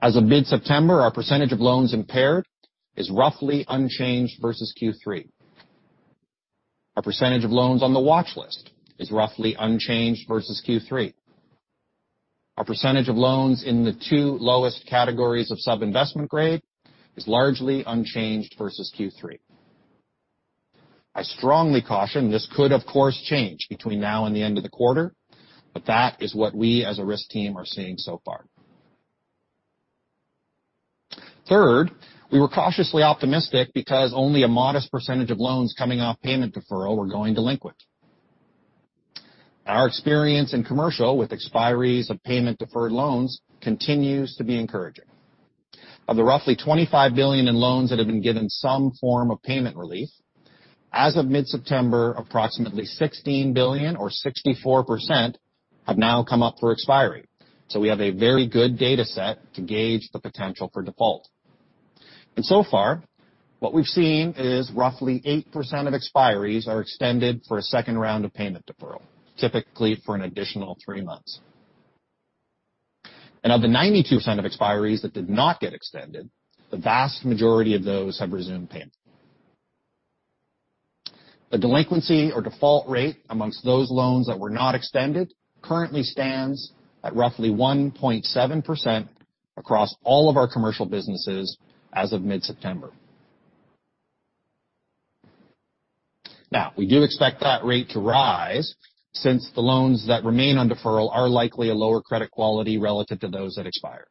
As of mid-September, our percentage of loans impaired is roughly unchanged versus Q3. Our percentage of loans on the watchlist is roughly unchanged versus Q3. Our percentage of loans in the two lowest categories of sub-investment grade is largely unchanged versus Q3. I strongly caution this could, of course, change between now and the end of the quarter, but that is what we as a risk team are seeing so far. Third, we were cautiously optimistic because only a modest percentage of loans coming off payment deferral were going delinquent. Our experience in commercial with expiries of payment-deferred loans continues to be encouraging. Of the roughly 25 billion in loans that have been given some form of payment relief, as of mid-September, approximately 16 billion or 64% have now come up for expiry. We have a very good data set to gauge the potential for default. So far, what we've seen is roughly 8% of expiries are extended for a second round of payment deferral, typically for an additional three months. Of the 92% of expiries that did not get extended, the vast majority of those have resumed payments. The delinquency or default rate amongst those loans that were not extended currently stands at roughly 1.7% across all of our commercial businesses as of mid-September. We do expect that rate to rise since the loans that remain on deferral are likely a lower credit quality relative to those that expired.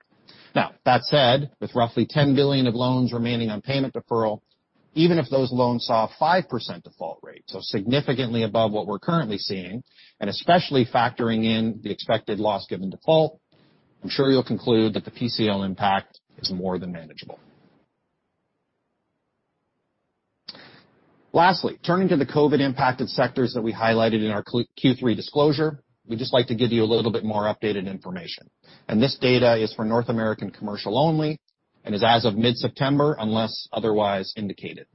With roughly 10 billion of loans remaining on payment deferral, even if those loans saw a 5% default rate, so significantly above what we're currently seeing, and especially factoring in the expected loss given default, I'm sure you'll conclude that the PCL impact is more than manageable. Turning to the COVID impacted sectors that we highlighted in our Q3 disclosure, we'd just like to give you a little bit more updated information. This data is for North American commercial only, and is as of mid-September unless otherwise indicated.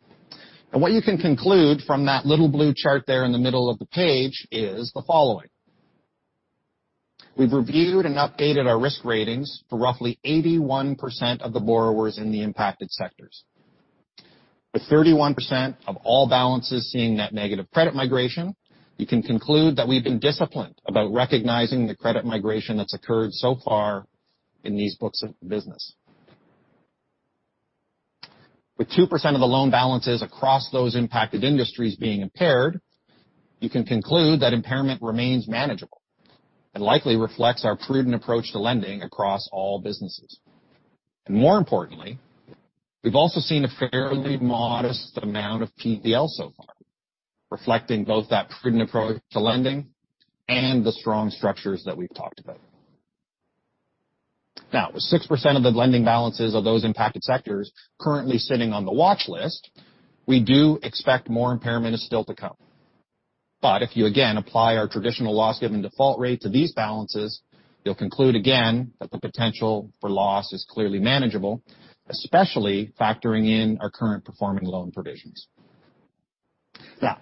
What you can conclude from that little blue chart there in the middle of the page is the following. We've reviewed and updated our risk ratings for roughly 81% of the borrowers in the impacted sectors. With 31% of all balances seeing net negative credit migration, you can conclude that we've been disciplined about recognizing the credit migration that's occurred so far in these books of business. With 2% of the loan balances across those impacted industries being impaired, you can conclude that impairment remains manageable and likely reflects our prudent approach to lending across all businesses. More importantly, we've also seen a fairly modest amount of PCL so far, reflecting both that prudent approach to lending and the strong structures that we've talked about. With 6% of the lending balances of those impacted sectors currently sitting on the watch list, we do expect more impairment is still to come. If you, again, apply our traditional loss given default rate to these balances, you'll conclude again that the potential for loss is clearly manageable, especially factoring in our current performing loan provisions.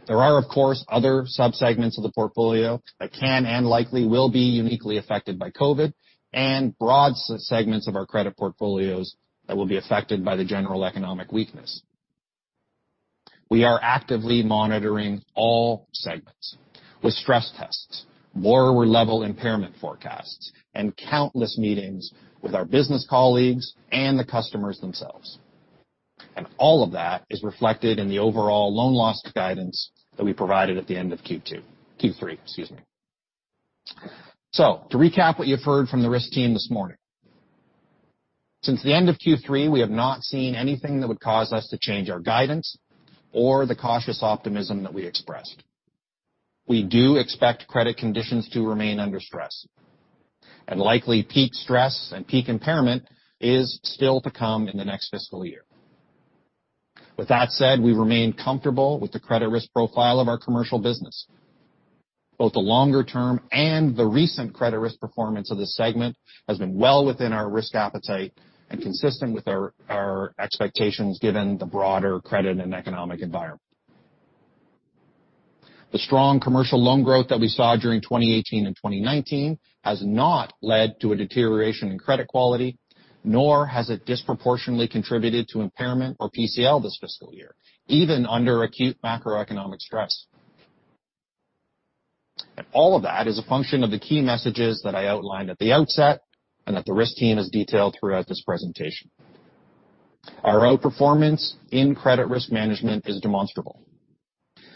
There are, of course, other subsegments of the portfolio that can and likely will be uniquely affected by COVID and broad segments of our credit portfolios that will be affected by the general economic weakness. We are actively monitoring all segments with stress tests, borrower-level impairment forecasts, and countless meetings with our business colleagues and the customers themselves. All of that is reflected in the overall loan loss guidance that we provided at the end of Q2. Q3, excuse me. To recap what you've heard from the risk team this morning. Since the end of Q3, we have not seen anything that would cause us to change our guidance or the cautious optimism that we expressed. We do expect credit conditions to remain under stress, and likely peak stress and peak impairment is still to come in the next fiscal year. With that said, we remain comfortable with the credit risk profile of our commercial business. Both the longer term and the recent credit risk performance of this segment has been well within our risk appetite and consistent with our expectations given the broader credit and economic environment. The strong commercial loan growth that we saw during 2018 and 2019 has not led to a deterioration in credit quality, nor has it disproportionately contributed to impairment or PCL this fiscal year, even under acute macroeconomic stress. All of that is a function of the key messages that I outlined at the outset and that the risk team has detailed throughout this presentation. Our outperformance in credit risk management is demonstrable.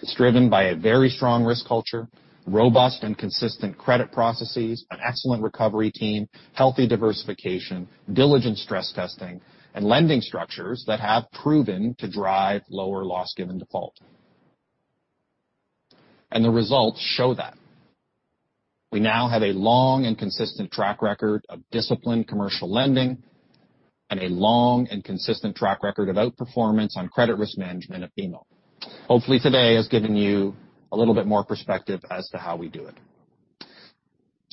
It's driven by a very strong risk culture, robust and consistent credit processes, an excellent recovery team, healthy diversification, diligent stress testing, and lending structures that have proven to drive lower loss given default. The results show that. We now have a long and consistent track record of disciplined commercial lending and a long and consistent track record of outperformance on credit risk management at BMO. Hopefully, today has given you a little bit more perspective as to how we do it.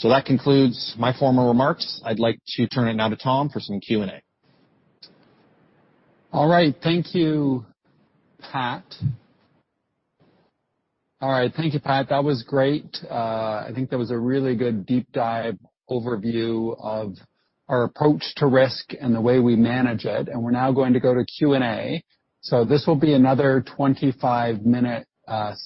That concludes my formal remarks. I'd like to turn it now to Tom for some Q&A. All right. Thank you, Pat. That was great. I think that was a really good deep dive overview of our approach to risk and the way we manage it, and we're now going to go to Q&A. This will be another 25 minutes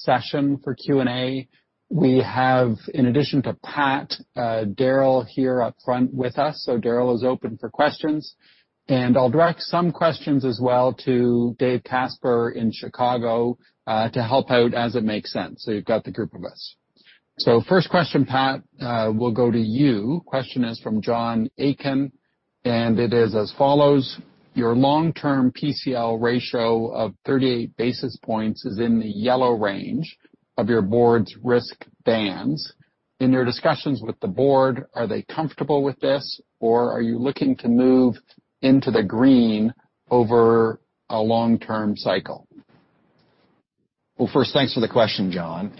session for Q&A. We have, in addition to Pat, Darryl here up front with us, so Darryl is open for questions. I'll direct some questions as well to David Casper in Chicago to help out as it makes sense. You've got the group of us. First question, Pat, will go to you. Question is from John Aiken. It is as follows: your long-term PCL ratio of 38 basis points is in the yellow range of your board's risk bands. In your discussions with the board, are they comfortable with this, or are you looking to move into the green over a long-term cycle? Well, first, thanks for the question, Tom.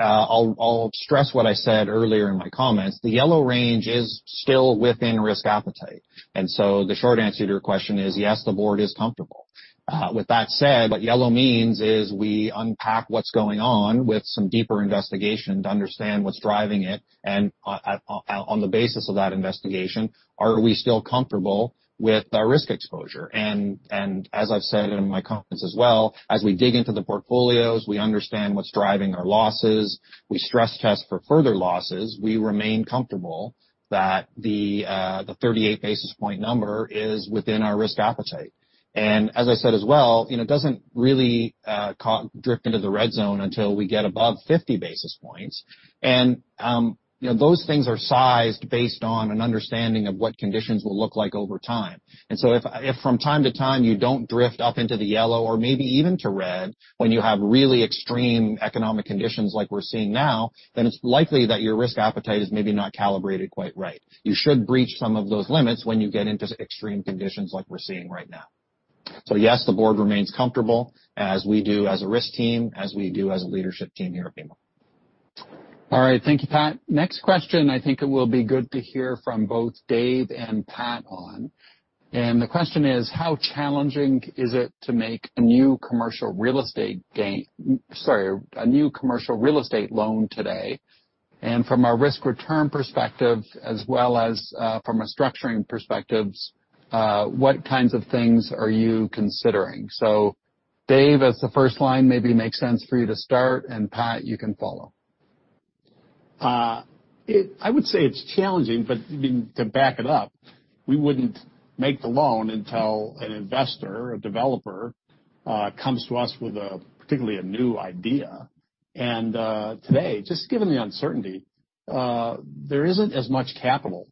I'll stress what I said earlier in my comments. The yellow range is still within risk appetite. The short answer to your question is yes, the board is comfortable. With that said, what yellow means is we unpack what's going on with some deeper investigation to understand what's driving it. On the basis of that investigation, are we still comfortable with our risk exposure? As I've said in my comments as well, as we dig into the portfolios, we understand what's driving our losses. We stress test for further losses. We remain comfortable that the 38 basis point number is within our risk appetite. As I said as well, it doesn't really drift into the red zone until we get above 50 basis points. Those things are sized based on an understanding of what conditions will look like over time. If from time to time you don't drift up into the yellow or maybe even to red when you have really extreme economic conditions like we're seeing now, then it's likely that your risk appetite is maybe not calibrated quite right. You should breach some of those limits when you get into extreme conditions like we're seeing right now. Yes, the board remains comfortable as we do as a risk team, as we do as a leadership team here at BMO. All right. Thank you, Pat. Next question, I think it will be good to hear from both Dave and Pat on. The question is, how challenging is it to make a new commercial real estate loan today? From a risk-return perspective as well as from a structuring perspectives, what kinds of things are you considering? Dave, as the first line, maybe makes sense for you to start, and Pat, you can follow. I would say it's challenging, but to back it up, we wouldn't make the loan until an investor or developer comes to us with particularly a new idea. Today, just given the uncertainty, there isn't as much capital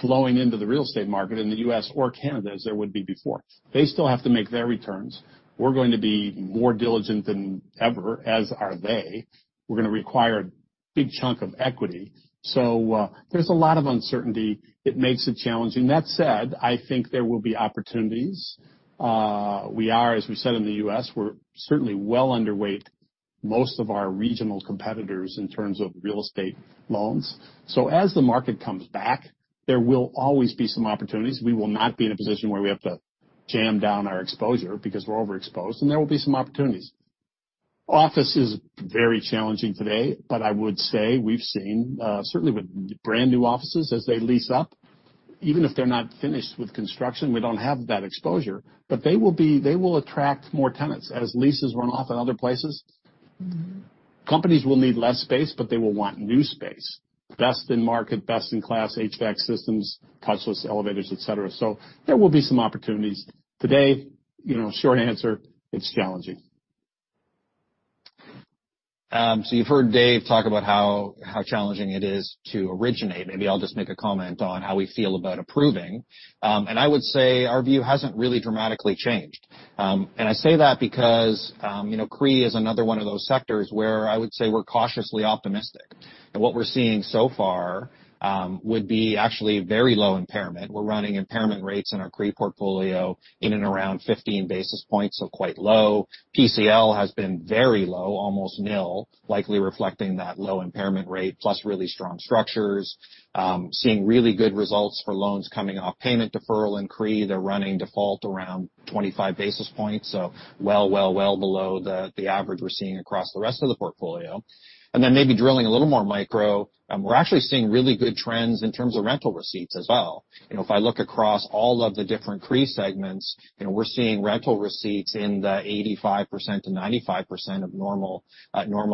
flowing into the real estate market in the U.S. or Canada as there would be before. They still have to make their returns. We're going to be more diligent than ever, as are they. We're going to require a big chunk of equity. There's a lot of uncertainty. It makes it challenging. That said, I think there will be opportunities. We are, as we said, in the U.S. We're certainly well underweight most of our regional competitors in terms of real estate loans. As the market comes back, there will always be some opportunities. We will not be in a position where we have to jam down our exposure because we're overexposed. There will be some opportunities. Office is very challenging today, but I would say we've seen certainly with brand-new offices as they lease up, even if they're not finished with construction, we don't have that exposure. They will attract more tenants as leases run off in other places. Companies will need less space, but they will want new space. Best in market, best in class HVAC systems, touchless elevators, et cetera. There will be some opportunities. Today, short answer, it's challenging. You've heard Dave talk about how challenging it is to originate. Maybe I'll just make a comment on how we feel about approving. I would say our view hasn't really dramatically changed. I say that because CRE is another one of those sectors where I would say we're cautiously optimistic. What we're seeing so far would be actually very low impairment. We're running impairment rates in our CRE portfolio in and around 15 basis points, so quite low. PCL has been very low, almost nil, likely reflecting that low impairment rate, plus really strong structures. Seeing really good results for loans coming off payment deferral in CRE. They're running default around 25 basis points. Well below the average we're seeing across the rest of the portfolio. Maybe drilling a little more micro, we're actually seeing really good trends in terms of rental receipts as well. If I look across all of the different CRE segments, we're seeing rental receipts in the 85%-95% of normal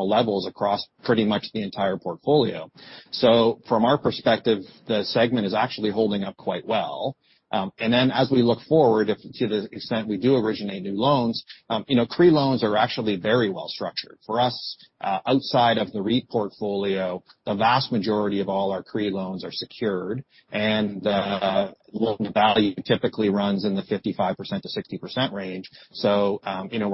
levels across pretty much the entire portfolio. From our perspective, the segment is actually holding up quite well. As we look forward to the extent we do originate new loans, CRE loans are actually very well structured. For us, outside of the REIT portfolio, the vast majority of all our CRE loans are secured, and the loan value typically runs in the 55%-60% range.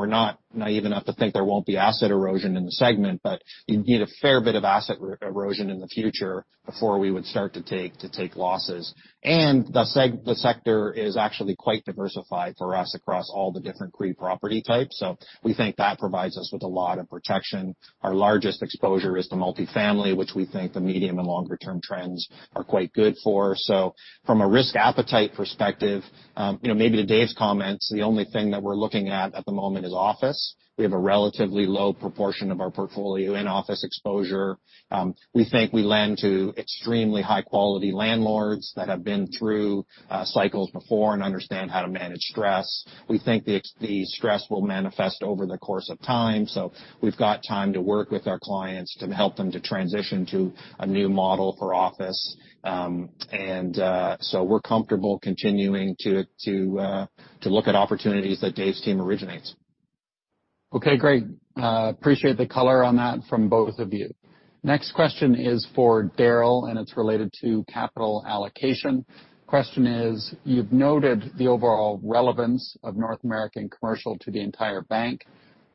We're not naive enough to think there won't be asset erosion in the segment, but you'd need a fair bit of asset erosion in the future before we would start to take losses. The sector is actually quite diversified for us across all the different CRE property types. We think that provides us with a lot of protection. Our largest exposure is to multifamily, which we think the medium and longer-term trends are quite good for. From a risk appetite perspective, maybe to Dave's comments, the only thing that we're looking at at the moment is office. We have a relatively low proportion of our portfolio in office exposure. We think we lend to extremely high-quality landlords that have been through cycles before and understand how to manage stress. We think the stress will manifest over the course of time. We've got time to work with our clients to help them to transition to a new model for office. We're comfortable continuing to look at opportunities that Dave's team originates. Okay, great. Appreciate the color on that from both of you. Next question is for Darryl, and it's related to capital allocation. Question is, you've noted the overall relevance of North American commercial to the entire bank.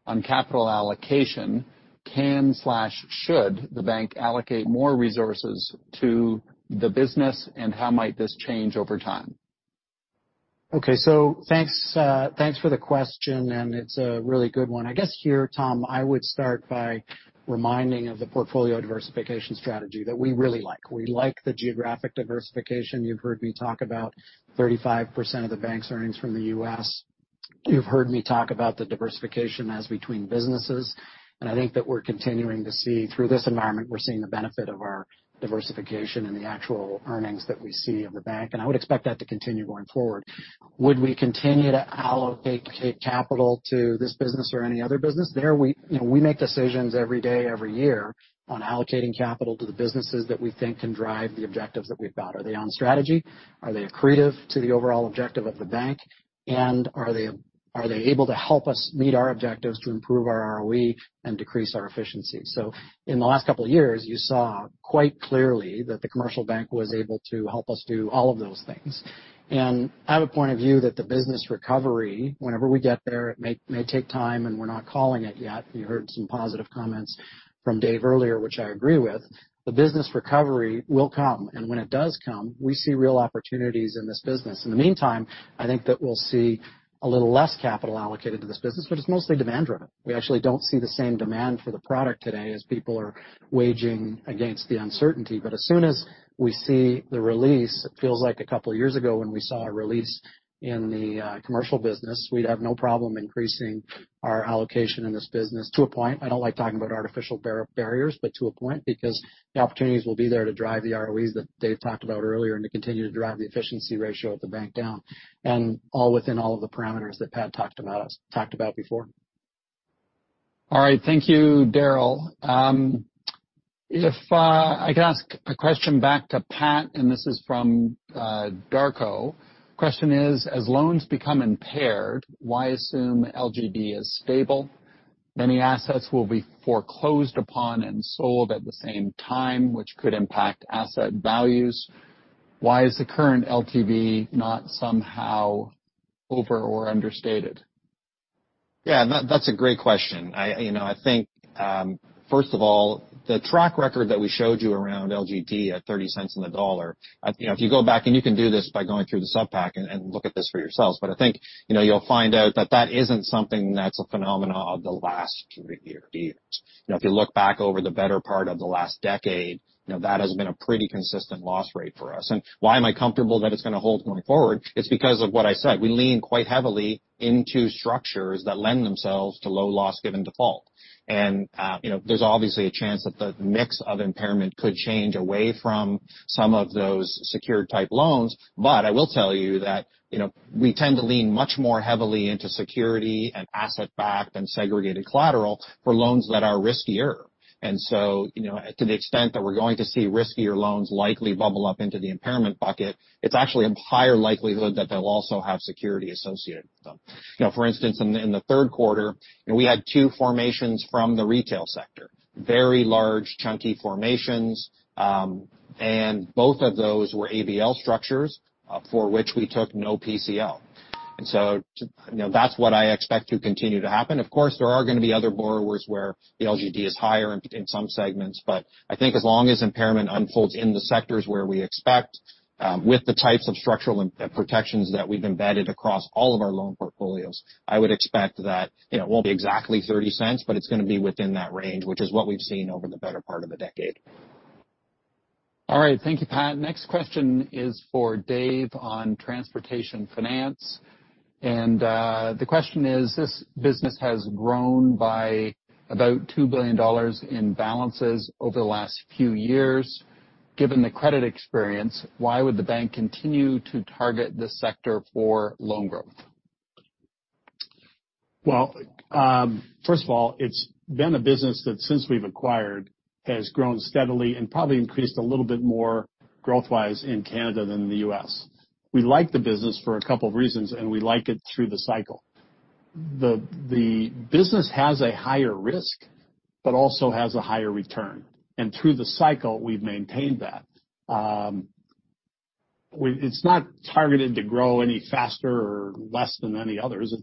On capital allocation, can/should the bank allocate more resources to the business, and how might this change over time? Thanks for the question, and it's a really good one. I guess here, Tom, I would start by reminding of the portfolio diversification strategy that we really like. We like the geographic diversification. You've heard me talk about 35% of the bank's earnings from the U.S. You've heard me talk about the diversification as between businesses, and I think that we're continuing to see through this environment, we're seeing the benefit of our diversification and the actual earnings that we see of the bank, and I would expect that to continue going forward. Would we continue to allocate capital to this business or any other business? We make decisions every day, every year on allocating capital to the businesses that we think can drive the objectives that we've got. Are they on strategy? Are they accretive to the overall objective of the bank? Are they able to help us meet our objectives to improve our ROE and decrease our efficiency? In the last couple of years, you saw quite clearly that the commercial bank was able to help us do all of those things. I have a point of view that the business recovery, whenever we get there, it may take time, and we're not calling it yet. You heard some positive comments from Dave earlier, which I agree with. The business recovery will come, and when it does come, we see real opportunities in this business. In the meantime, I think that we'll see a little less capital allocated to this business, but it's mostly demand-driven. We actually don't see the same demand for the product today as people are waging against the uncertainty. As soon as we see the release, it feels like a couple of years ago when we saw a release in the commercial business, we'd have no problem increasing our allocation in this business to a point. I don't like talking about artificial barriers. To a point, because the opportunities will be there to drive the ROEs that Dave talked about earlier and to continue to drive the efficiency ratio of the bank down, and all within all of the parameters that Pat talked about before. All right. Thank you, Darryl. If I could ask a question back to Pat. This is from Darko. Question is: As loans become impaired, why assume LGD is stable? Many assets will be foreclosed upon and sold at the same time, which could impact asset values. Why is the current LGD not somehow over or understated? Yeah, that's a great question. I think, first of all, the track record that we showed you around LGD at 0.30 on the dollar, if you go back, and you can do this by going through the sub-pack and look at this for yourselves, I think you'll find out that that isn't something that's a phenomenon of the last three years. If you look back over the better part of the last decade, that has been a pretty consistent loss rate for us. Why am I comfortable that it's going to hold going forward? It's because of what I said. We lean quite heavily into structures that lend themselves to low loss given default. There's obviously a chance that the mix of impairment could change away from some of those secured type loans. I will tell you that we tend to lean much more heavily into security and asset-backed and segregated collateral for loans that are riskier. To the extent that we're going to see riskier loans likely bubble up into the impairment bucket, it's actually a higher likelihood that they'll also have security associated with them. For instance, in the third quarter, we had two formations from the retail sector, very large chunky formations, and both of those were ABL structures for which we took no PCL. That's what I expect to continue to happen. Of course, there are going to be other borrowers where the LGD is higher in some segments, but I think as long as impairment unfolds in the sectors where we expect with the types of structural protections that we've embedded across all of our loan portfolios, I would expect that it won't be exactly 0.30, but it's going to be within that range, which is what we've seen over the better part of the decade. All right. Thank you, Pat. Next question is for Dave on BMO Transportation Finance. The question is, this business has grown by about 2 billion dollars in balances over the last few years. Given the credit experience, why would the bank continue to target this sector for loan growth? Well, first of all, it's been a business that since we've acquired, has grown steadily and probably increased a little bit more growth-wise in Canada than the U.S. We like the business for a couple of reasons, and we like it through the cycle. The business has a higher risk, but also has a higher return. Through the cycle, we've maintained that. It's not targeted to grow any faster or less than any others.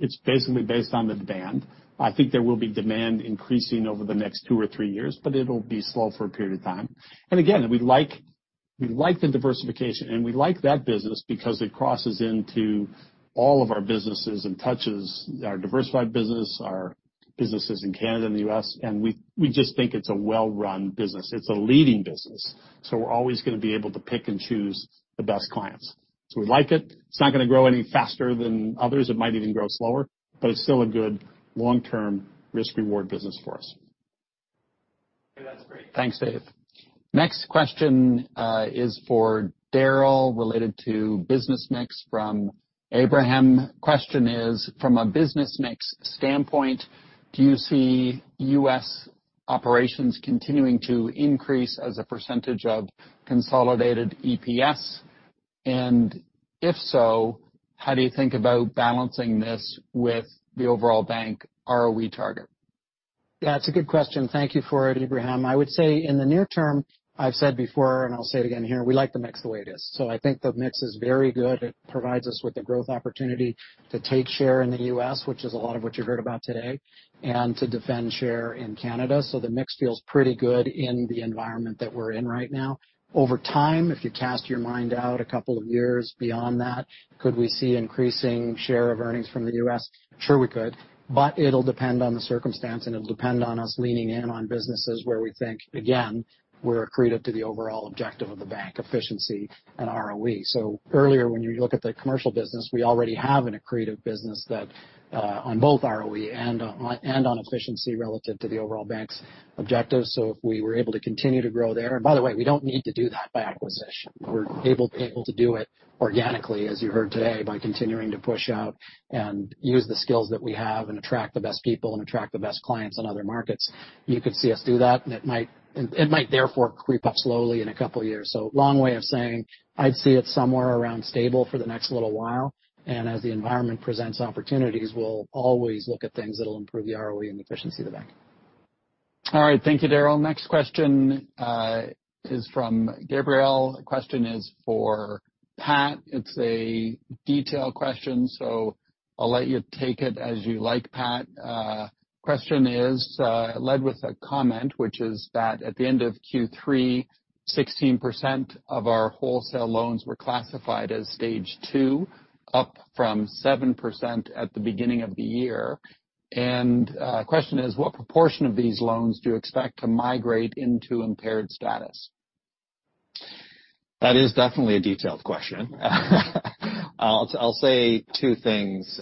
It's basically based on the demand. I think there will be demand increasing over the next two or three years, but it'll be slow for a period of time. Again, we like the diversification, and we like that business because it crosses into all of our businesses and touches our diversified business, our businesses in Canada and the U.S., and we just think it's a well-run business. It's a leading business. We're always going to be able to pick and choose the best clients. We like it. It's not going to grow any faster than others. It might even grow slower, but it's still a good long-term risk-reward business for us. Okay, that's great. Thanks, Dave. Next question is for Darryl related to business mix from Abraham. Question is: From a business mix standpoint, do you see U.S. operations continuing to increase as a percentage of consolidated EPS? If so, how do you think about balancing this with the overall bank ROE target? That's a good question. Thank you for it, Ebrahim. I would say in the near term, I've said before, and I'll say it again here, we like the mix the way it is. I think the mix is very good. It provides us with the growth opportunity to take share in the U.S., which is a lot of what you heard about today, and to defend share in Canada. The mix feels pretty good in the environment that we're in right now. Over time, if you cast your mind out a couple of years beyond that, could we see increasing share of earnings from the U.S.? Sure we could. It'll depend on the circumstance, and it'll depend on us leaning in on businesses where we think, again, we're accretive to the overall objective of the bank efficiency and ROE. Earlier, when you look at the commercial business, we already have an accretive business on both ROE and on efficiency relative to the overall bank's objectives. If we were able to continue to grow there, and by the way, we don't need to do that by acquisition. We're able to be able to do it organically, as you heard today, by continuing to push out and use the skills that we have and attract the best people and attract the best clients in other markets. You could see us do that, and it might therefore creep up slowly in a couple of years. Long way of saying, I'd see it somewhere around stable for the next little while, and as the environment presents opportunities, we'll always look at things that'll improve the ROE and efficiency of the bank. All right. Thank you, Darryl. Next question is from Gabrielle. The question is for Pat. It's a detailed question. I'll let you take it as you like, Pat. Question is led with a comment, which is that at the end of Q3, 16% of our wholesale loans were classified as Stage two, up from 7% at the beginning of the year. Question is, what proportion of these loans do you expect to migrate into impaired status? That is definitely a detailed question. I'll say two things.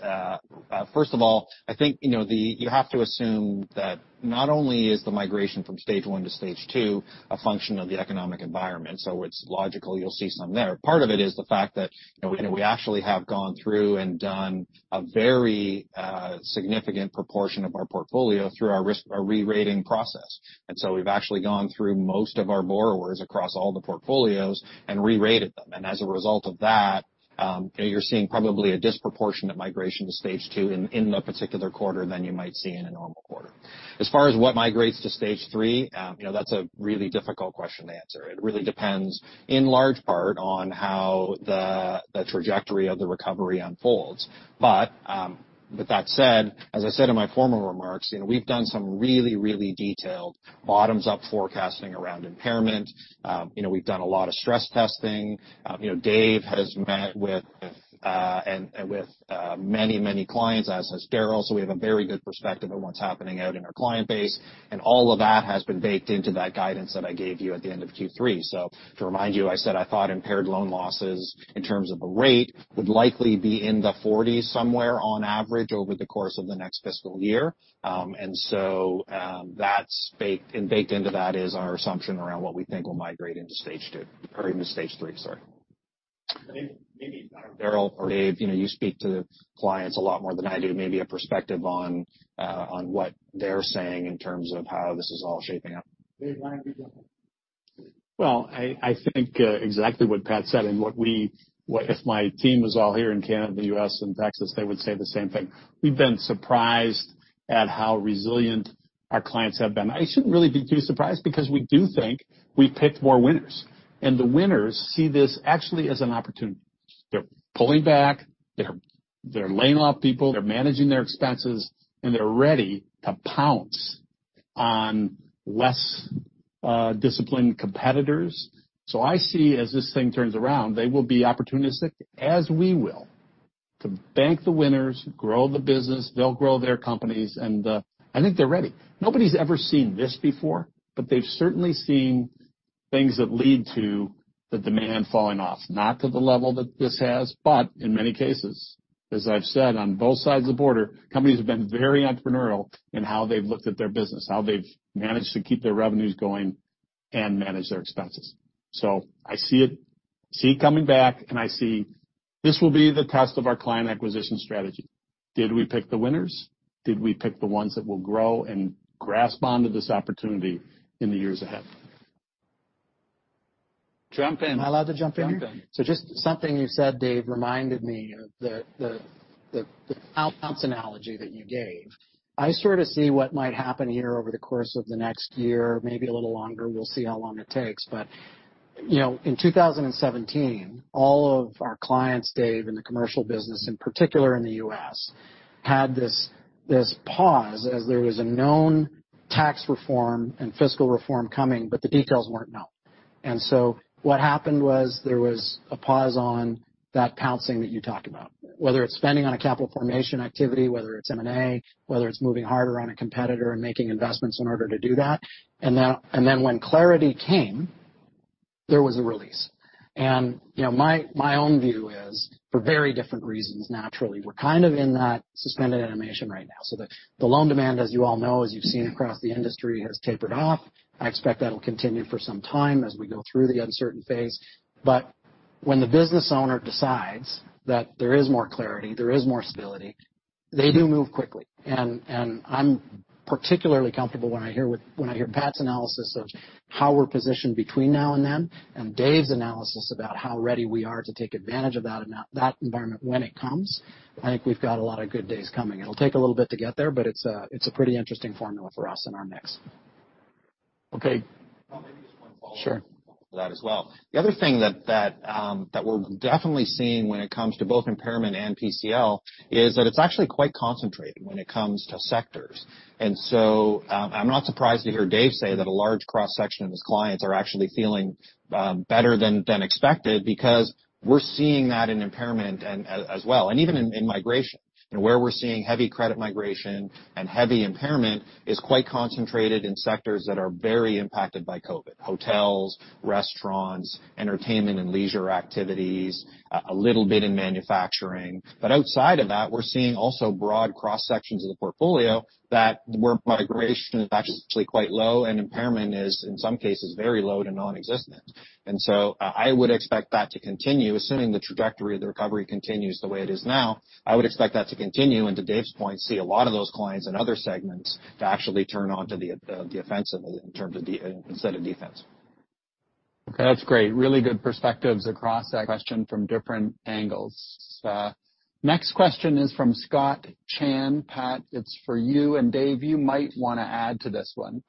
First of all, I think you have to assume that not only is the migration from Stage one to Stage two a function of the economic environment, so it's logical you'll see some there. Part of it is the fact that we actually have gone through and done a very significant proportion of our portfolio through our re-rating process. We've actually gone through most of our borrowers across all the portfolios and re-rated them. As a result of that, you're seeing probably a disproportionate migration to Stage two in the particular quarter than you might see in a normal quarter. As far as what migrates to Stage three, that's a really difficult question to answer. It really depends, in large part, on how the trajectory of the recovery unfolds. That said, as I said in my former remarks, we've done some really detailed bottoms-up forecasting around impairment. We've done a lot of stress testing. Dave has met with many clients, as has Darryl. We have a very good perspective on what's happening out in our client base, and all of that has been baked into that guidance that I gave you at the end of Q3. To remind you, I said I thought impaired loan losses in terms of the rate would likely be in the 40s somewhere on average over the course of the next fiscal year. Baked into that is our assumption around what we think will migrate into Stage two, or into Stage three, sorry. Maybe Darryl or Dave, you speak to clients a lot more than I do, maybe a perspective on what they're saying in terms of how this is all shaping up. Dave, why don't you go? I think exactly what Pat said and if my team was all here in Canada, the U.S., and Texas, they would say the same thing. I shouldn't really be too surprised because we do think we've picked more winners. The winners see this actually as an opportunity. They're pulling back, they're laying off people, they're managing their expenses, and they're ready to pounce on less disciplined competitors. I see as this thing turns around, they will be opportunistic, as we will, to bank the winners, grow the business, they'll grow their companies, and I think they're ready. Nobody's ever seen this before, but they've certainly seen things that lead to the demand falling off, not to the level that this has, but in many cases. As I've said, on both sides of the border, companies have been very entrepreneurial in how they've looked at their business, how they've managed to keep their revenues going and manage their expenses. I see it coming back and I see this will be the test of our client acquisition strategy. Did we pick the winners? Did we pick the ones that will grow and grasp onto this opportunity in the years ahead? Jump in. Am I allowed to jump in here? Jump in. Just something you said, Dave, reminded me of the pounce analogy that you gave. I sort of see what might happen here over the course of the next year, maybe a little longer. We'll see how long it takes. In 2017, all of our clients, Dave, in the commercial business, in particular in the U.S., had this pause as there was a known tax reform and fiscal reform coming, but the details weren't known. What happened was there was a pause on that pouncing that you talked about, whether it's spending on a capital formation activity, whether it's M&A, whether it's moving harder on a competitor and making investments in order to do that. When clarity came, there was a release. My own view is, for very different reasons, naturally, we're kind of in that suspended animation right now. The loan demand, as you all know, as you've seen across the industry, has tapered off. I expect that'll continue for some time as we go through the uncertain phase. When the business owner decides that there is more clarity, there is more stability. They do move quickly, and I'm particularly comfortable when I hear Pat's analysis of how we're positioned between now and then, and Dave's analysis about how ready we are to take advantage of that environment when it comes. I think we've got a lot of good days coming. It'll take a little bit to get there, but it's a pretty interesting formula for us in our mix. Okay. I'll make just one follow-up. Sure. -to that as well. The other thing that we're definitely seeing when it comes to both impairment and PCL is that it's actually quite concentrated when it comes to sectors. I'm not surprised to hear Dave say that a large cross-section of his clients are actually feeling better than expected, because we're seeing that in impairment as well. Even in migration. Where we're seeing heavy credit migration and heavy impairment is quite concentrated in sectors that are very impacted by COVID. Hotels, restaurants, entertainment and leisure activities, a little bit in manufacturing. Outside of that, we're seeing also broad cross-sections of the portfolio where migration is actually quite low and impairment is, in some cases, very low to nonexistent. I would expect that to continue, assuming the trajectory of the recovery continues the way it is now, I would expect that to continue and to Dave's point, see a lot of those clients and other segments to actually turn onto the offensive instead of defense. Okay. That's great. Really good perspectives across that question from different angles. Next question is from Scott Chan. Pat, it's for you, and Dave, you might want to add to this one.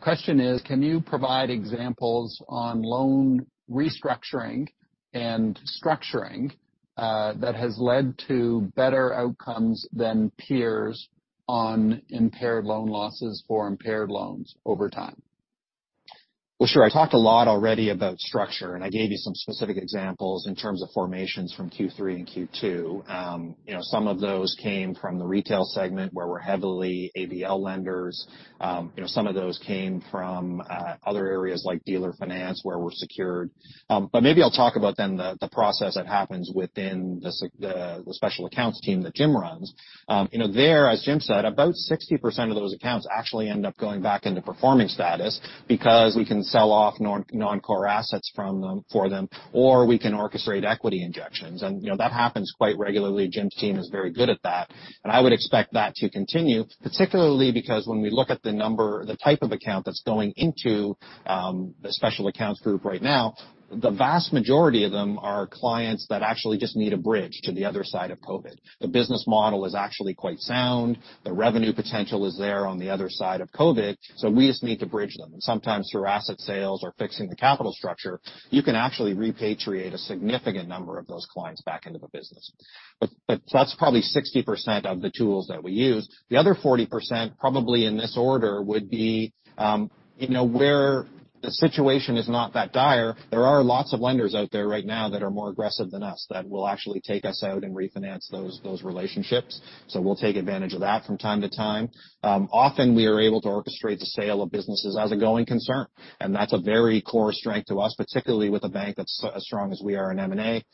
Question is, can you provide examples on loan restructuring and structuring that has led to better outcomes than peers on impaired loan losses for impaired loans over time? Well, sure. I talked a lot already about structure. I gave you some specific examples in terms of formations from Q3 and Q2. Some of those came from the retail segment, where we're heavily ABL lenders. Some of those came from other areas like dealer finance where we're secured. Maybe I'll talk about then the process that happens within the Special Accounts team that Jim runs. There, as Jim said, about 60% of those accounts actually end up going back into performing status because we can sell off non-core assets for them, or we can orchestrate equity injections. That happens quite regularly. Jim's team is very good at that, and I would expect that to continue, particularly because when we look at the type of account that's going into the special accounts group right now, the vast majority of them are clients that actually just need a bridge to the other side of COVID. The business model is actually quite sound. The revenue potential is there on the other side of COVID, so we just need to bridge them. And sometimes through asset sales or fixing the capital structure, you can actually repatriate a significant number of those clients back into the business. But that's probably 60% of the tools that we use. The other 40%, probably in this order, would be where the situation is not that dire, there are lots of lenders out there right now that are more aggressive than us that will actually take us out and refinance those relationships. We'll take advantage of that from time to time. Often we are able to orchestrate the sale of businesses as a going concern, that's a very core strength to us, particularly with a bank that's as strong as we are in M&A.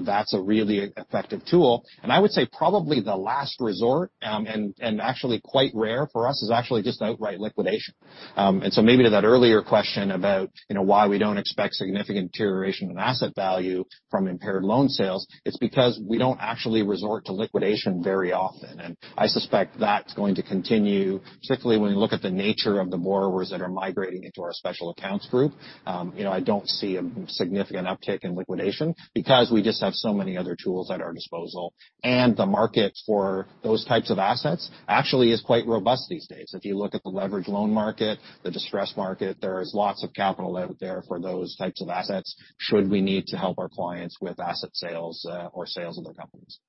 That's a really effective tool. I would say probably the last resort, actually quite rare for us, is actually just outright liquidation. Maybe to that earlier question about why we don't expect significant deterioration in asset value from impaired loan sales, it's because we don't actually resort to liquidation very often. I suspect that's going to continue, particularly when you look at the nature of the borrowers that are migrating into our Special Accounts Group. I don't see a significant uptick in liquidation because we just have so many other tools at our disposal, and the market for those types of assets actually is quite robust these days. If you look at the leverage loan market, the distress market, there is lots of capital out there for those types of assets should we need to help our clients with asset sales or sales of their companies.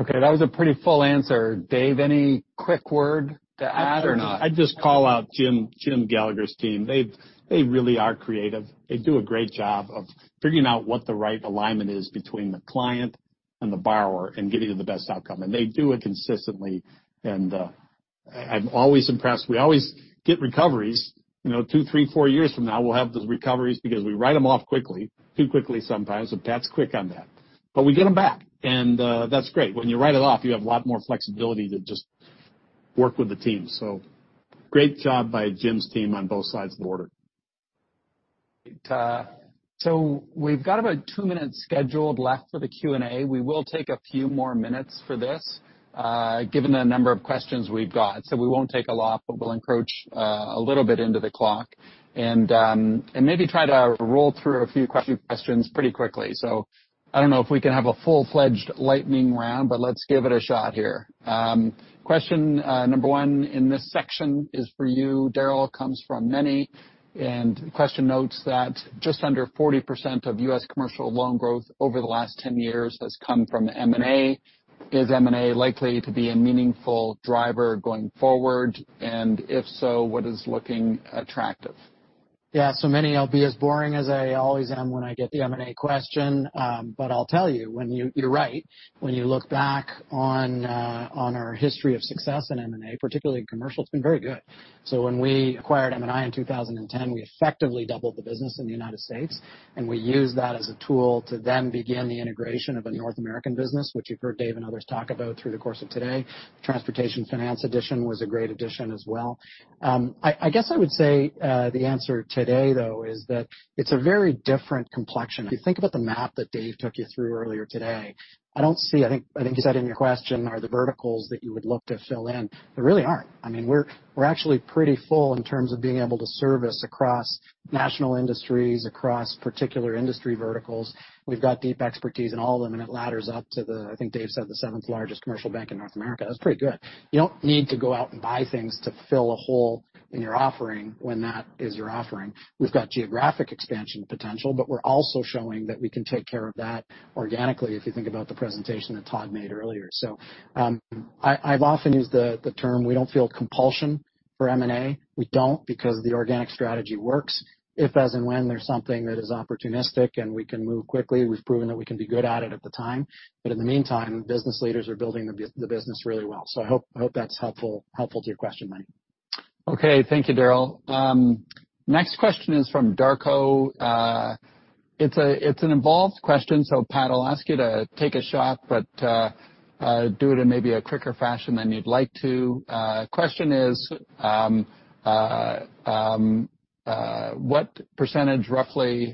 Okay. That was a pretty full answer. Dave, any quick word to add or not? I'd just call out Jim Gallagher's team. They really are creative. They do a great job of figuring out what the right alignment is between the client and the borrower and getting you the best outcome. They do it consistently, and I'm always impressed. We always get recoveries. Two, three, four years from now, we'll have those recoveries because we write them off quickly, too quickly sometimes, and Pat's quick on that. We get them back, and that's great. When you write it off, you have a lot more flexibility to just work with the team. Great job by Jim's team on both sides of the border. We've got about two minutes scheduled left for the Q&A. We will take a few more minutes for this given the number of questions we've got. We won't take a lot, but we'll encroach a little bit into the clock and maybe try to roll through a few questions pretty quickly. I don't know if we can have a full-fledged lightning round, but let's give it a shot here. Question number one in this section is for you, Darryl, comes from Meny. Question notes that just under 40% of U.S. commercial loan growth over the last 10 years has come from M&A. Is M&A likely to be a meaningful driver going forward? If so, what is looking attractive? Yeah. Meny, I'll be as boring as I always am when I get the M&A question. I'll tell you're right. When you look back on our history of success in M&A, particularly in commercial, it's been very good. When we acquired M&I in 2010, we effectively doubled the business in the U.S., and we used that as a tool to then begin the integration of a North American Business, which you've heard Dave and others talk about through the course of today. Transportation Finance addition was a great addition as well. I guess I would say, the answer today though, is that it's a very different complexion. If you think about the map that Dave took you through earlier today, I think you said in your question, are there verticals that you would look to fill in? There really aren't. We're actually pretty full in terms of being able to service across national industries, across particular industry verticals. We've got deep expertise in all of them, and it ladders up to the, I think Dave said, the seventh-largest commercial bank in North America. That's pretty good. You don't need to go out and buy things to fill a hole in your offering when that is your offering. We've got geographic expansion potential, but we're also showing that we can take care of that organically, if you think about the presentation that Todd made earlier. I've often used the term, we don't feel compulsion for M&A. We don't, because the organic strategy works. If, as, and when there's something that is opportunistic and we can move quickly, we've proven that we can be good at it at the time. In the meantime, business leaders are building the business really well. I hope that's helpful to your question, Mike. Okay. Thank you, Darryl. Next question is from Darko. It's an involved question. Pat, I'll ask you to take a shot, but do it in maybe a quicker fashion than you'd like to. Question is, what % roughly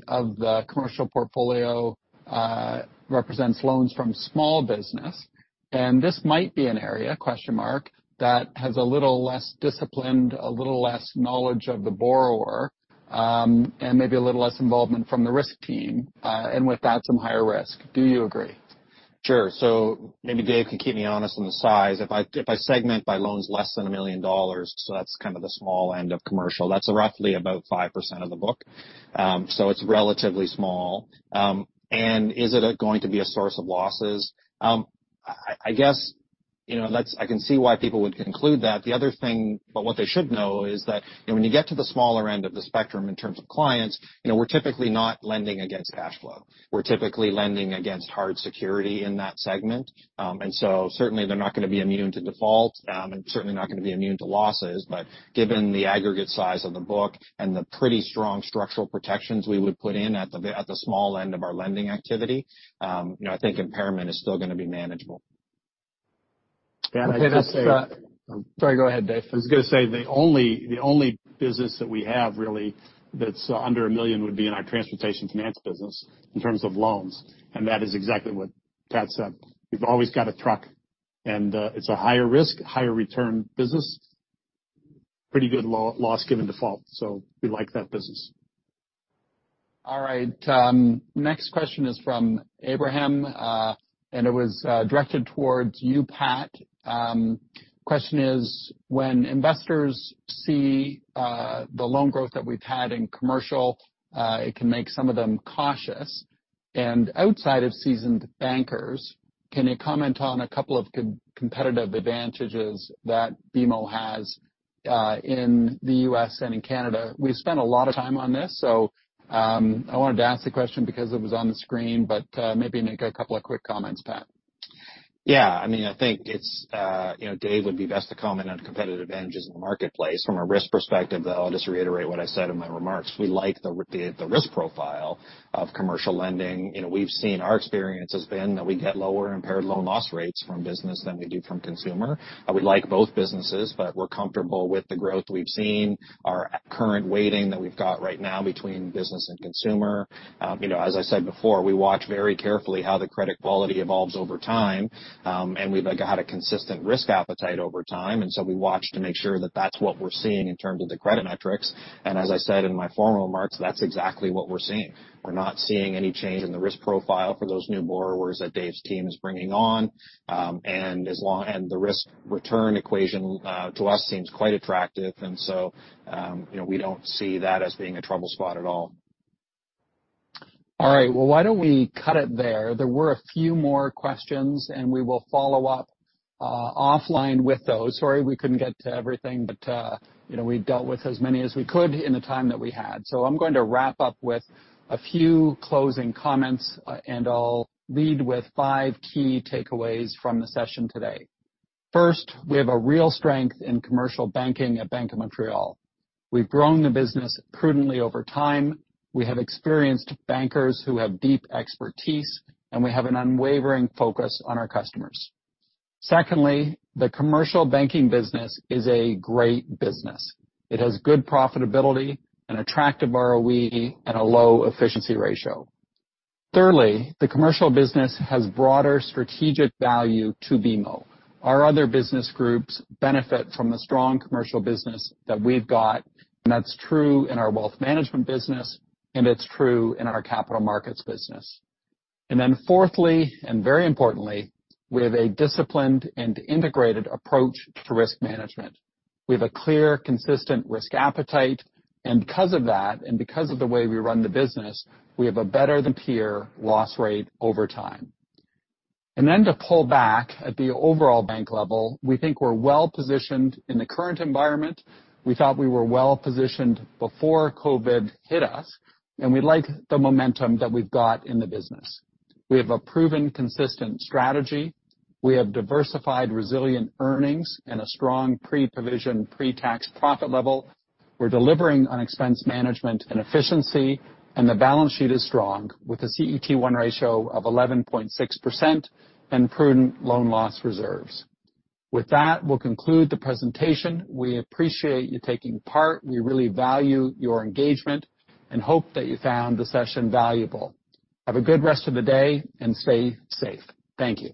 of the commercial portfolio represents loans from small business? This might be an area that has a little less disciplined, a little less knowledge of the borrower, and maybe a little less involvement from the risk team, and with that, some higher risk. Do you agree? Sure. Maybe Dave can keep me honest on the size. If I segment by loans less than 1 million dollars, so that's kind of the small end of commercial, that's roughly about 5% of the book. Is it going to be a source of losses? I guess I can see why people would conclude that. The other thing, what they should know is that when you get to the smaller end of the spectrum in terms of clients, we're typically not lending against cash flow. We're typically lending against hard security in that segment. Certainly they're not going to be immune to default, and certainly not going to be immune to losses. Given the aggregate size of the book and the pretty strong structural protections we would put in at the small end of our lending activity, I think impairment is still going to be manageable. Okay. And I'd just say- Sorry, go ahead, Dave. I was going to say the only business that we have really that's under 1 million would be in our Transportation Finance business in terms of loans. That is exactly what Pat said. We've always got a truck. It's a higher risk, higher return business, pretty good loss given default. We like that business. All right. Next question is from Abraham. It was directed towards you, Pat. Question is, when investors see the loan growth that we've had in commercial, it can make some of them cautious. Outside of seasoned bankers, can you comment on a couple of competitive advantages that BMO has, in the U.S. and in Canada? We spent a lot of time on this. I wanted to ask the question because it was on the screen, maybe make a couple of quick comments, Pat. Yeah. Dave would be best to comment on competitive advantages in the marketplace. From a risk perspective, though, I'll just reiterate what I said in my remarks. We like the risk profile of commercial lending. Our experience has been that we get lower impaired loan loss rates from business than we do from consumer. We like both businesses, but we're comfortable with the growth we've seen, our current weighting that we've got right now between business and consumer. As I said before, we watch very carefully how the credit quality evolves over time, and we've got a consistent risk appetite over time, and so we watch to make sure that that's what we're seeing in terms of the credit metrics. As I said in my formal remarks, that's exactly what we're seeing. We're not seeing any change in the risk profile for those new borrowers that Dave's team is bringing on. The risk-return equation to us seems quite attractive. We don't see that as being a trouble spot at all. All right. Well, why don't we cut it there? There were a few more questions, and we will follow up offline with those. Sorry we couldn't get to everything, but we dealt with as many as we could in the time that we had. I'm going to wrap up with a few closing comments, and I'll lead with five key takeaways from the session today. First, we have a real strength in commercial banking at Bank of Montreal. We've grown the business prudently over time. We have experienced bankers who have deep expertise, and we have an unwavering focus on our customers. Secondly, the commercial banking business is a great business. It has good profitability, an attractive ROE, and a low efficiency ratio. Thirdly, the commercial business has broader strategic value to BMO. Our other business groups benefit from the strong commercial business that we've got, and that's true in our wealth management business, and it's true in our capital markets business. Then fourthly, and very importantly, we have a disciplined and integrated approach to risk management. We have a clear, consistent risk appetite, and because of that, and because of the way we run the business, we have a better-than-peer loss rate over time. Then to pull back at the overall bank level, we think we're well-positioned in the current environment. We thought we were well-positioned before COVID hit us, and we like the momentum that we've got in the business. We have a proven consistent strategy. We have diversified resilient earnings and a strong pre-provision, pre-tax profit level. We're delivering on expense management and efficiency, and the balance sheet is strong, with a CET1 ratio of 11.6% and prudent loan loss reserves. With that, we'll conclude the presentation. We appreciate you taking part. We really value your engagement and hope that you found the session valuable. Have a good rest of the day and stay safe. Thank you.